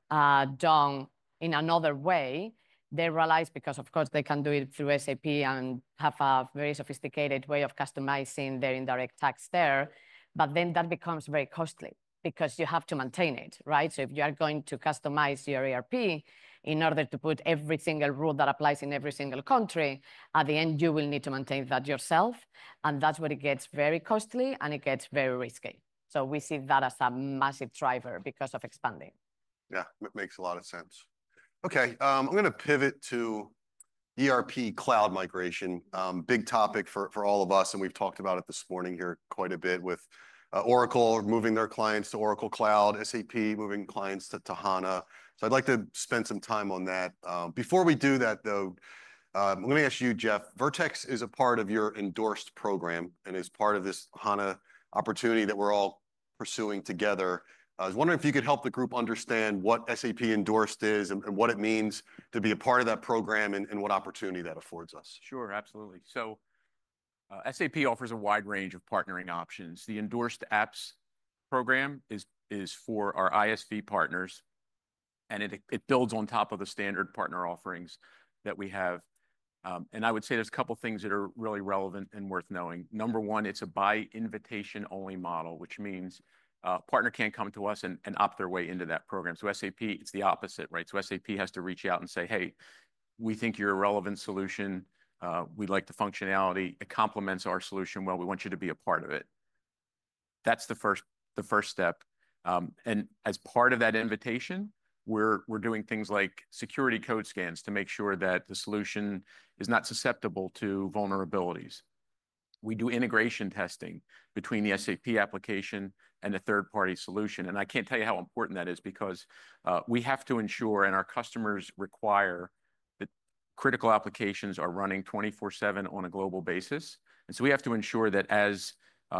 done in another way, they realize because of course they can do it through SAP and have a very sophisticated way of customizing their indirect tax there. That becomes very costly because you have to maintain it, right? If you are going to customize your ERP in order to put every single rule that applies in every single country, at the end, you will need to maintain that yourself. That is where it gets very costly and it gets very risky. We see that as a massive driver because of expanding. Yeah, that makes a lot of sense. Okay, I am going to pivot to ERP cloud migration. Big topic for all of us, and we have talked about it this morning here quite a bit with Oracle moving their clients to Oracle Cloud, SAP moving clients to Hana. I would like to spend some time on that. Before we do that, though, let me ask you, Jeff, Vertex is a part of your endorsed program and is part of this Hana opportunity that we are all pursuing together. I was wondering if you could help the group understand what SAP endorsed is and what it means to be a part of that program and what opportunity that affords us. Sure, absolutely. SAP offers a wide range of partnering options. The endorsed apps program is for our ISV partners, and it builds on top of the standard partner offerings that we have. I would say there's a couple of things that are really relevant and worth knowing. Number one, it's a by-invitation-only model, which means a partner can't come to us and opt their way into that program. SAP, it's the opposite, right? SAP has to reach out and say, hey, we think you're a relevant solution. We'd like the functionality. It complements our solution. We want you to be a part of it. That's the first step. As part of that invitation, we're doing things like security code scans to make sure that the solution is not susceptible to vulnerabilities. We do integration testing between the SAP application and a third-party solution. I can't tell you how important that is because we have to ensure and our customers require that critical applications are running 24/7 on a global basis. We have to ensure that as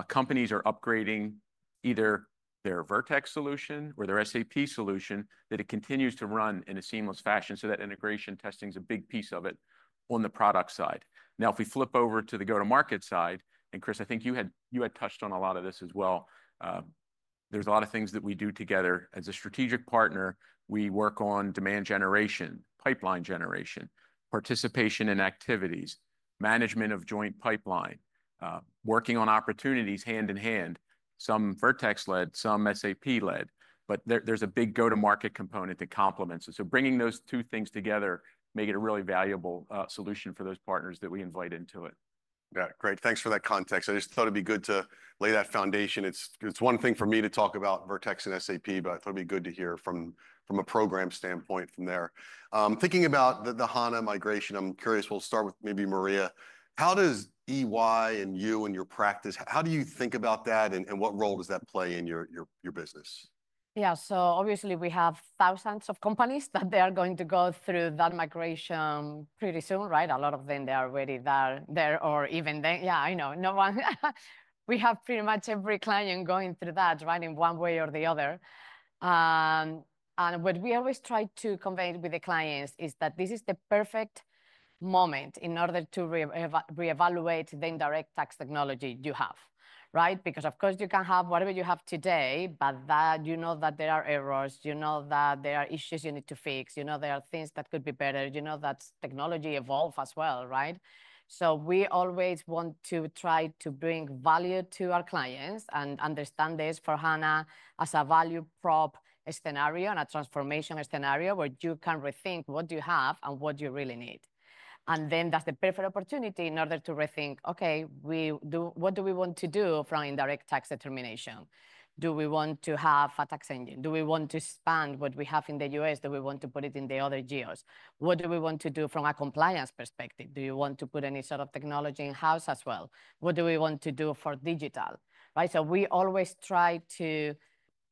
companies are upgrading either their Vertex solution or their SAP solution, it continues to run in a seamless fashion. That integration testing is a big piece of it on the product side. If we flip over to the go-to-market side, and Chris, I think you had touched on a lot of this as well. There are a lot of things that we do together. As a strategic partner, we work on demand generation, pipeline generation, participation in activities, management of joint pipeline, working on opportunities hand in hand, some Vertex-led, some SAP-led, but there is a big go-to-market component that complements it. Bringing those two things together makes it a really valuable solution for those partners that we invite into it. Yeah, great. Thanks for that context. I just thought it'd be good to lay that foundation. It's one thing for me to talk about Vertex and SAP, but I thought it'd be good to hear from a program standpoint from there. Thinking about the Hana migration, I'm curious, we'll start with maybe Maria. How does EY and you and your practice, how do you think about that and what role does that play in your business? Yeah, so obviously we have thousands of companies that they are going to go through that migration pretty soon, right? A lot of them, they are already there or even then, yeah, I know, no one. We have pretty much every client going through that, right, in one way or the other. What we always try to convey with the clients is that this is the perfect moment in order to reevaluate the indirect tax technology you have, right? Because of course, you can have whatever you have today, but you know that there are errors, you know that there are issues you need to fix, you know there are things that could be better, you know that technology evolves as well, right? We always want to try to bring value to our clients and understand this for S/4HANA as a value prop scenario and a transformation scenario where you can rethink what you have and what you really need. That's the perfect opportunity in order to rethink, okay, what do we want to do from indirect tax determination? Do we want to have a tax engine? Do we want to expand what we have in the U.S.? Do we want to put it in the other geos? What do we want to do from a compliance perspective? Do you want to put any sort of technology in-house as well? What do we want to do for digital? Right? We always try to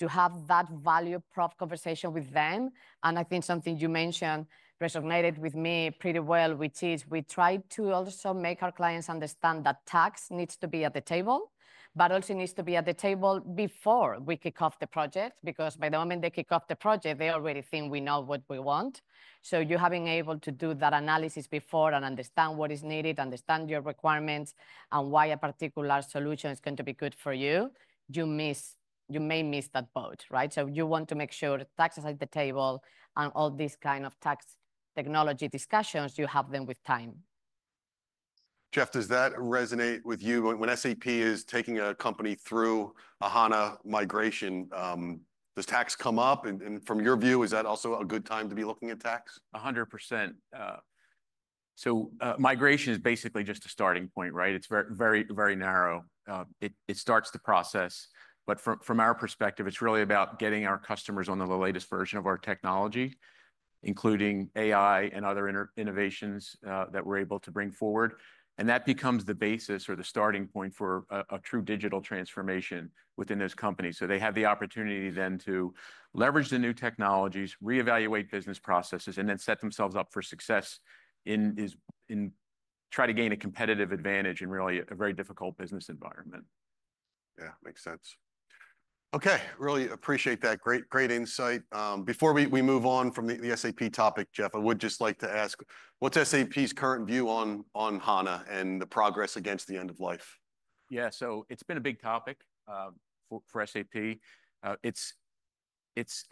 have that value prop conversation with them. I think something you mentioned resonated with me pretty well, which is we try to also make our clients understand that tax needs to be at the table, but also needs to be at the table before we kick off the project, because by the moment they kick off the project, they already think we know what we want. You having able to do that analysis before and understand what is needed, understand your requirements and why a particular solution is going to be good for you, you may miss that boat, right? You want to make sure tax is at the table and all these kind of tax technology discussions, you have them with time. Jeff, does that resonate with you? When SAP is taking a company through a Hana migration, does tax come up? From your view, is that also a good time to be looking at tax? 100%. Migration is basically just a starting point, right? It is very, very narrow. It starts the process. From our perspective, it is really about getting our customers on the latest version of our technology, including AI and other innovations that we are able to bring forward. That becomes the basis or the starting point for a true digital transformation within those companies. They have the opportunity then to leverage the new technologies, reevaluate business processes, and then set themselves up for success in trying to gain a competitive advantage in really a very difficult business environment. Yeah, makes sense. Okay, really appreciate that. Great insight. Before we move on from the SAP topic, Jeff, I would just like to ask, what's SAP's current view on Hana and the progress against the end of life? Yeah, so it's been a big topic for SAP.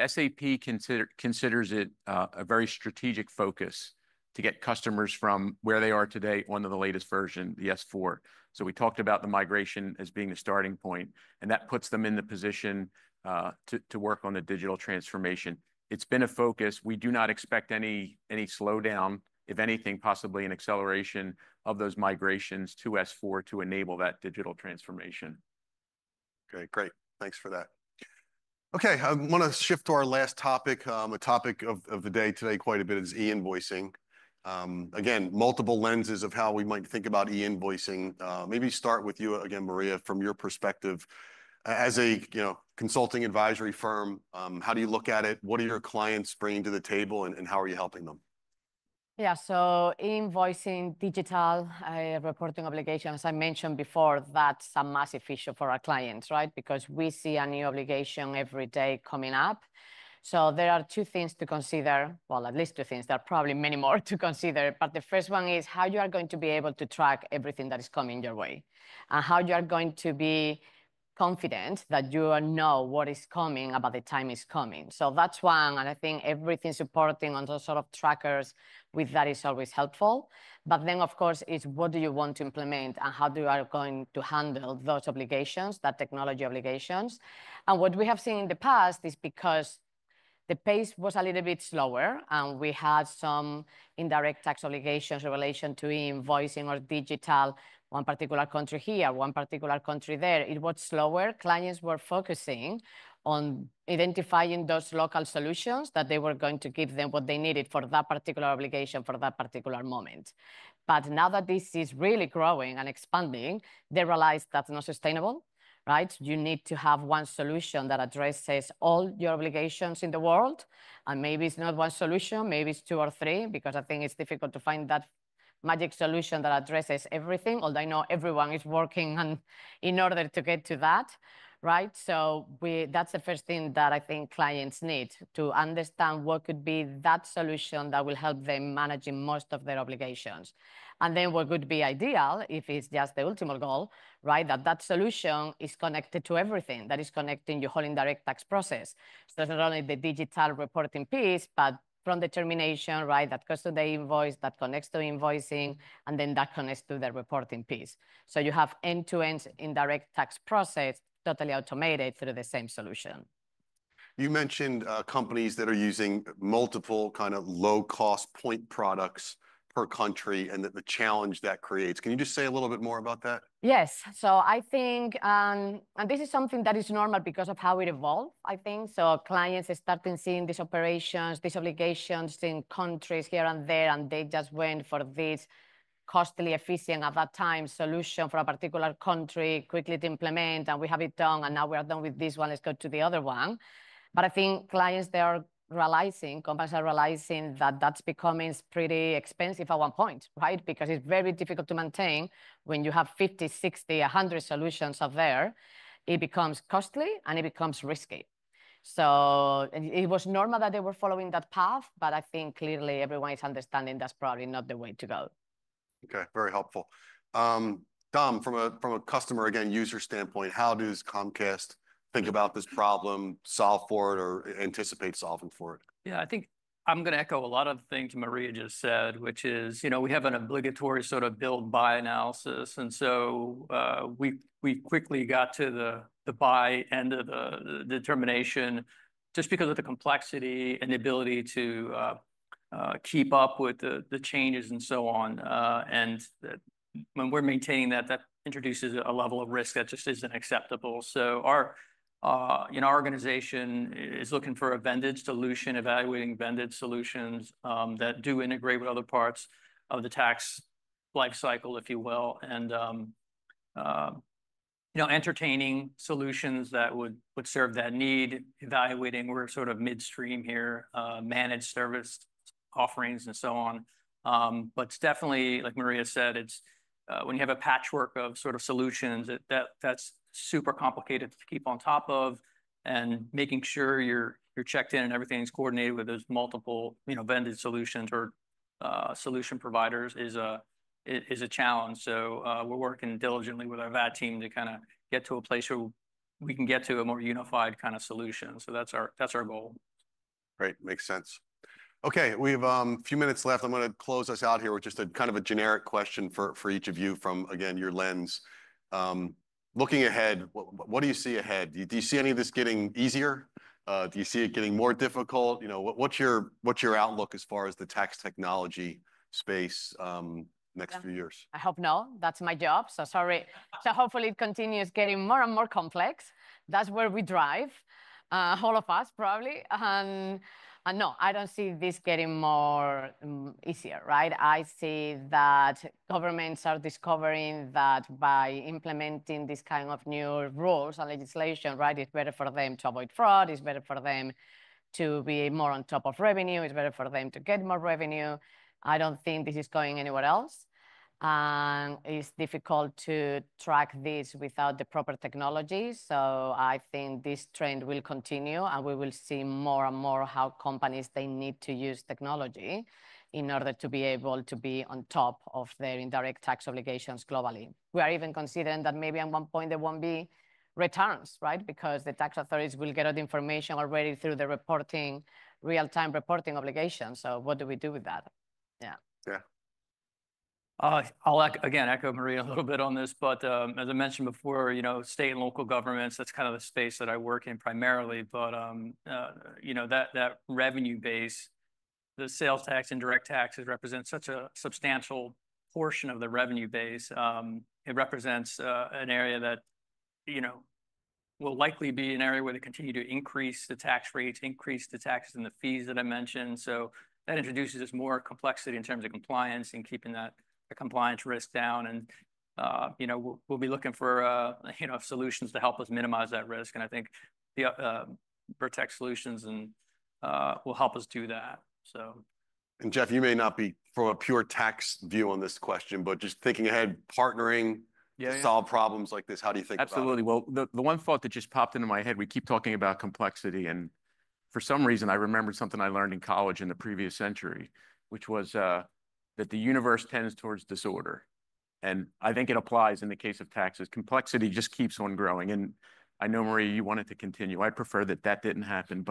SAP considers it a very strategic focus to get customers from where they are today on the latest version, the S/4. We talked about the migration as being the starting point, and that puts them in the position to work on the digital transformation. It's been a focus. We do not expect any slowdown, if anything, possibly an acceleration of those migrations to S/4 to enable that digital transformation. Okay, great. Thanks for that. Okay, I want to shift to our last topic, a topic of the day today quite a bit is e-invoicing. Again, multiple lenses of how we might think about e-invoicing. Maybe start with you again, Maria, from your perspective. As a consulting advisory firm, how do you look at it? What are your clients bringing to the table and how are you helping them? Yeah, so e-invoicing, digital reporting obligations, as I mentioned before, that's a massive issue for our clients, right? Because we see a new obligation every day coming up. There are two things to consider, at least two things. There are probably many more to consider, but the first one is how you are going to be able to track everything that is coming your way and how you are going to be confident that you know what is coming about the time it is coming. That's one, and I think everything supporting on those sort of trackers with that is always helpful. Of course, it's what do you want to implement and how are you going to handle those obligations, that technology obligations? What we have seen in the past is because the pace was a little bit slower and we had some indirect tax obligations in relation to e-invoicing or digital, one particular country here, one particular country there. It was slower. Clients were focusing on identifying those local solutions that were going to give them what they needed for that particular obligation for that particular moment. Now that this is really growing and expanding, they realize that's not sustainable, right? You need to have one solution that addresses all your obligations in the world. Maybe it's not one solution, maybe it's two or three, because I think it's difficult to find that magic solution that addresses everything, although I know everyone is working in order to get to that, right? That's the first thing that I think clients need to understand, what could be that solution that will help them manage most of their obligations. What would be ideal, if it's just the ultimate goal, that that solution is connected to everything that is connecting your whole indirect tax process. It's not only the digital reporting piece, but from determination, that goes to the invoice, that connects to invoicing, and then that connects to the reporting piece. You have end-to-end indirect tax process totally automated through the same solution. You mentioned companies that are using multiple kind of low-cost point products per country and the challenge that creates. Can you just say a little bit more about that? Yes, I think, and this is something that is normal because of how it evolved, I think. Clients are starting seeing these operations, these obligations in countries here and there, and they just went for this cost-efficient at that time solution for a particular country quickly to implement, and we have it done, and now we are done with this one, let's go to the other one. I think clients, they are realizing, companies are realizing that that's becoming pretty expensive at one point, right? Because it's very difficult to maintain when you have 50, 60, 100 solutions up there. It becomes costly and it becomes risky. It was normal that they were following that path, but I think clearly everyone is understanding that's probably not the way to go. Okay, very helpful. Tom, from a customer, again, user standpoint, how does Comcast think about this problem, solve for it, or anticipate solving for it? Yeah, I think I'm going to echo a lot of the things Maria just said, which is, you know, we have an obligatory sort of build-by analysis. We quickly got to the buy end of the determination just because of the complexity and the ability to keep up with the changes and so on. When we're maintaining that, that introduces a level of risk that just isn't acceptable. In our organization, it's looking for a vended solution, evaluating vended solutions that do integrate with other parts of the tax lifecycle, if you will, and entertaining solutions that would serve that need, evaluating where sort of midstream here, managed service offerings and so on. Definitely, like Maria said, when you have a patchwork of sort of solutions, that's super complicated to keep on top of. Making sure you're checked in and everything's coordinated with those multiple vended solutions or solution providers is a challenge. We're working diligently with our VAT team to kind of get to a place where we can get to a more unified kind of solu tion. That's our goal. Great, makes sense. Okay, we have a few minutes left. I'm going to close us out here with just a kind of a generic question for each of you from, again, your lens. Looking ahead, what do you see ahead? Do you see any of this getting easier? Do you see it getting more difficult? What's your outlook as far as the tax technology space next few years? I hope not. That's my job, so sorry. Hopefully it continues getting more and more complex. That's where we drive, all of us probably. No, I don't see this getting more easier, right? I see that governments are discovering that by implementing these kind of new rules and legislation, right, it's better for them to avoid fraud, it's better for them to be more on top of revenue, it's better for them to get more revenue. I don't think this is going anywhere else. It's difficult to track this without the proper technology. I think this trend will continue and we will see more and more how companies need to use technology in order to be able to be on top of their indirect tax obligations globally. We are even considering that maybe at one point there won't be returns, right? Because the tax authorities will get all the information already through the reporting, real-time reporting obligations. What do we do with that? Yeah. I'll again echo Maria a little bit on this, but as I mentioned before, you know, state and local governments, that's kind of the space that I work in primarily, but you know that revenue base, the sales tax and direct taxes represent such a substantial portion of the revenue base. It represents an area that, you know, will likely be an area where they continue to increase the tax rates, increase the taxes and the fees that I mentioned. That introduces more complexity in terms of compliance and keeping that compliance risk down. You know, we'll be looking for, you know, solutions to help us minimize that risk. I think the Vertex solutions will help us do that. Jeff, you may not be from a pure tax view on this question, but just thinking ahead, partnering to solve problems like this, how do you think about it? Absolutely. The one thought that just popped into my head, we keep talking about complexity and for some reason I remembered something I learned in college in the previous century, which was that the universe tends towards disorder. I think it applies in the case of taxes. Complexity just keeps on growing. I know, Maria, you want it to continue. I prefer that that didn't happen.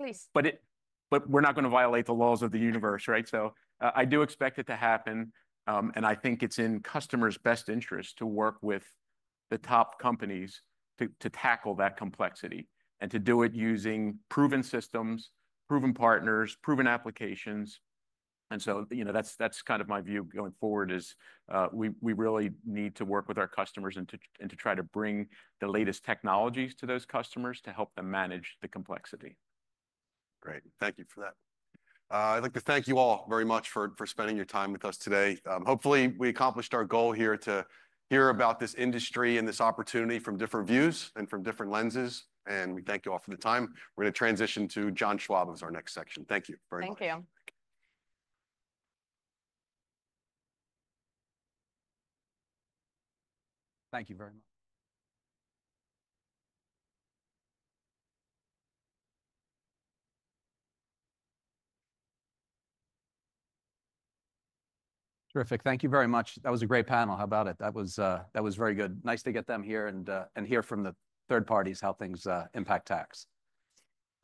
Please. We're not going to violate the laws of the universe, right? I do expect it to happen. I think it's in customers' best interest to work with the top companies to tackle that complexity and to do it using proven systems, proven partners, proven applications. You know, that's kind of my view going forward. We really need to work with our customers and to try to bring the latest technologies to those customers to help them manage the complexity. Great. Thank you for that. I'd like to thank you all very much for spending your time with us today. Hopefully we accomplished our goal here to hear about this industry and this opportunity from different views and from different lenses. And we thank you all for the time. We're going to transition to John Schwab as our next section. Thank you very much. Thank you. Thank you very much. Terrific. Thank you very much. That was a great panel. How about it? That was very good. Nice to get them here and hear from the third parties how things impact tax.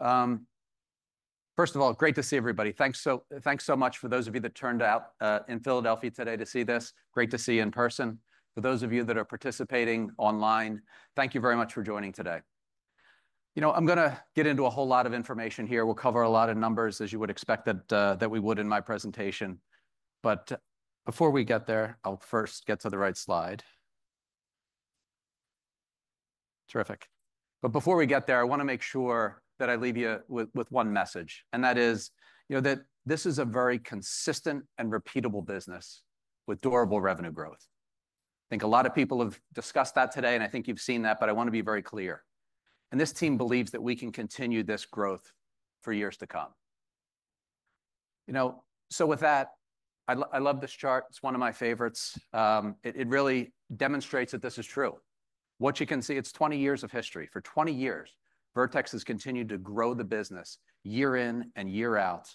First of all, great to see everybody. Thanks so much for those of you that turned out in Philadelphia today to see this. Great to see you in person. For those of you that are participating online, thank you very much for joining today. You know, I'm going to get into a whole lot of information here. We'll cover a lot of numbers as you would expect that we would in my presentation. Before we get there, I'll first get to the right slide. Terrific. Before we get there, I want to make sure that I leave you with one message. That is, you know, that this is a very consistent and repeatable business with durable revenue growth. I think a lot of people have discussed that today, and I think you've seen that, but I want to be very clear. This team believes that we can continue this growth for years to come. You know, with that, I love this chart. It's one of my favorites. It really demonstrates that this is true. What you can see, it's 20 years of history. For 20 years, Vertex has continued to grow the business year in and year out.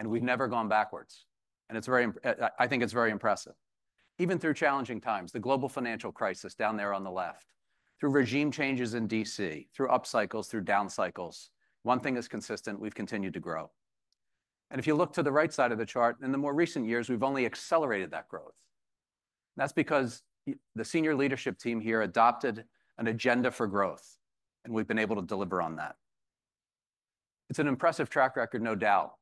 We have never gone backwards. It is very, I think it is very impressive. Even through challenging times, the global financial crisis down there on the left, through regime changes in D.C., through upcycles, through downcycles, one thing is consistent, we have continued to grow. If you look to the right side of the chart, in the more recent years, we have only accelerated that growth. That is because the senior leadership team here adopted an agenda for growth, and we have been able to deliver on that. It is an impressive track record, no doubt.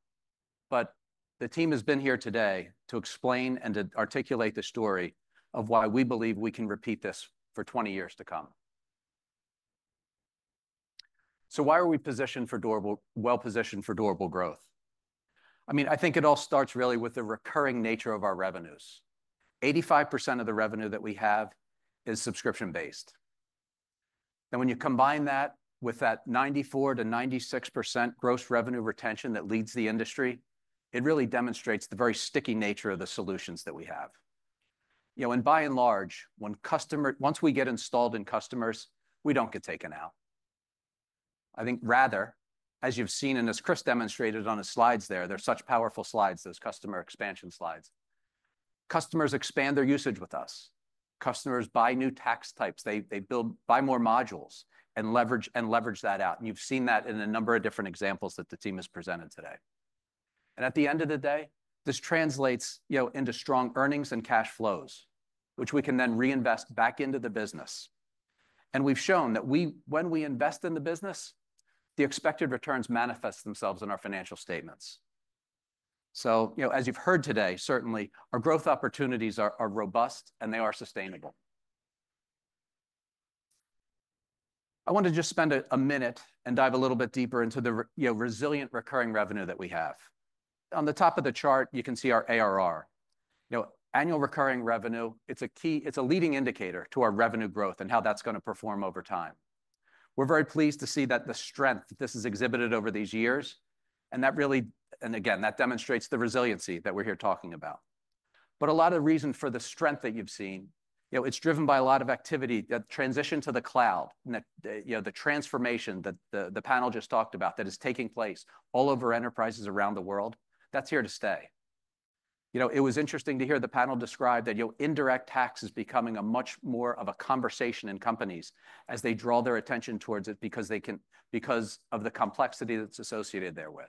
The team has been here today to explain and to articulate the story of why we believe we can repeat this for 20 years to come. Why are we positioned for durable, well-positioned for durable growth? I mean, I think it all starts really with the recurring nature of our revenues. 85% of the revenue that we have is subscription-based. When you combine that with that 94-96% gross revenue retention that leads the industry, it really demonstrates the very sticky nature of the solutions that we have. You know, and by and large, once we get installed in customers, we do not get taken out. I think rather, as you have seen and as Chris demonstrated on the slides there, they are such powerful slides, those customer expansion slides. Customers expand their usage with us. Customers buy new tax types. They buy more modules and leverage that out. You have seen that in a number of different examples that the team has presented today. At the end of the day, this translates, you know, into strong earnings and cash flows, which we can then reinvest back into the business. We have shown that when we invest in the business, the expected returns manifest themselves in our financial statements. As you have heard today, certainly our growth opportunities are robust and they are sustainable. I want to just spend a minute and dive a little bit deeper into the resilient recurring revenue that we have. On the top of the chart, you can see our ARR. You know, annual recurring revenue, it is a key, it is a leading indicator to our revenue growth and how that is going to perform over time. We are very pleased to see the strength that this has exhibited over these years. That really, again, demonstrates the resiliency that we are here talking about. A lot of the reason for the strength that you've seen, you know, it's driven by a lot of activity, that transition to the cloud, you know, the transformation that the panel just talked about that is taking place all over enterprises around the world, that's here to stay. You know, it was interesting to hear the panel describe that, you know, indirect tax is becoming much more of a conversation in companies as they draw their attention towards it because they can, because of the complexity that's associated there with.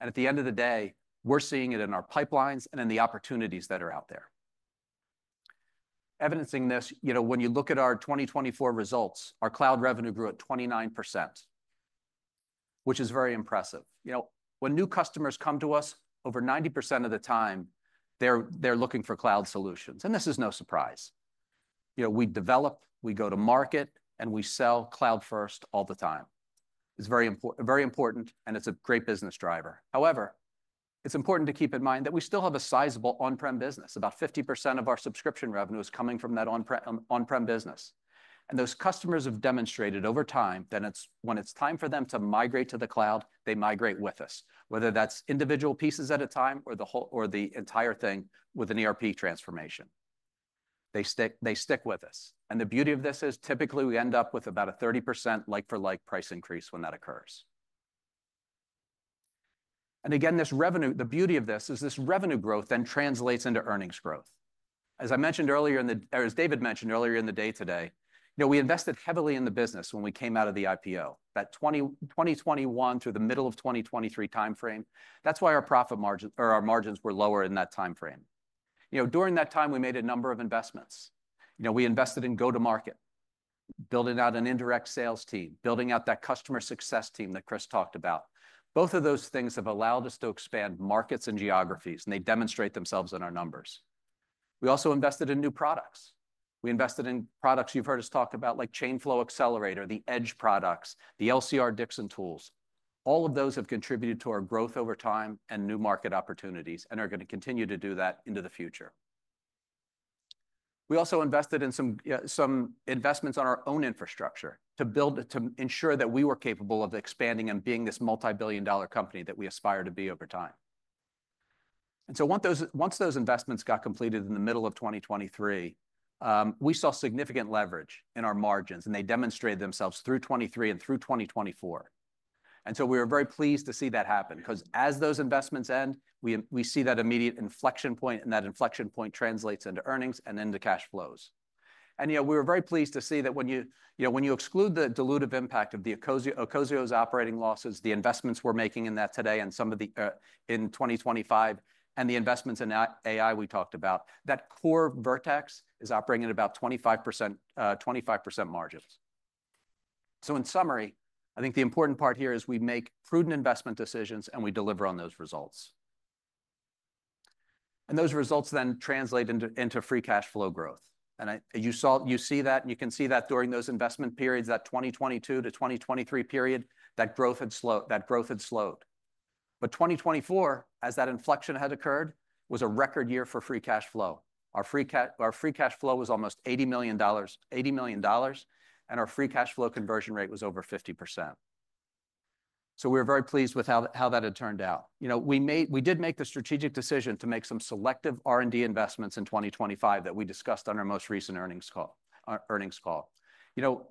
At the end of the day, we're seeing it in our pipelines and in the opportunities that are out there. Evidencing this, you know, when you look at our 2024 results, our cloud revenue grew at 29%, which is very impressive. You know, when new customers come to us, over 90% of the time, they're looking for cloud solutions. This is no surprise. You know, we develop, we go to market, and we sell cloud-first all the time. It's very important, very important, and it's a great business driver. However, it's important to keep in mind that we still have a sizable on-prem business. About 50% of our subscription revenue is coming from that on-prem business. Those customers have demonstrated over time that when it's time for them to migrate to the cloud, they migrate with us, whether that's individual pieces at a time or the whole or the entire thing with an ERP transformation. They stick with us. The beauty of this is typically we end up with about a 30% like-for-like price increase when that occurs. This revenue, the beauty of this is this revenue growth then translates into earnings growth. As I mentioned earlier in the, or as David mentioned earlier in the day today, you know, we invested heavily in the business when we came out of the IPO, that 2021 through the middle of 2023 timeframe. That is why our profit margins or our margins were lower in that timeframe. You know, during that time, we made a number of investments. You know, we invested in go-to-market, building out an indirect sales team, building out that customer success team that Chris talked about. Both of those things have allowed us to expand markets and geographies, and they demonstrate themselves in our numbers. We also invested in new products. We invested in products you have heard us talk about, like ChainFlow Accelerator, the Edge Products, the LCR-Dixon Tools. All of those have contributed to our growth over time and new market opportunities and are going to continue to do that into the future. We also invested in some investments on our own infrastructure to build to ensure that we were capable of expanding and being this multi-billion dollar company that we aspire to be over time. Once those investments got completed in the middle of 2023, we saw significant leverage in our margins, and they demonstrated themselves through 2023 and through 2024. We were very pleased to see that happen because as those investments end, we see that immediate inflection point, and that inflection point translates into earnings and into cash flows. You know, we were very pleased to see that when you, you know, when you exclude the dilutive impact of the ecosio's operating losses, the investments we're making in that today and some of the in 2025 and the investments in AI we talked about, that core Vertex is operating at about 25% margins. In summary, I think the important part here is we make prudent investment decisions and we deliver on those results. Those results then translate into free cash flow growth. You saw, you see that, and you can see that during those investment periods, that 2022 to 2023 period, that growth had slowed, that growth had slowed. 2024, as that inflection had occurred, was a record year for free cash flow. Our free cash flow was almost $80 million, $80 million, and our free cash flow conversion rate was over 50%. We were very pleased with how that had turned out. You know, we did make the strategic decision to make some selective R&D investments in 2025 that we discussed on our most recent earnings call. You know,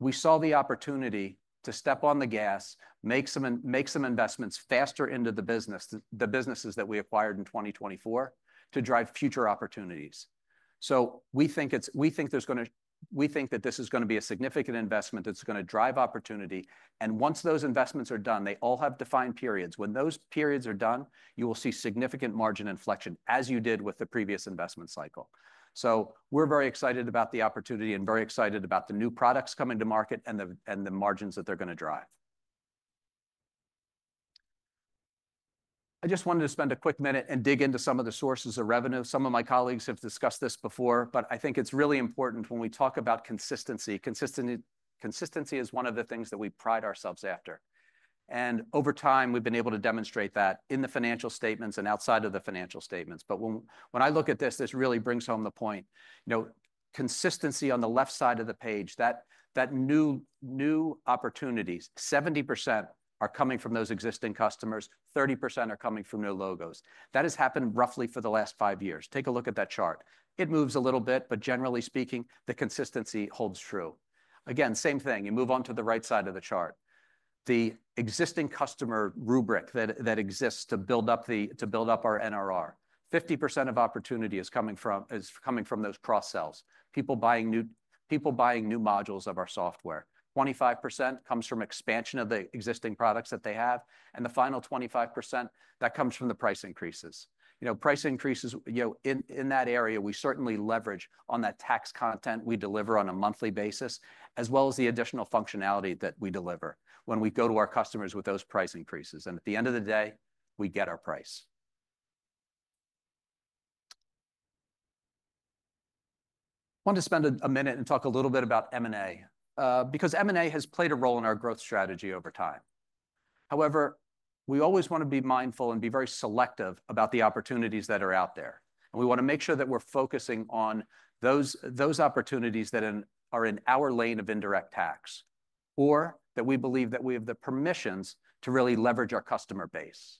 we saw the opportunity to step on the gas, make some investments faster into the business, the businesses that we acquired in 2024 to drive future opportunities. We think it's, we think there's going to, we think that this is going to be a significant investment that's going to drive opportunity. Once those investments are done, they all have defined periods. When those periods are done, you will see significant margin inflection as you did with the previous investment cycle. We're very excited about the opportunity and very excited about the new products coming to market and the margins that they're going to drive. I just wanted to spend a quick minute and dig into some of the sources of revenue. Some of my colleagues have discussed this before, but I think it's really important when we talk about consistency. Consistency is one of the things that we pride ourselves after. Over time, we've been able to demonstrate that in the financial statements and outside of the financial statements. When I look at this, this really brings home the point, you know, consistency on the left side of the page, that new opportunities, 70% are coming from those existing customers, 30% are coming from new logos. That has happened roughly for the last five years. Take a look at that chart. It moves a little bit, but generally speaking, the consistency holds true. Again, same thing, you move on to the right side of the chart. The existing customer rubric that exists to build up our NRR, 50% of opportunity is coming from those cross-sells, people buying new, people buying new modules of our software. 25% comes from expansion of the existing products that they have. And the final 25% that comes from the price increases. You know, price increases, you know, in that area, we certainly leverage on that tax content we deliver on a monthly basis, as well as the additional functionality that we deliver when we go to our customers with those price increases. At the end of the day, we get our price. I want to spend a minute and talk a little bit about M&A because M&A has played a role in our growth strategy over time. However, we always want to be mindful and be very selective about the opportunities that are out there. We want to make sure that we're focusing on those opportunities that are in our lane of indirect tax or that we believe that we have the permissions to really leverage our customer base.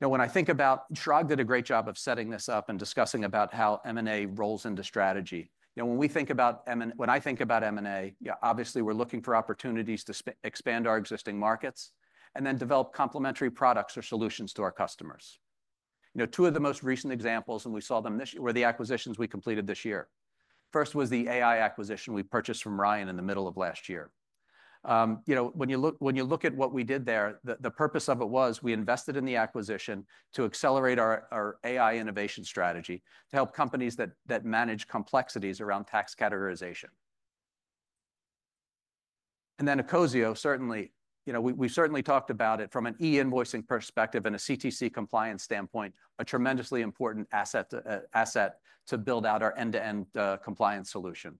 Now, when I think about, Schwab did a great job of setting this up and discussing about how M&A rolls into strategy. You know, when we think about, when I think about M&A, you know, obviously we're looking for opportunities to expand our existing markets and then develop complementary products or solutions to our customers. You know, two of the most recent examples, and we saw them this year, were the acquisitions we completed this year. First was the AI acquisition we purchased from Ryan in the middle of last year. You know, when you look, when you look at what we did there, the purpose of it was we invested in the acquisition to accelerate our AI innovation strategy to help companies that manage complexities around tax categorization. And then ecosio, certainly, you know, we've certainly talked about it from an e-invoicing perspective and a CTC compliance standpoint, a tremendously important asset to build out our end-to-end compliance solution.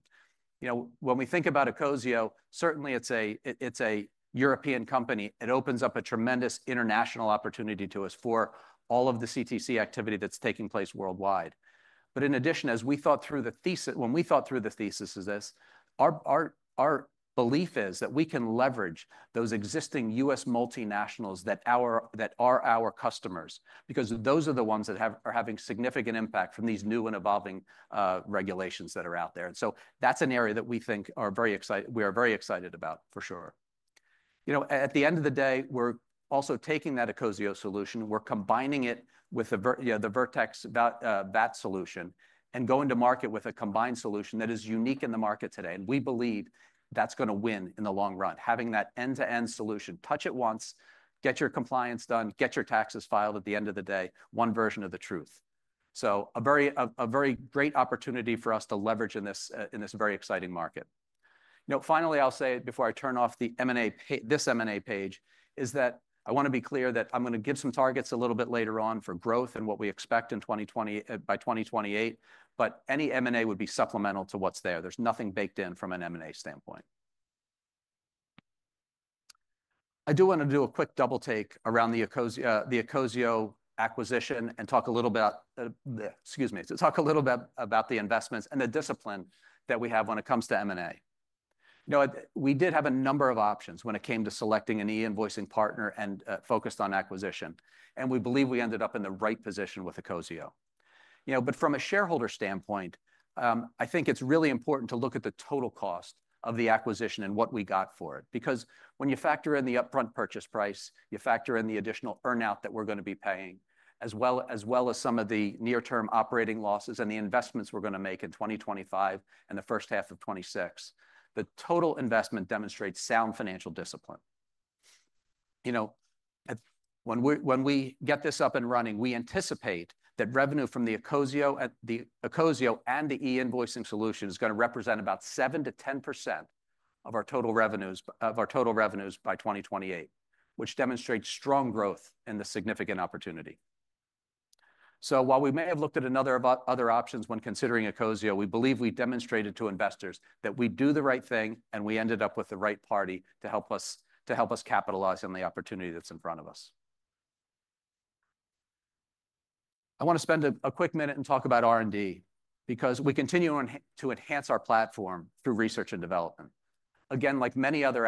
You know, when we think about ecosio, certainly it's a it's a European company. It opens up a tremendous international opportunity to us for all of the CTC activity that's taking place worldwide. In addition, as we thought through the thesis, when we thought through the thesis of this, our belief is that we can leverage those existing U.S. multinationals that are our customers because those are the ones that are having significant impact from these new and evolving regulations that are out there. That is an area that we are very excited about for sure. You know, at the end of the day, we're also taking that ecosio solution, we're combining it with the Vertex VAT solution and going to market with a combined solution that is unique in the market today. We believe that's going to win in the long run, having that end-to-end solution, touch it once, get your compliance done, get your taxes filed at the end of the day, one version of the truth. A very great opportunity for us to leverage in this very exciting market. You know, finally, I'll say before I turn off the M&A, this M&A page is that I want to be clear that I'm going to give some targets a little bit later on for growth and what we expect in 2020 by 2028, but any M&A would be supplemental to what's there. There's nothing baked in from an M&A standpoint. I do want to do a quick double take around the ecosio acquisition and talk a little about, excuse me, to talk a little bit about the investments and the discipline that we have when it comes to M&A. You know, we did have a number of options when it came to selecting an e-invoicing partner and focused on acquisition, and we believe we ended up in the right position with ecosio. You know, but from a shareholder standpoint, I think it's really important to look at the total cost of the acquisition and what we got for it because when you factor in the upfront purchase price, you factor in the additional earnout that we're going to be paying, as well as some of the near-term operating losses and the investments we're going to make in 2025 and the first half of 2026, the total investment demonstrates sound financial discipline. You know, when we get this up and running, we anticipate that revenue from the ecosio and the ecosio and the e-invoicing solution is going to represent about 7-10% of our total revenues by 2028, which demonstrates strong growth and the significant opportunity. While we may have looked at a number of other options when considering ecosio, we believe we demonstrated to investors that we do the right thing and we ended up with the right party to help us capitalize on the opportunity that's in front of us. I want to spend a quick minute and talk about R&D because we continue to enhance our platform through research and development. Again, like many other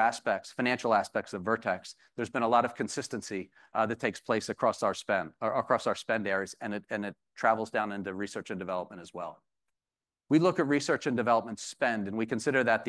financial aspects of Vertex, there's been a lot of consistency that takes place across our spend areas, and it travels down into research and development as well. We look at research and development spend, and we consider that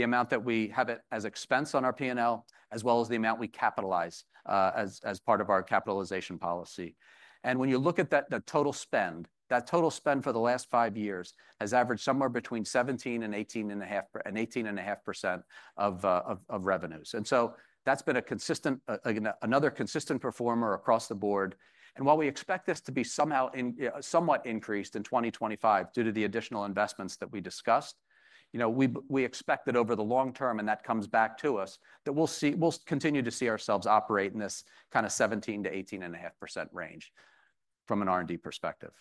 the amount that we have as expense on our P&L, as well as the amount we capitalize as part of our capitalization policy. When you look at that, the total spend, that total spend for the last five years has averaged somewhere between 17% and 18.5% and 18.5% of revenues. That has been a consistent, another consistent performer across the board. While we expect this to be somewhat increased in 2025 due to the additional investments that we discussed, you know, we expect that over the long term, and that comes back to us, that we will continue to see ourselves operate in this kind of 17%-18.5% range from an R&D perspective.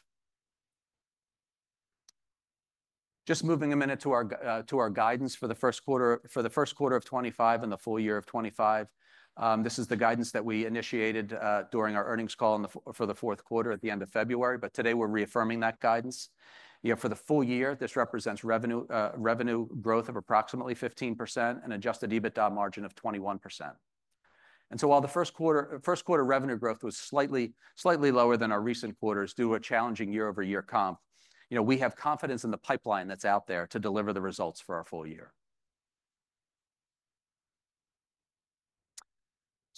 Just moving a minute to our guidance for the first quarter of 2025 and the full year of 2025. This is the guidance that we initiated during our earnings call for the fourth quarter at the end of February, but today we're reaffirming that guidance. You know, for the full year, this represents revenue growth of approximately 15% and adjusted EBITDA margin of 21%. While the first quarter revenue growth was slightly lower than our recent quarters due to a challenging year-over-year comp, you know, we have confidence in the pipeline that's out there to deliver the results for our full year.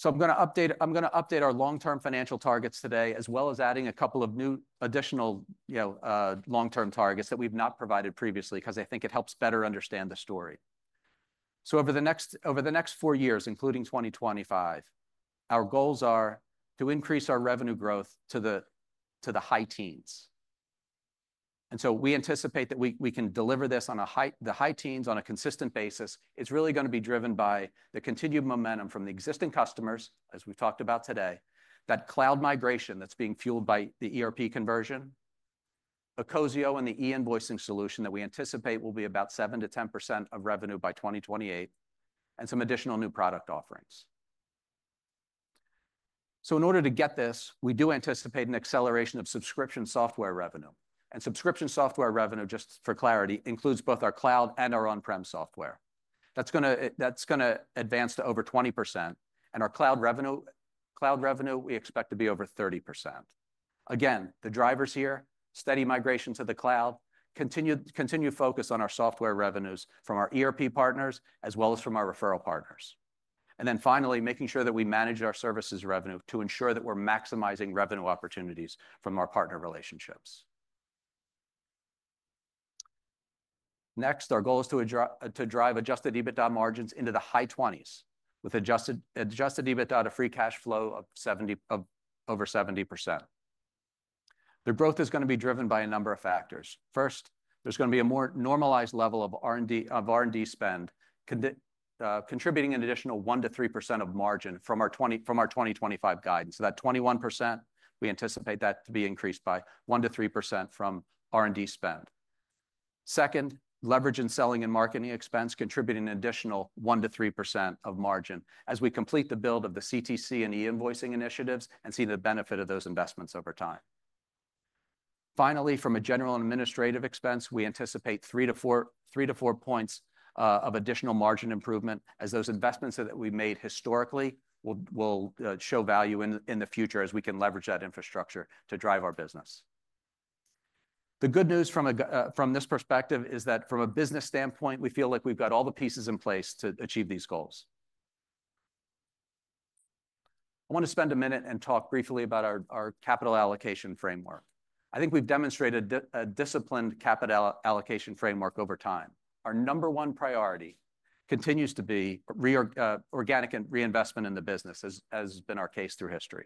I'm going to update our long-term financial targets today, as well as adding a couple of new additional, you know, long-term targets that we've not provided previously because I think it helps better understand the story. Over the next four years, including 2025, our goals are to increase our revenue growth to the high teens. We anticipate that we can deliver this in the high teens on a consistent basis. It's really going to be driven by the continued momentum from the existing customers, as we've talked about today, that cloud migration that's being fueled by the ERP conversion, ecosio and the e-invoicing solution that we anticipate will be about 7%-10% of revenue by 2028, and some additional new product offerings. In order to get this, we do anticipate an acceleration of subscription software revenue. Subscription software revenue, just for clarity, includes both our cloud and our on-prem software. That's going to advance to over 20%. Our cloud revenue, we expect to be over 30%. Again, the drivers here, steady migration to the cloud, continued focus on our software revenues from our ERP partners, as well as from our referral partners. Finally, making sure that we manage our services revenue to ensure that we're maximizing revenue opportunities from our partner relationships. Next, our goal is to drive adjusted EBITDA margins into the high 20s with adjusted EBITDA to free cash flow of over 70%. The growth is going to be driven by a number of factors. First, there's going to be a more normalized level of R&D spend contributing an additional 1%-3% of margin from our 2025 guidance. So that 21%, we anticipate that to be increased by 1%-3% from R&D spend. Second, leverage in selling and marketing expense contributing an additional 1-3% of margin as we complete the build of the CTC and e-invoicing initiatives and see the benefit of those investments over time. Finally, from a general and administrative expense, we anticipate 3-4 points of additional margin improvement as those investments that we made historically will show value in the future as we can leverage that infrastructure to drive our business. The good news from this perspective is that from a business standpoint, we feel like we've got all the pieces in place to achieve these goals. I want to spend a minute and talk briefly about our capital allocation framework. I think we've demonstrated a disciplined capital allocation framework over time. Our number one priority continues to be organic and reinvestment in the business, as has been our case through history.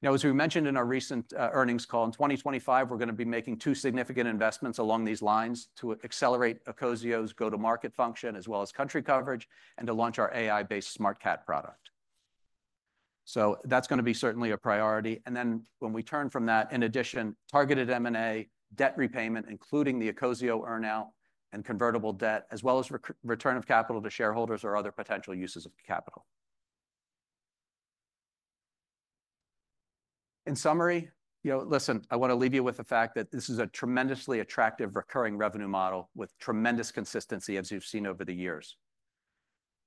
Now, as we mentioned in our recent earnings call in 2025, we're going to be making two significant investments along these lines to accelerate ecosio's go-to-market function, as well as country coverage, and to launch our AI-based SmartCat product. That is going to be certainly a priority. When we turn from that, in addition, targeted M&A debt repayment, including the ecosio earnout and convertible debt, as well as return of capital to shareholders or other potential uses of capital. In summary, you know, I want to leave you with the fact that this is a tremendously attractive recurring revenue model with tremendous consistency, as you've seen over the years.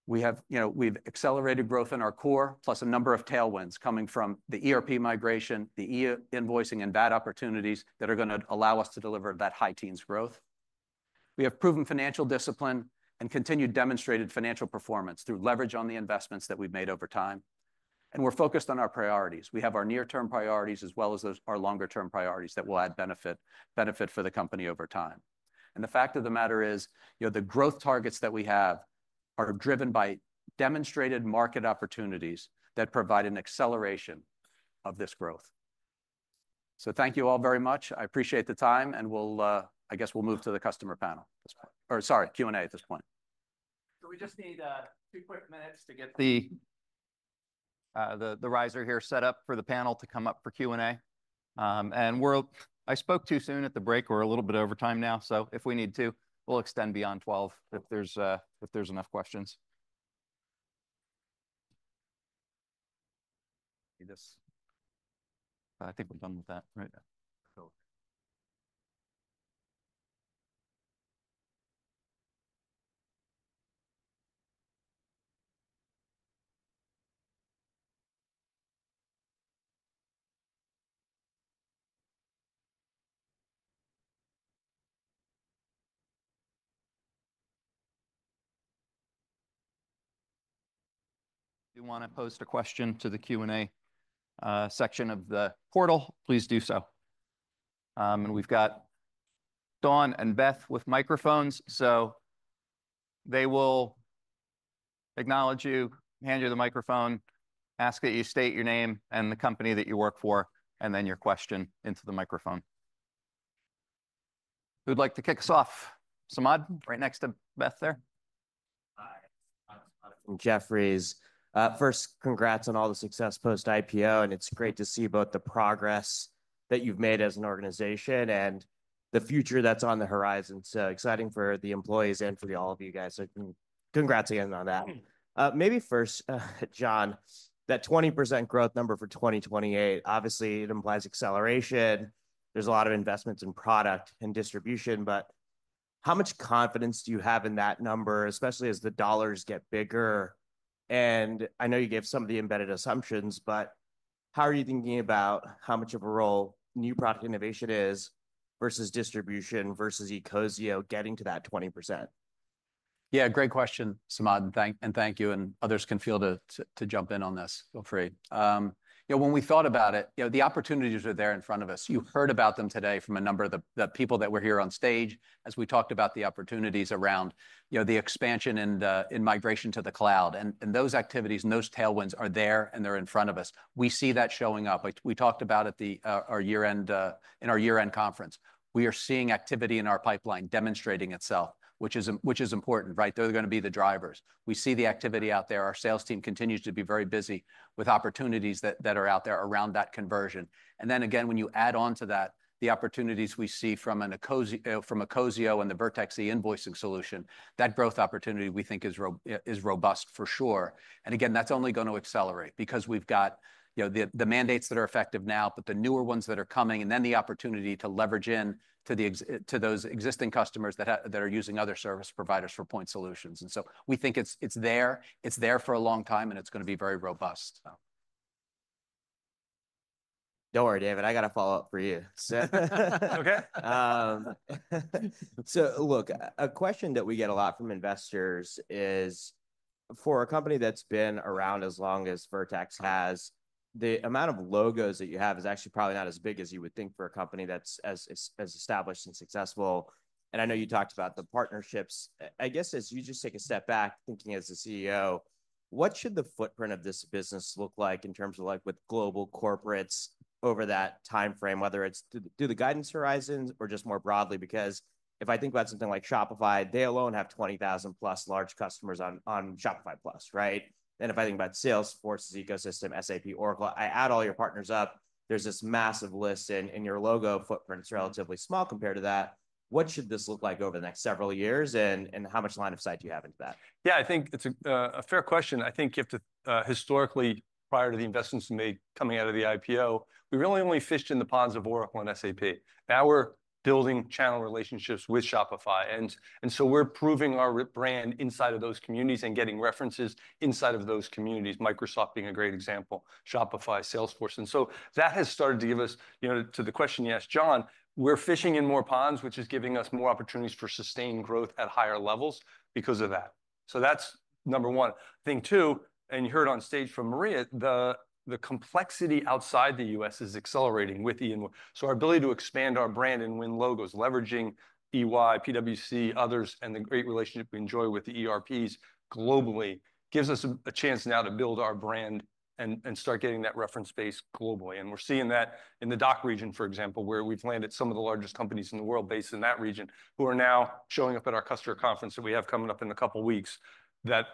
We have, you know, we've accelerated growth in our core, plus a number of tailwinds coming from the ERP migration, the e-invoicing, and VAT opportunities that are going to allow us to deliver that high teens growth. We have proven financial discipline and continued demonstrated financial performance through leverage on the investments that we've made over time. We are focused on our priorities. We have our near-term priorities, as well as those our longer-term priorities that will add benefit for the company over time. The fact of the matter is, you know, the growth targets that we have are driven by demonstrated market opportunities that provide an acceleration of this growth. Thank you all very much. I appreciate the time, and we'll, I guess we'll move to the customer panel at this point or sorry, Q&A at this point. We just need two quick minutes to get the riser here set up for the panel to come up for Q&A. I spoke too soon at the break. We're a little bit over time now. If we need to, we'll extend beyond 12 if there's enough questions. I think we're done with that right now. If you want to post a question to the Q&A section of the portal, please do so. We've got Dawn and Beth with microphones. They will acknowledge you, hand you the microphone, ask that you state your name and the company that you work for, and then your question into the microphone. Who'd like to kick us off? Samad, right next to Beth there. Hi, I'm Jeff Rees. First, congrats on all the success post-IPO, and it's great to see both the progress that you've made as an organization and the future that's on the horizon. Exciting for the employees and for all of you guys. Congrats again on that. Maybe first, John, that 20% growth number for 2028, obviously it implies acceleration. There's a lot of investments in product and distribution, but how much confidence do you have in that number, especially as the dollars get bigger? I know you gave some of the embedded assumptions, but how are you thinking about how much of a role new product innovation is versus distribution versus ecosio getting to that 20%? Yeah, great question, Samad. Thank you. Others can feel free to jump in on this. Feel free. You know, when we thought about it, you know, the opportunities are there in front of us. You heard about them today from a number of the people that were here on stage as we talked about the opportunities around, you know, the expansion and in migration to the cloud. Those activities and those tailwinds are there, and they're in front of us. We see that showing up. We talked about at our year-end in our year-end conference. We are seeing activity in our pipeline demonstrating itself, which is important, right? Those are going to be the drivers. We see the activity out there. Our sales team continues to be very busy with opportunities that are out there around that conversion. Then again, when you add on to that, the opportunities we see from an ecosio and the Vertex e-invoicing solution, that growth opportunity we think is robust for sure. Again, that's only going to accelerate because we've got, you know, the mandates that are effective now, but the newer ones that are coming, and then the opportunity to leverage into those existing customers that are using other service providers for point solutions. We think it's there. It's there for a long time, and it's going to be very robust. Don't worry, David, I got a follow-up for you. Okay. Look, a question that we get a lot from investors is for a company that's been around as long as Vertex has, the amount of logos that you have is actually probably not as big as you would think for a company that's as established and successful. I know you talked about the partnerships. I guess as you just take a step back, thinking as a CEO, what should the footprint of this business look like in terms of like with global corporates over that time frame, whether it's through the guidance horizons or just more broadly? Because if I think about something like Shopify, they alone have 20,000+ large customers on Shopify Plus, right? If I think about Salesforce's ecosystem, SAP, Oracle, I add all your partners up, there's this massive list, and your logo footprint's relatively small compared to that. What should this look like over the next several years, and how much line of sight do you have into that? Yeah, I think it's a fair question. I think you have to historically, prior to the investments made coming out of the IPO, we really only fished in the ponds of Oracle and SAP. Now we're building channel relationships with Shopify. And so we're proving our brand inside of those communities and getting references inside of those communities, Microsoft being a great example, Shopify, Salesforce. That has started to give us, you know, to the question you asked, John, we're fishing in more ponds, which is giving us more opportunities for sustained growth at higher levels because of that. That's number one. I think two, and you heard on stage from Maria, the complexity outside the U.S. is accelerating with E and more. Our ability to expand our brand and win logos, leveraging EY, PwC, others, and the great relationship we enjoy with the ERPs globally gives us a chance now to build our brand and start getting that reference base globally. We are seeing that in the DOC region, for example, where we have landed some of the largest companies in the world based in that region who are now showing up at our customer conference that we have coming up in a couple of weeks that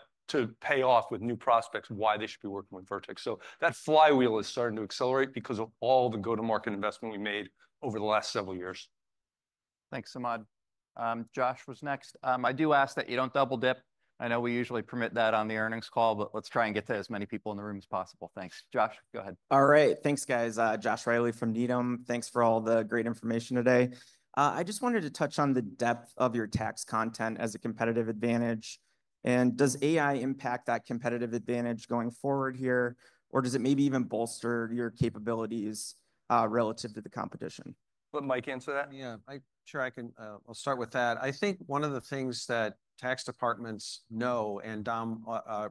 pay off with new prospects why they should be working with Vertex. That flywheel is starting to accelerate because of all the go-to-market investment we made over the last several years. Thanks, Samad. Josh was next. I do ask that you do not double-dip. I know we usually permit that on the earnings call, but let's try and get to as many people in the room as possible. Thanks. Josh, go ahead. All right. Thanks, guys. Josh Riley from Needham. Thanks for all the great information today. I just wanted to touch on the depth of your tax content as a competitive advantage. Does AI impact that competitive advantage going forward here, or does it maybe even bolster your capabilities relative to the competition? Mike, answer that. Yeah, I can start with that. I think one of the things that tax departments know, and Dom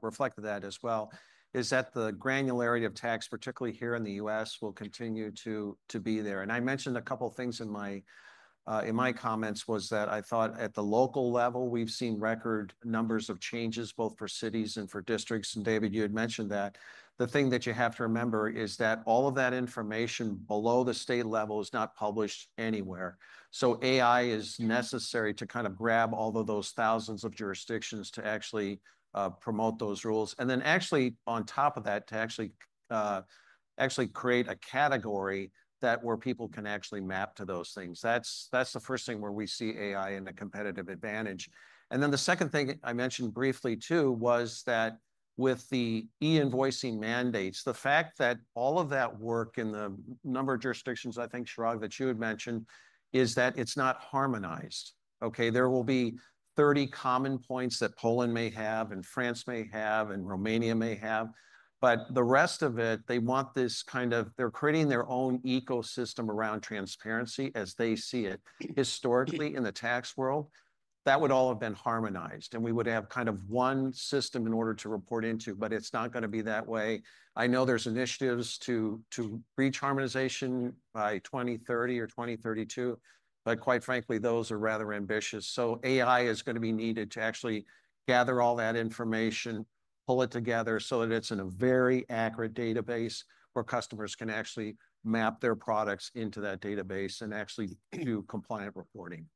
reflected that as well, is that the granularity of tax, particularly here in the U.S., will continue to be there. I mentioned a couple of things in my comments was that I thought at the local level, we've seen record numbers of changes both for cities and for districts. David, you had mentioned that. The thing that you have to remember is that all of that information below the state level is not published anywhere. AI is necessary to kind of grab all of those thousands of jurisdictions to actually promote those rules. On top of that, to actually create a category that where people can actually map to those things. That's the first thing where we see AI and a competitive advantage. The second thing I mentioned briefly too was that with the e-invoicing mandates, the fact that all of that work in the number of jurisdictions I think, Chirag, that you had mentioned is that it's not harmonized. There will be 30 common points that Poland may have and France may have and Romania may have, but the rest of it, they want this kind of they're creating their own ecosystem around transparency as they see it historically in the tax world. That would all have been harmonized, and we would have kind of one system in order to report into, but it's not going to be that way. I know there's initiatives to reach harmonization by 2030 or 2032, but quite frankly, those are rather ambitious. AI is going to be needed to actually gather all that information, pull it together so that it's in a very accurate database where customers can actually map their products into that database and actually do compliant reporting.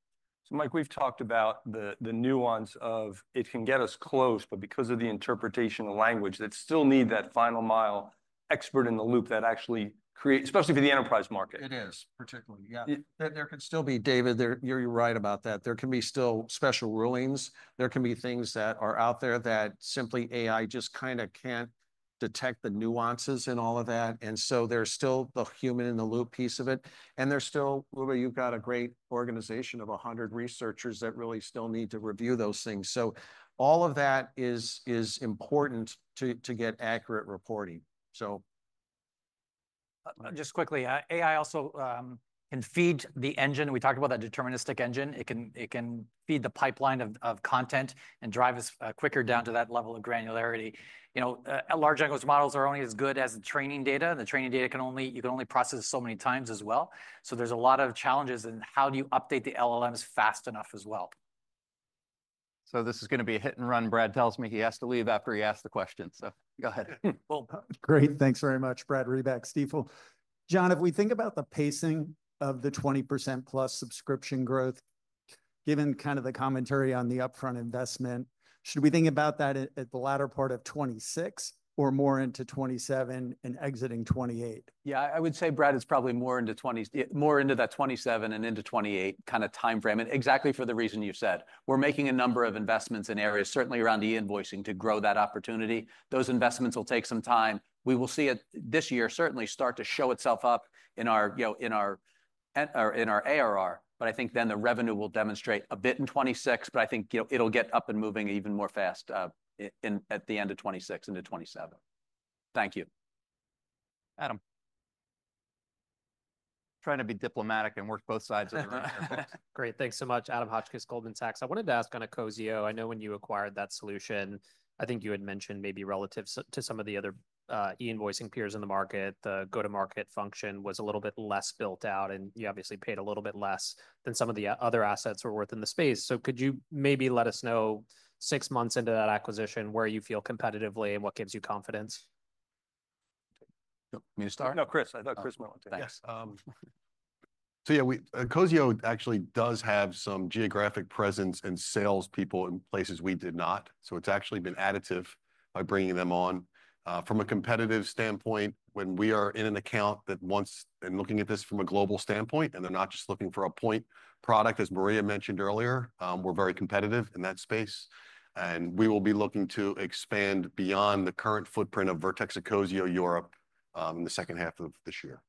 Mike, we've talked about the nuance of it can get us close, but because of the interpretation of language, that still need that final mile expert in the loop that actually creates, especially for the enterprise market. It is, particularly. Yeah. There can still be, David, you're right about that. There can be still special rulings. There can be things that are out there that simply AI just kind of can't detect the nuances in all of that. Tere is still the human in the loop piece of it. There is still, Ruby, you have a great organization of 100 researchers that really still need to review those things. All of that is important to get accurate reporting. Just quickly, AI also can feed the engine. We talked about that deterministic engine. It can feed the pipeline of content and drive us quicker down to that level of granularity. You know, large language models are only as good as the training data. The training data can only be processed so many times as well. There are a lot of challenges in how you update the LLMs fast enough as well. This is going to be a hit and run. Brad tells me he has to leave after he asks the question. Go ahead. Great. Thanks very much, Brad Reback Stifel. John, if we think about the pacing of the 20%+ subscription growth, given kind of the commentary on the upfront investment, should we think about that at the latter part of 2026 or more into 2027 and exiting 2028? Yeah, I would say, Brad, it's probably more into 2027 and into 2028 kind of time frame. Exactly for the reason you said, we're making a number of investments in areas, certainly around e-invoicing to grow that opportunity. Those investments will take some time. We will see it this year certainly start to show itself up in our, you know, in our or in our ARR. I think then the revenue will demonstrate a bit in 2026, but I think, you know, it'll get up and moving even more fast, at the end of 2026 into 2027. Thank you. Adam. Trying to be diplomatic and work both sides of the room. Gre``at. Thanks so much. Adam Hotchkiss, Goldman Sachs. I wanted to ask on ecosio. I know when you acquired that solution, I think you had mentioned maybe relative to some of the other e-invoicing peers in the market, the go-to-market function was a little bit less built out, and you obviously paid a little bit less than some of the other assets were worth in the space. Could you maybe let us know six months into that acquisition where you feel competitively and what gives you confidence? You want me to start? No, Chris, I thought Chris went on. Thanks. Yeah, ecosio actually does have some geographic presence and salespeople in places we did not. It has actually been additive by bringing them on. From a competitive standpoint, when we are in an account that wants and looking at this from a global standpoint, and they're not just looking for a point product, as Maria mentioned earlier, we're very competitive in that space. We will be looking to expand beyond the current footprint of Vertex and ecosio Europe in the second half of this year.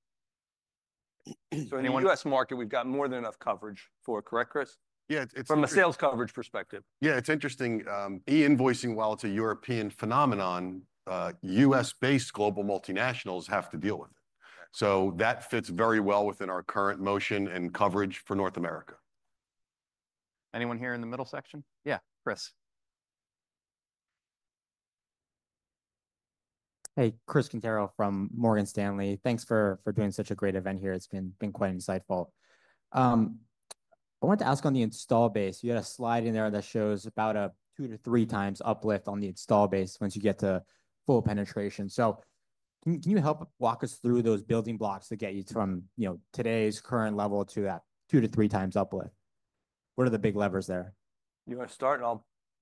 In the U.S. market, we've got more than enough coverage for it, correct, Chris? Yeah, it's from a sales coverage perspective. Yeah, it's interesting. E-invoicing, while it's a European phenomenon, U.S.-based global multinationals have to deal with it. That fits very well within our current motion and coverage for North America. Anyone here in the middle section? Yeah, Chris. Hey, Chris Cantaro from Morgan Stanley. Thanks for doing such a great event here. It's been quite insightful. I wanted to ask on the install base, you had a slide in there that shows about a two- to three-times uplift on the install base once you get to full penetration. Can you help walk us through those building blocks to get you from, you know, today's current level to that two- to three-times uplift? What are the big levers there? You want to start?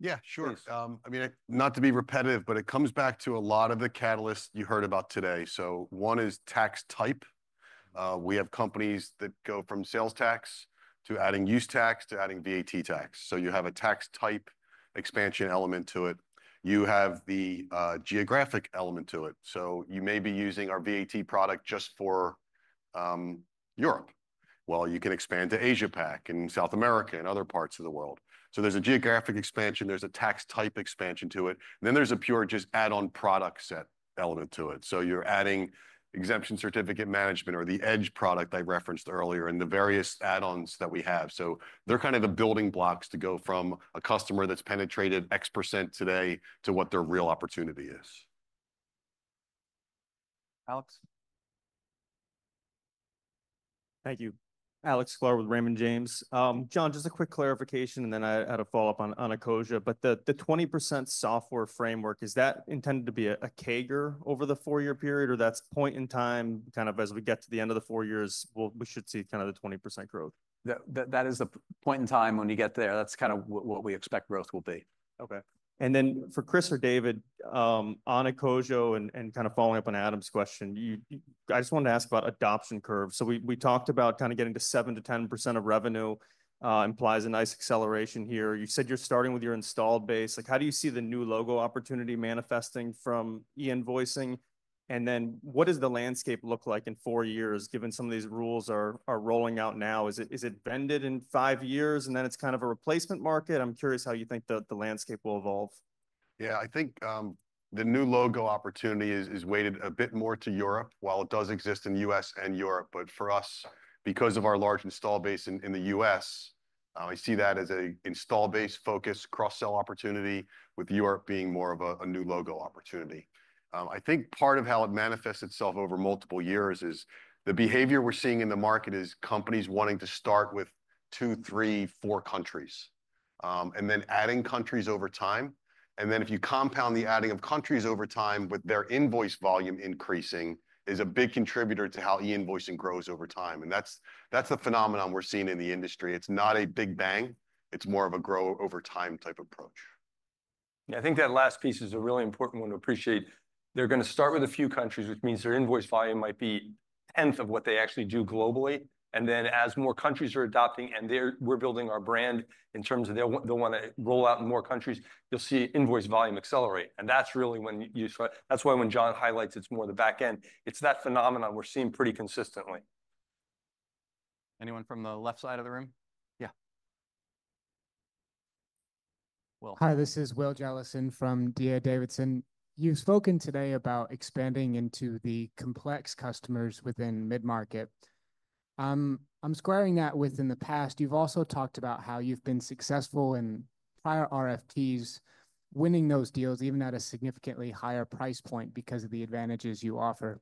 Yeah, sure. I mean, not to be repetitive, but it comes back to a lot of the catalysts you heard about today. One is tax type. We have companies that go from sales tax to adding use tax to adding VAT tax. You have a tax type expansion element to it. You have the geographic element to it. You may be using our VAT product just for Europe. You can expand to AsiaPac and South America and other parts of the world. There is a geographic expansion. There is a tax type expansion to it. Then there is a pure just add-on product set element to it. You are adding exemption certificate management or the Edge Products I referenced earlier and the various add-ons that we have. They are kind of the building blocks to go from a customer that is penetrated X percent today to what their real opportunity is. Alex. Thank you. Alex Sklar with Raymond James. John, just a quick clarification, and then I had a follow-up on ecosio, but the 20% software framework, is that intended to be a CAGR over the four-year period, or is that point in time kind of as we get to the end of the four years, we should see kind of the 20% growth? That is the point in time when you get there. That's kind of what we expect growth will be. Okay. For Chris or David, on ecosio and kind of following up on Adam's question, I just wanted to ask about adoption curve. We talked about kind of getting to 7%-10% of revenue implies a nice acceleration here. You said you're starting with your installed base. Like, how do you see the new logo opportunity manifesting from e-invoicing? What does the landscape look like in four years given some of these rules are rolling out now? Is it vended in five years and then it's kind of a replacement market? I'm curious how you think the landscape will evolve. Yeah, I think the new logo opportunity is weighted a bit more to Europe while it does exist in the U.S. and Europe. For us, because of our large install base in the U.S., I see that as an install-based focus cross-sell opportunity with Europe being more of a new logo opportunity. I think part of how it manifests itself over multiple years is the behavior we're seeing in the market is companies wanting to start with two, three, four countries and then adding countries over time. If you compound the adding of countries over time with their invoice volume increasing, it is a big contributor to how e-invoicing grows over time. That is the phenomenon we're seeing in the industry. It's not a big bang. It's more of a grow over time type approach. Yeah, I think that last piece is a really important one to appreciate. They're going to start with a few countries, which means their invoice volume might be a tenth of what they actually do globally. As more countries are adopting and we're building our brand in terms of they'll want to roll out in more countries, you'll see invoice volume accelerate. That's really when you start. That's why when John highlights it's more the back end, it's that phenomenon we're seeing pretty consistently. Anyone from the left side of the room? Yeah. Hi, this is Will Jellison from DA Davidson. You've spoken today about expanding into the complex customers within mid-market. I'm squaring that with in the past, you've also talked about how you've been successful in prior RFPs winning those deals even at a significantly higher price point because of the advantages you offer.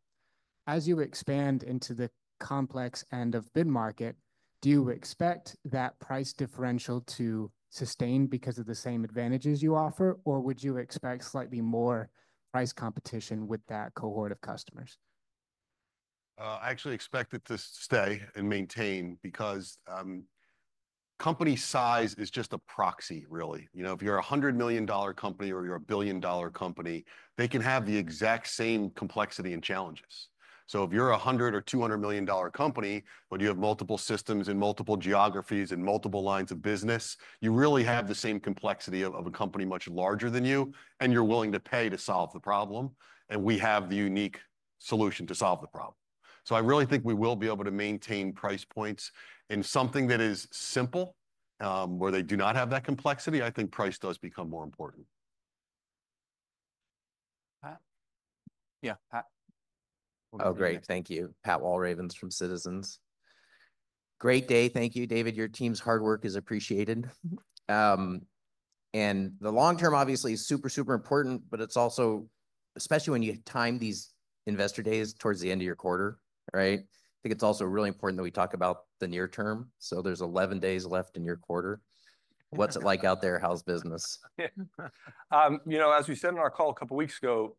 As you expand into the complex end of bid market, do you expect that price differential to sustain because of the same advantages you offer, or would you expect slightly more price competition with that cohort of customers? I actually expect it to stay and maintain because company size is just a proxy, really. You know, if you're a $100 million company or you're a billion-dollar company, they can have the exact same complexity and challenges. If you're a $100 or $200 million company, when you have multiple systems in multiple geographies and multiple lines of business, you really have the same complexity of a company much larger than you, and you're willing to pay to solve the problem. We have the unique solution to solve the problem. I really think we will be able to maintain price points in something that is simple where they do not have that complexity. I think price does become more important. Yeah. Oh, great. Thank you. Pat Walravens from Citizens. Great day. Thank you, David. Your team's hard work is appreciated. The long term, obviously, is super, super important, but it's also, especially when you time these investor days towards the end of your quarter, right? I think it's also really important that we talk about the near term. There are 11 days left in your quarter. What's it like out there? How's business? Yeah. You know, as we said in our call a couple of weeks ago,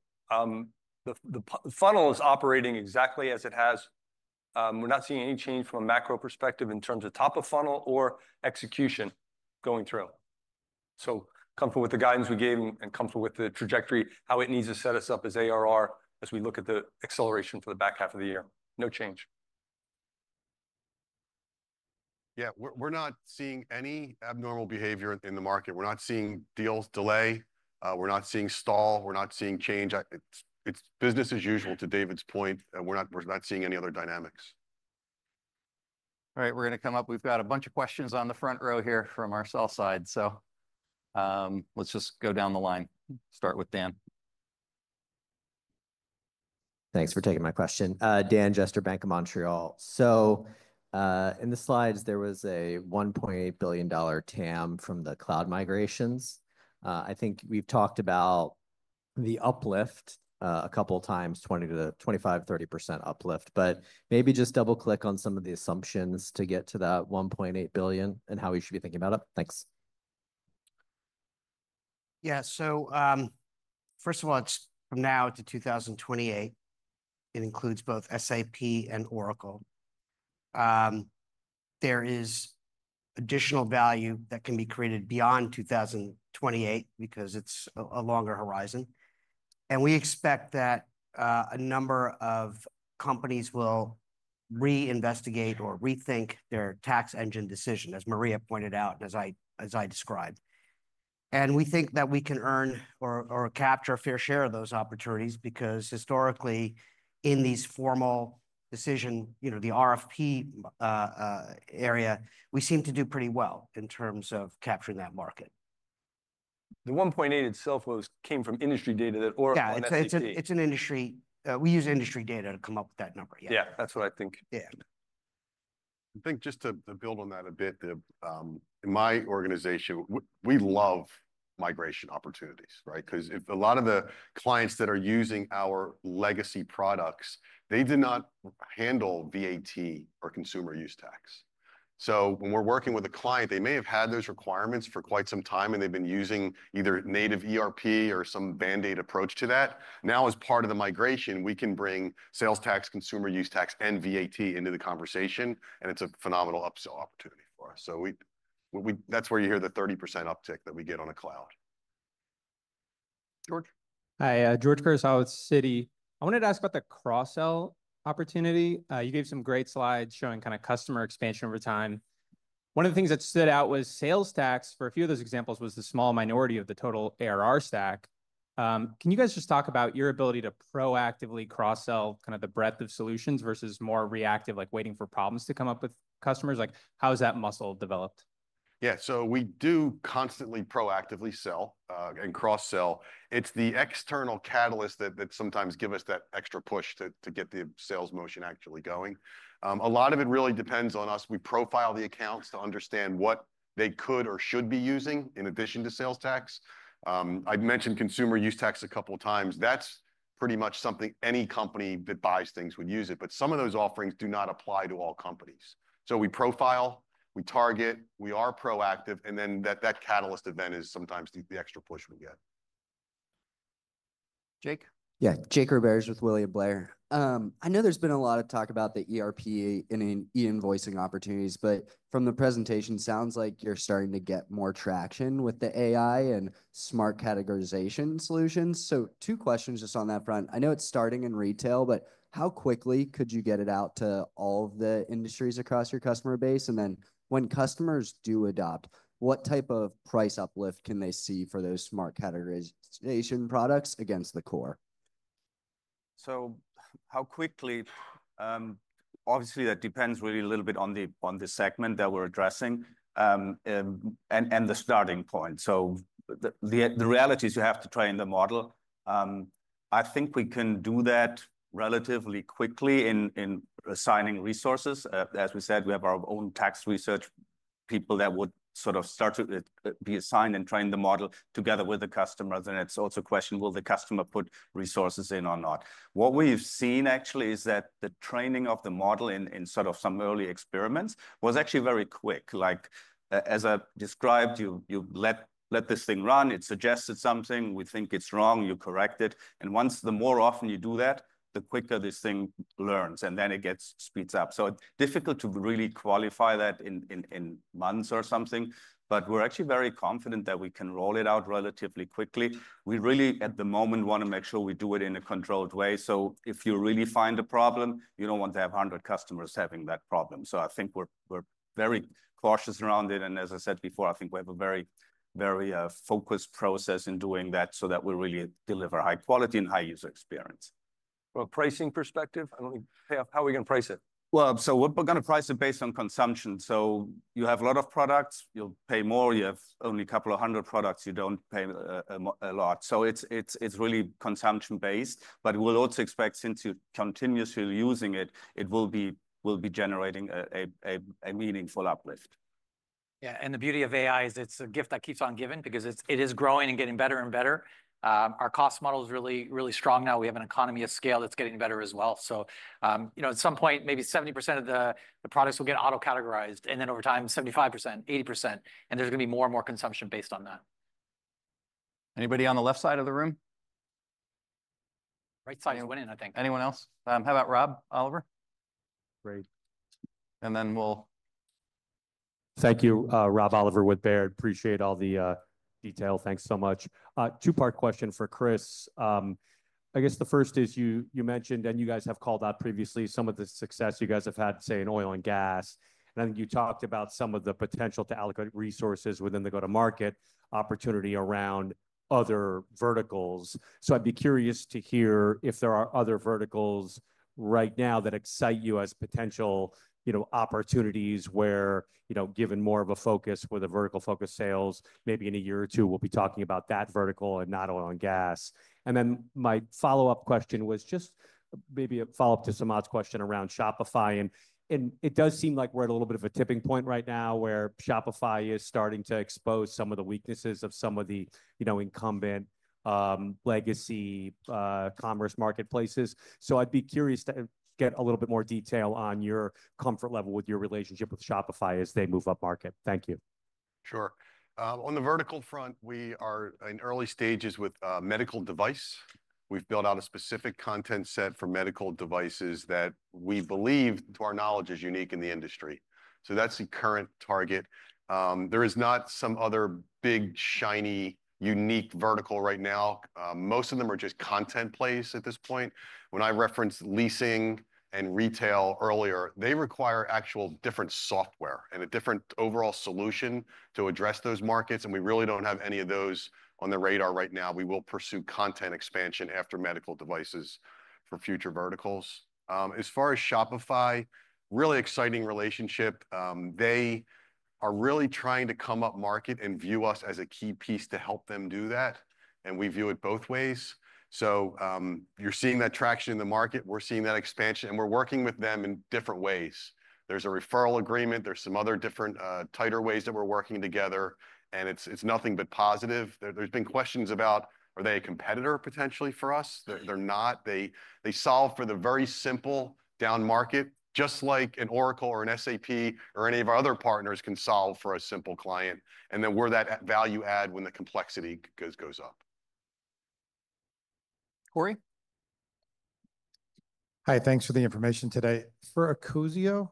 the funnel is operating exactly as it has. We're not seeing any change from a macro perspective in terms of top of funnel or execution going through. Comfortable with the guidance we gave and comfortable with the trajectory, how it needs to set us up as ARR as we look at the acceleration for the back half of the year. No change. Yeah, we're not seeing any abnormal behavior in the market. We're not seeing deals delay. We're not seeing stall. We're not seeing change. It's business as usual to David's point. We're not seeing any other dynamics. All right, we're going to come up. We've got a bunch of questions on the front row here from our sell side. Let's just go down the line. Start with Dan. Thanks for taking my question. Dan Jester, Bank of Montreal. In the slides, there was a $1.8 billion TAM from the cloud migrations. I think we've talked about the uplift a couple of times, 20-25-30% uplift, but maybe just double-click on some of the assumptions to get to that $1.8 billion and how we should be thinking about it. Thanks. Yeah. First of all, it's from now to 2028. It includes both SAP and Oracle. There is additional value that can be created beyond 2028 because it's a longer horizon. We expect that a number of companies will reinvestigate or rethink their tax engine decision, as Maria pointed out and as I described. We think that we can earn or capture a fair share of those opportunities because historically, in these formal decision, you know, the RFP area, we seem to do pretty well in terms of capturing that market. The $1.8 billion itself came from industry data that Oracle had. Yeah, it's an industry. We use industry data to come up with that number. Yeah. Yeah, that's what I think. Yeah. I think just to build on that a bit, in my organization, we love migration opportunities, right? Because if a lot of the clients that are using our legacy products, they did not handle VAT or consumer use tax. When we're working with a client, they may have had those requirements for quite some time, and they've been using either native ERP or some band-aid approach to that. Now, as part of the migration, we can bring sales tax, consumer use tax, and VAT into the conversation, and it's a phenomenal upsell opportunity for us. That's where you hear the 30% uptick that we get on a cloud. George. Hi, George Curtis out of Citi. I wanted to ask about the cross-sell opportunity. You gave some great slides showing kind of customer expansion over time. One of the things that stood out was sales tax for a few of those examples was the small minority of the total ARR stack. Can you guys just talk about your ability to proactively cross-sell kind of the breadth of solutions versus more reactive, like waiting for problems to come up with customers? Like, how has that muscle developed? Yeah, we do constantly proactively sell and cross-sell. It's the external catalyst that sometimes gives us that extra push to get the sales motion actually going. A lot of it really depends on us. We profile the accounts to understand what they could or should be using in addition to sales tax. I've mentioned consumer use tax a couple of times. That's pretty much something any company that buys things would use it, but some of those offerings do not apply to all companies. We profile, we target, we are proactive and that catalyst event is sometimes the extra push we get. Jake. Yeah, Jake Roberge with William Blair. I know there's been a lot of talk about the ERP and e-invoicing opportunities, but from the presentation, it sounds like you're starting to get more traction with the AI and smart categorization solutions. Two questions just on that front. I know it's starting in retail, but how quickly could you get it out to all of the industries across your customer base? When customers do adopt, what type of price uplift can they see for those smart categorization products against the core? How quickly? Obviously, that depends really a little bit on the segment that we're addressing and the starting point. The reality is you have to train the model. I think we can do that relatively quickly in assigning resources. As we said, we have our own tax research people that would sort of start to be assigned and train the model together with the customer. Then it's also a question, will the customer put resources in or not? What we've seen actually is that the training of the model in some early experiments was actually very quick. Like as I described, you let this thing run. It suggested something. We think it's wrong. You correct it. And the more often you do that, the quicker this thing learns, and then it speeds up. It's difficult to really qualify that in months or something, but we're actually very confident that we can roll it out relatively quickly. We really at the moment want to make sure we do it in a controlled way. If you really find a problem, you don't want to have 100 customers having that problem. I think we're very cautious around it. As I said before, I think we have a very, very focused process in doing that so that we really deliver high quality and high user experience. From a pricing perspective, I don't think how are we going to price it? We're going to price it based on consumption. You have a lot of products, you'll pay more. You have only a couple of hundred products, you don't pay a lot. It's really consumption-based, but we'll also expect since you're continuously using it, it will be generating a meaningful uplift. Yeah. The beauty of AI is it's a gift that keeps on giving because it is growing and getting better and better. Our cost model is really, really strong now. We have an economy of scale that's getting better as well. You know, at some point, maybe 70% of the products will get auto-categorized and then over time, 75%, 80%, and there's going to be more and more consumption based on that. Anybody on the left side of the room? Right side went in, I think. Anyone else? How about Rob, Oliver? Great. Thank you, Rob Oliver with Baird. Appreciate all the detail. Thanks so much. Two-part question for Chris. I guess the first is you mentioned and you guys have called out previously some of the success you guys have had, say, in oil and gas. I think you talked about some of the potential to allocate resources within the go-to-market opportunity around other verticals. I'd be curious to hear if there are other verticals right now that excite you as potential, you know, opportunities where, you know, given more of a focus with a vertical focus sales, maybe in a year or two, we'll be talking about that vertical and not oil and gas. My follow-up question was just maybe a follow-up to Samad's question around Shopify. It does seem like we're at a little bit of a tipping point right now where Shopify is starting to expose some of the weaknesses of some of the, you know, incumbent legacy commerce marketplaces. I'd be curious to get a little bit more detail on your comfort level with your relationship with Shopify as they move up market. Thank you. Sure. On the vertical front, we are in early stages with medical device. We've built out a specific content set for medical devices that we believe, to our knowledge, is unique in the industry. That's the current target. There is not some other big, shiny, unique vertical right now. Most of them are just content plays at this point. When I referenced leasing and retail earlier, they require actual different software and a different overall solution to address those markets. We really don't have any of those on the radar right now. We will pursue content expansion after medical devices for future verticals. As far as Shopify, really exciting relationship. They are really trying to come up market and view us as a key piece to help them do that. We view it both ways. You are seeing that traction in the market. We are seeing that expansion. We are working with them in different ways. There is a referral agreement. There are some other different tighter ways that we are working together. It is nothing but positive. There have been questions about, are they a competitor potentially for us? They are not. They solve for the very simple down market, just like an Oracle or an SAP or any of our other partners can solve for a simple client. We are that value add when the complexity goes up. Corey. Hi, thanks for the information today. For ecosio,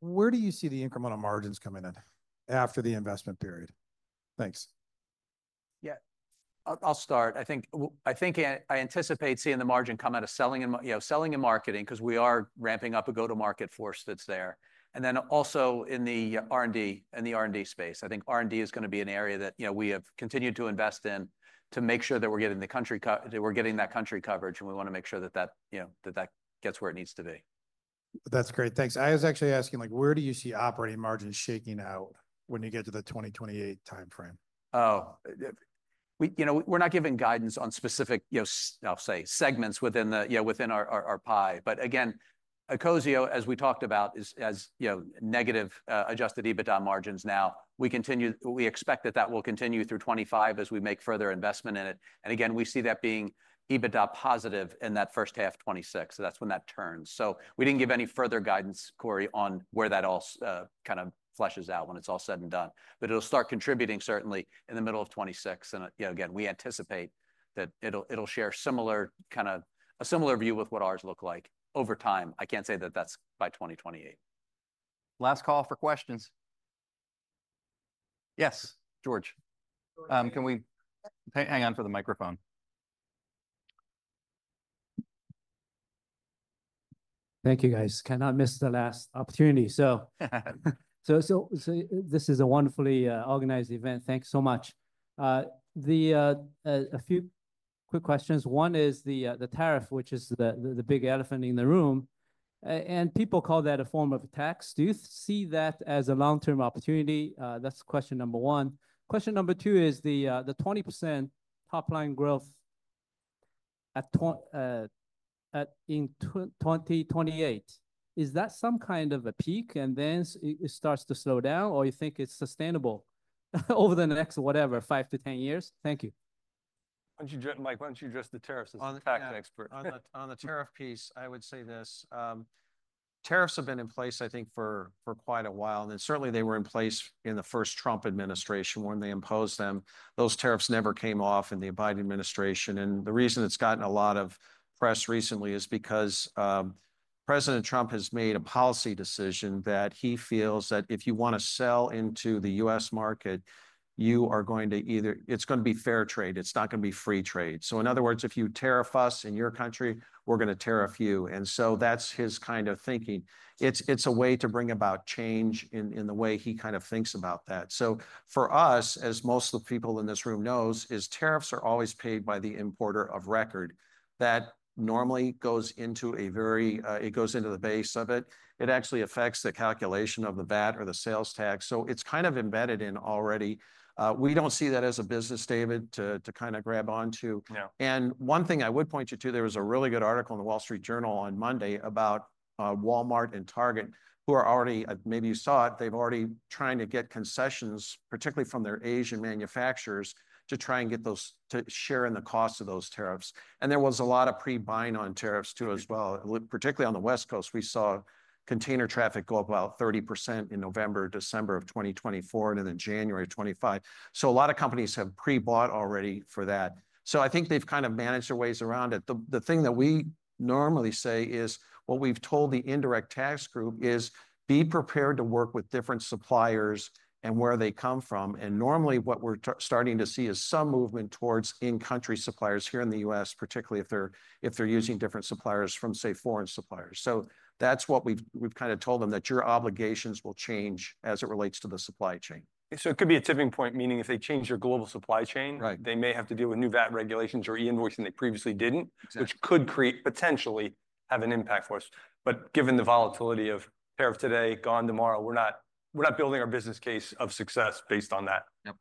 where do you see the incremental margins coming in after the investment period? Thanks. Yeah, I will start. I think I anticipate seeing the margin come out of selling and, you know, selling and marketing because we are ramping up a go-to-market force that's there. And then also in the R&D and the R&D space, I think R&D is going to be an area that, you know, we have continued to invest in to make sure that we're getting the country that we're getting that country coverage. And we want to make sure that that, you know, that that gets where it needs to be. That's great. Thanks. I was actually asking, like, where do you see operating margins shaking out when you get to the 2028 timeframe? Oh, you know, we're not giving guidance on specific, you know, I'll say segments within the, you know, within our pie. But again, ecosio, as we talked about, is as, you know, negative adjusted EBITDA margins now. We continue. We expect that that will continue through 2025 as we make further investment in it. Again, we see that being EBITDA positive in that first half of 2026. That is when that turns. We did not give any further guidance, Corey, on where that all kind of fleshes out when it is all said and done. It will start contributing certainly in the middle of 2026. You know, again, we anticipate that it will share a similar kind of a similar view with what ours look like over time. I cannot say that that is by 2028. Last call for questions. Yes, George. Can we hang on for the microphone? Thank you, guys. Cannot miss the last opportunity. This is a wonderfully organized event. Thanks so much. A few quick questions. One is the tariff, which is the big elephant in the room. People call that a form of tax. Do you see that as a long-term opportunity? That's question number one. Question number two is the 20% top line growth at in 2028. Is that some kind of a peak and then it starts to slow down or you think it's sustainable over the next whatever, five to ten years? Thank you. Why don't you address the tariffs as a tax expert? On the tariff piece, I would say this. Tariffs have been in place, I think, for quite a while. Certainly they were in place in the first Trump administration when they imposed them. Those tariffs never came off in the Biden administration. The reason it's gotten a lot of press recently is because President Trump has made a policy decision that he feels that if you want to sell into the U.S. market, you are going to either it's going to be fair trade. It's not going to be free trade. In other words, if you tariff us in your country, we're going to tariff you. That's his kind of thinking. It's a way to bring about change in the way he kind of thinks about that. For us, as most of the people in this room know, tariffs are always paid by the importer of record. That normally goes into the base of it. It actually affects the calculation of the VAT or the sales tax. It's kind of embedded in already. We do not see that as a business, David, to kind of grab onto. One thing I would point you to, there was a really good article in The Wall Street Journal on Monday about Walmart and Target, who are already, maybe you saw it, they are already trying to get concessions, particularly from their Asian manufacturers, to try and get those to share in the cost of those tariffs. There was a lot of pre-buying on tariffs too as well, particularly on the West Coast. We saw container traffic go up about 30% in November, December of 2024, and then January of 2025. A lot of companies have pre-bought already for that. I think they have kind of managed their ways around it. The thing that we normally say is what we've told the indirect tax group is be prepared to work with different suppliers and where they come from. Normally what we're starting to see is some movement towards in-country suppliers here in the U.S., particularly if they're using different suppliers from, say, foreign suppliers. That's what we've kind of told them, that your obligations will change as it relates to the supply chain. It could be a tipping point, meaning if they change their global supply chain, they may have to deal with new VAT regulations or e-invoicing they previously didn't, which could potentially have an impact for us. Given the volatility of tariff today, gone tomorrow, we're not building our business case of success based on that. Yep.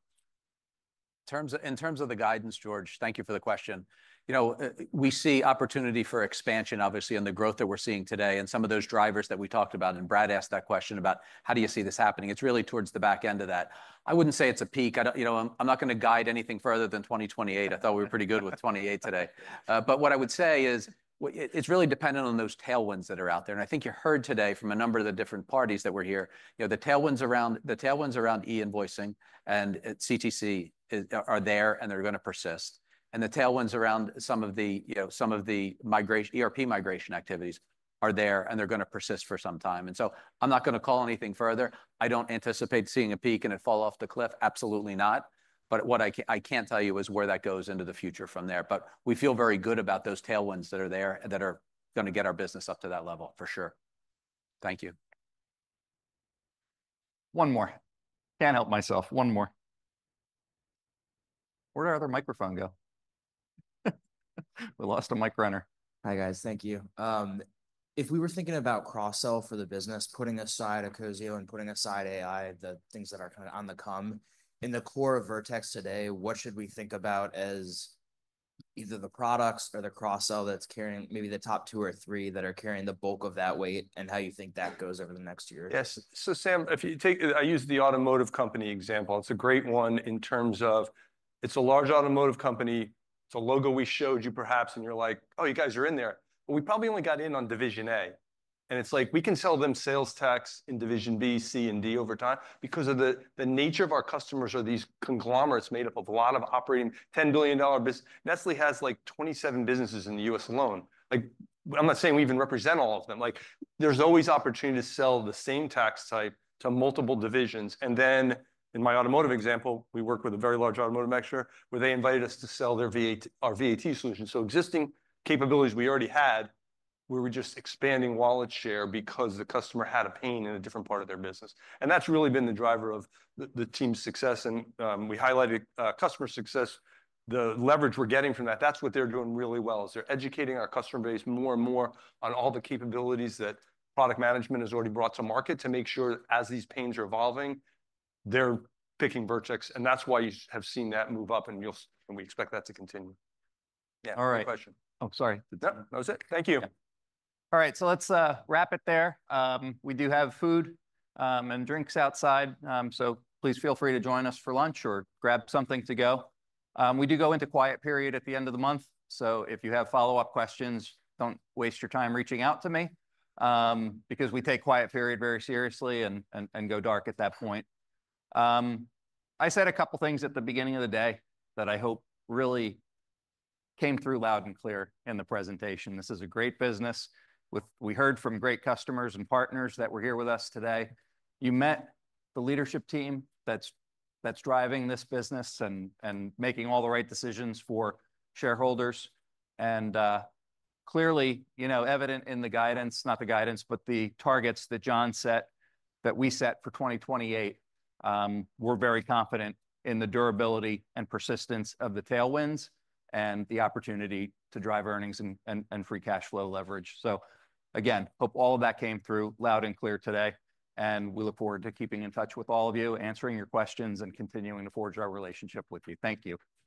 In terms of the guidance, George, thank you for the question. You know, we see opportunity for expansion, obviously, on the growth that we're seeing today and some of those drivers that we talked about. Brad asked that question about how do you see this happening. It's really towards the back end of that. I wouldn't say it's a peak. I don't, you know, I'm not going to guide anything further than 2028. I thought we were pretty good with 2028 today. What I would say is it's really dependent on those tailwinds that are out there. I think you heard today from a number of the different parties that were here, you know, the tailwinds around e-invoicing and CTC are there and they're going to persist. The tailwinds around some of the, you know, some of the ERP migration activities are there and they are going to persist for some time. I am not going to call anything further. I do not anticipate seeing a peak and it fall off the cliff. Absolutely not. What I cannot tell you is where that goes into the future from there. We feel very good about those tailwinds that are there that are going to get our business up to that level for sure. Thank you. One more. Cannot help myself. One more. Where did our other microphone go? We lost a mic runner. Hi, guys. Thank you. If we were thinking about cross-sell for the business, putting aside ecosio and putting aside AI, the things that are kind of on the come in the core of Vertex today, what should we think about as either the products or the cross-sell that's carrying maybe the top two or three that are carrying the bulk of that weight and how you think that goes over the next year? Yes. Sam, if you take I use the automotive company example. It's a great one in terms of it's a large automotive company. It's a logo we showed you perhaps, and you're like, oh, you guys are in there. We probably only got in on division A. It's like we can sell them sales tax in division B, C, and D over time because the nature of our customers are these conglomerates made up of a lot of operating $10 billion business. Nestlé has like 27 businesses in the U.S. alone. Like, I'm not saying we even represent all of them. Like, there's always opportunity to sell the same tax type to multiple divisions. In my automotive example, we work with a very large automotive mixture where they invited us to sell their VAT, our VAT solution. Existing capabilities we already had, we were just expanding wallet share because the customer had a pain in a different part of their business. That's really been the driver of the team's success. We highlighted customer success, the leverage we're getting from that. That's what they're doing really well is they're educating our customer base more and more on all the capabilities that product management has already brought to market to make sure as these pains are evolving, they're picking Vertex. That's why you have seen that move up. We expect that to continue. Yeah. All right. Oh, sorry. That was it. Thank you. All right. Let's wrap it there. We do have food and drinks outside. Please feel free to join us for lunch or grab something to go. We do go into quiet period at the end of the month. If you have follow-up questions, do not waste your time reaching out to me because we take quiet period very seriously and go dark at that point. I said a couple of things at the beginning of the day that I hope really came through loud and clear in the presentation. This is a great business with we heard from great customers and partners that were here with us today. You met the leadership team that's driving this business and making all the right decisions for shareholders. Clearly, you know, evident in the guidance, not the guidance, but the targets that John set that we set for 2028, we're very confident in the durability and persistence of the tailwinds and the opportunity to drive earnings and free cash flow leverage. Again, hope all of that came through loud and clear today. We look forward to keeping in touch with all of you, answering your questions and continuing to forge our relationship with you. Thank you.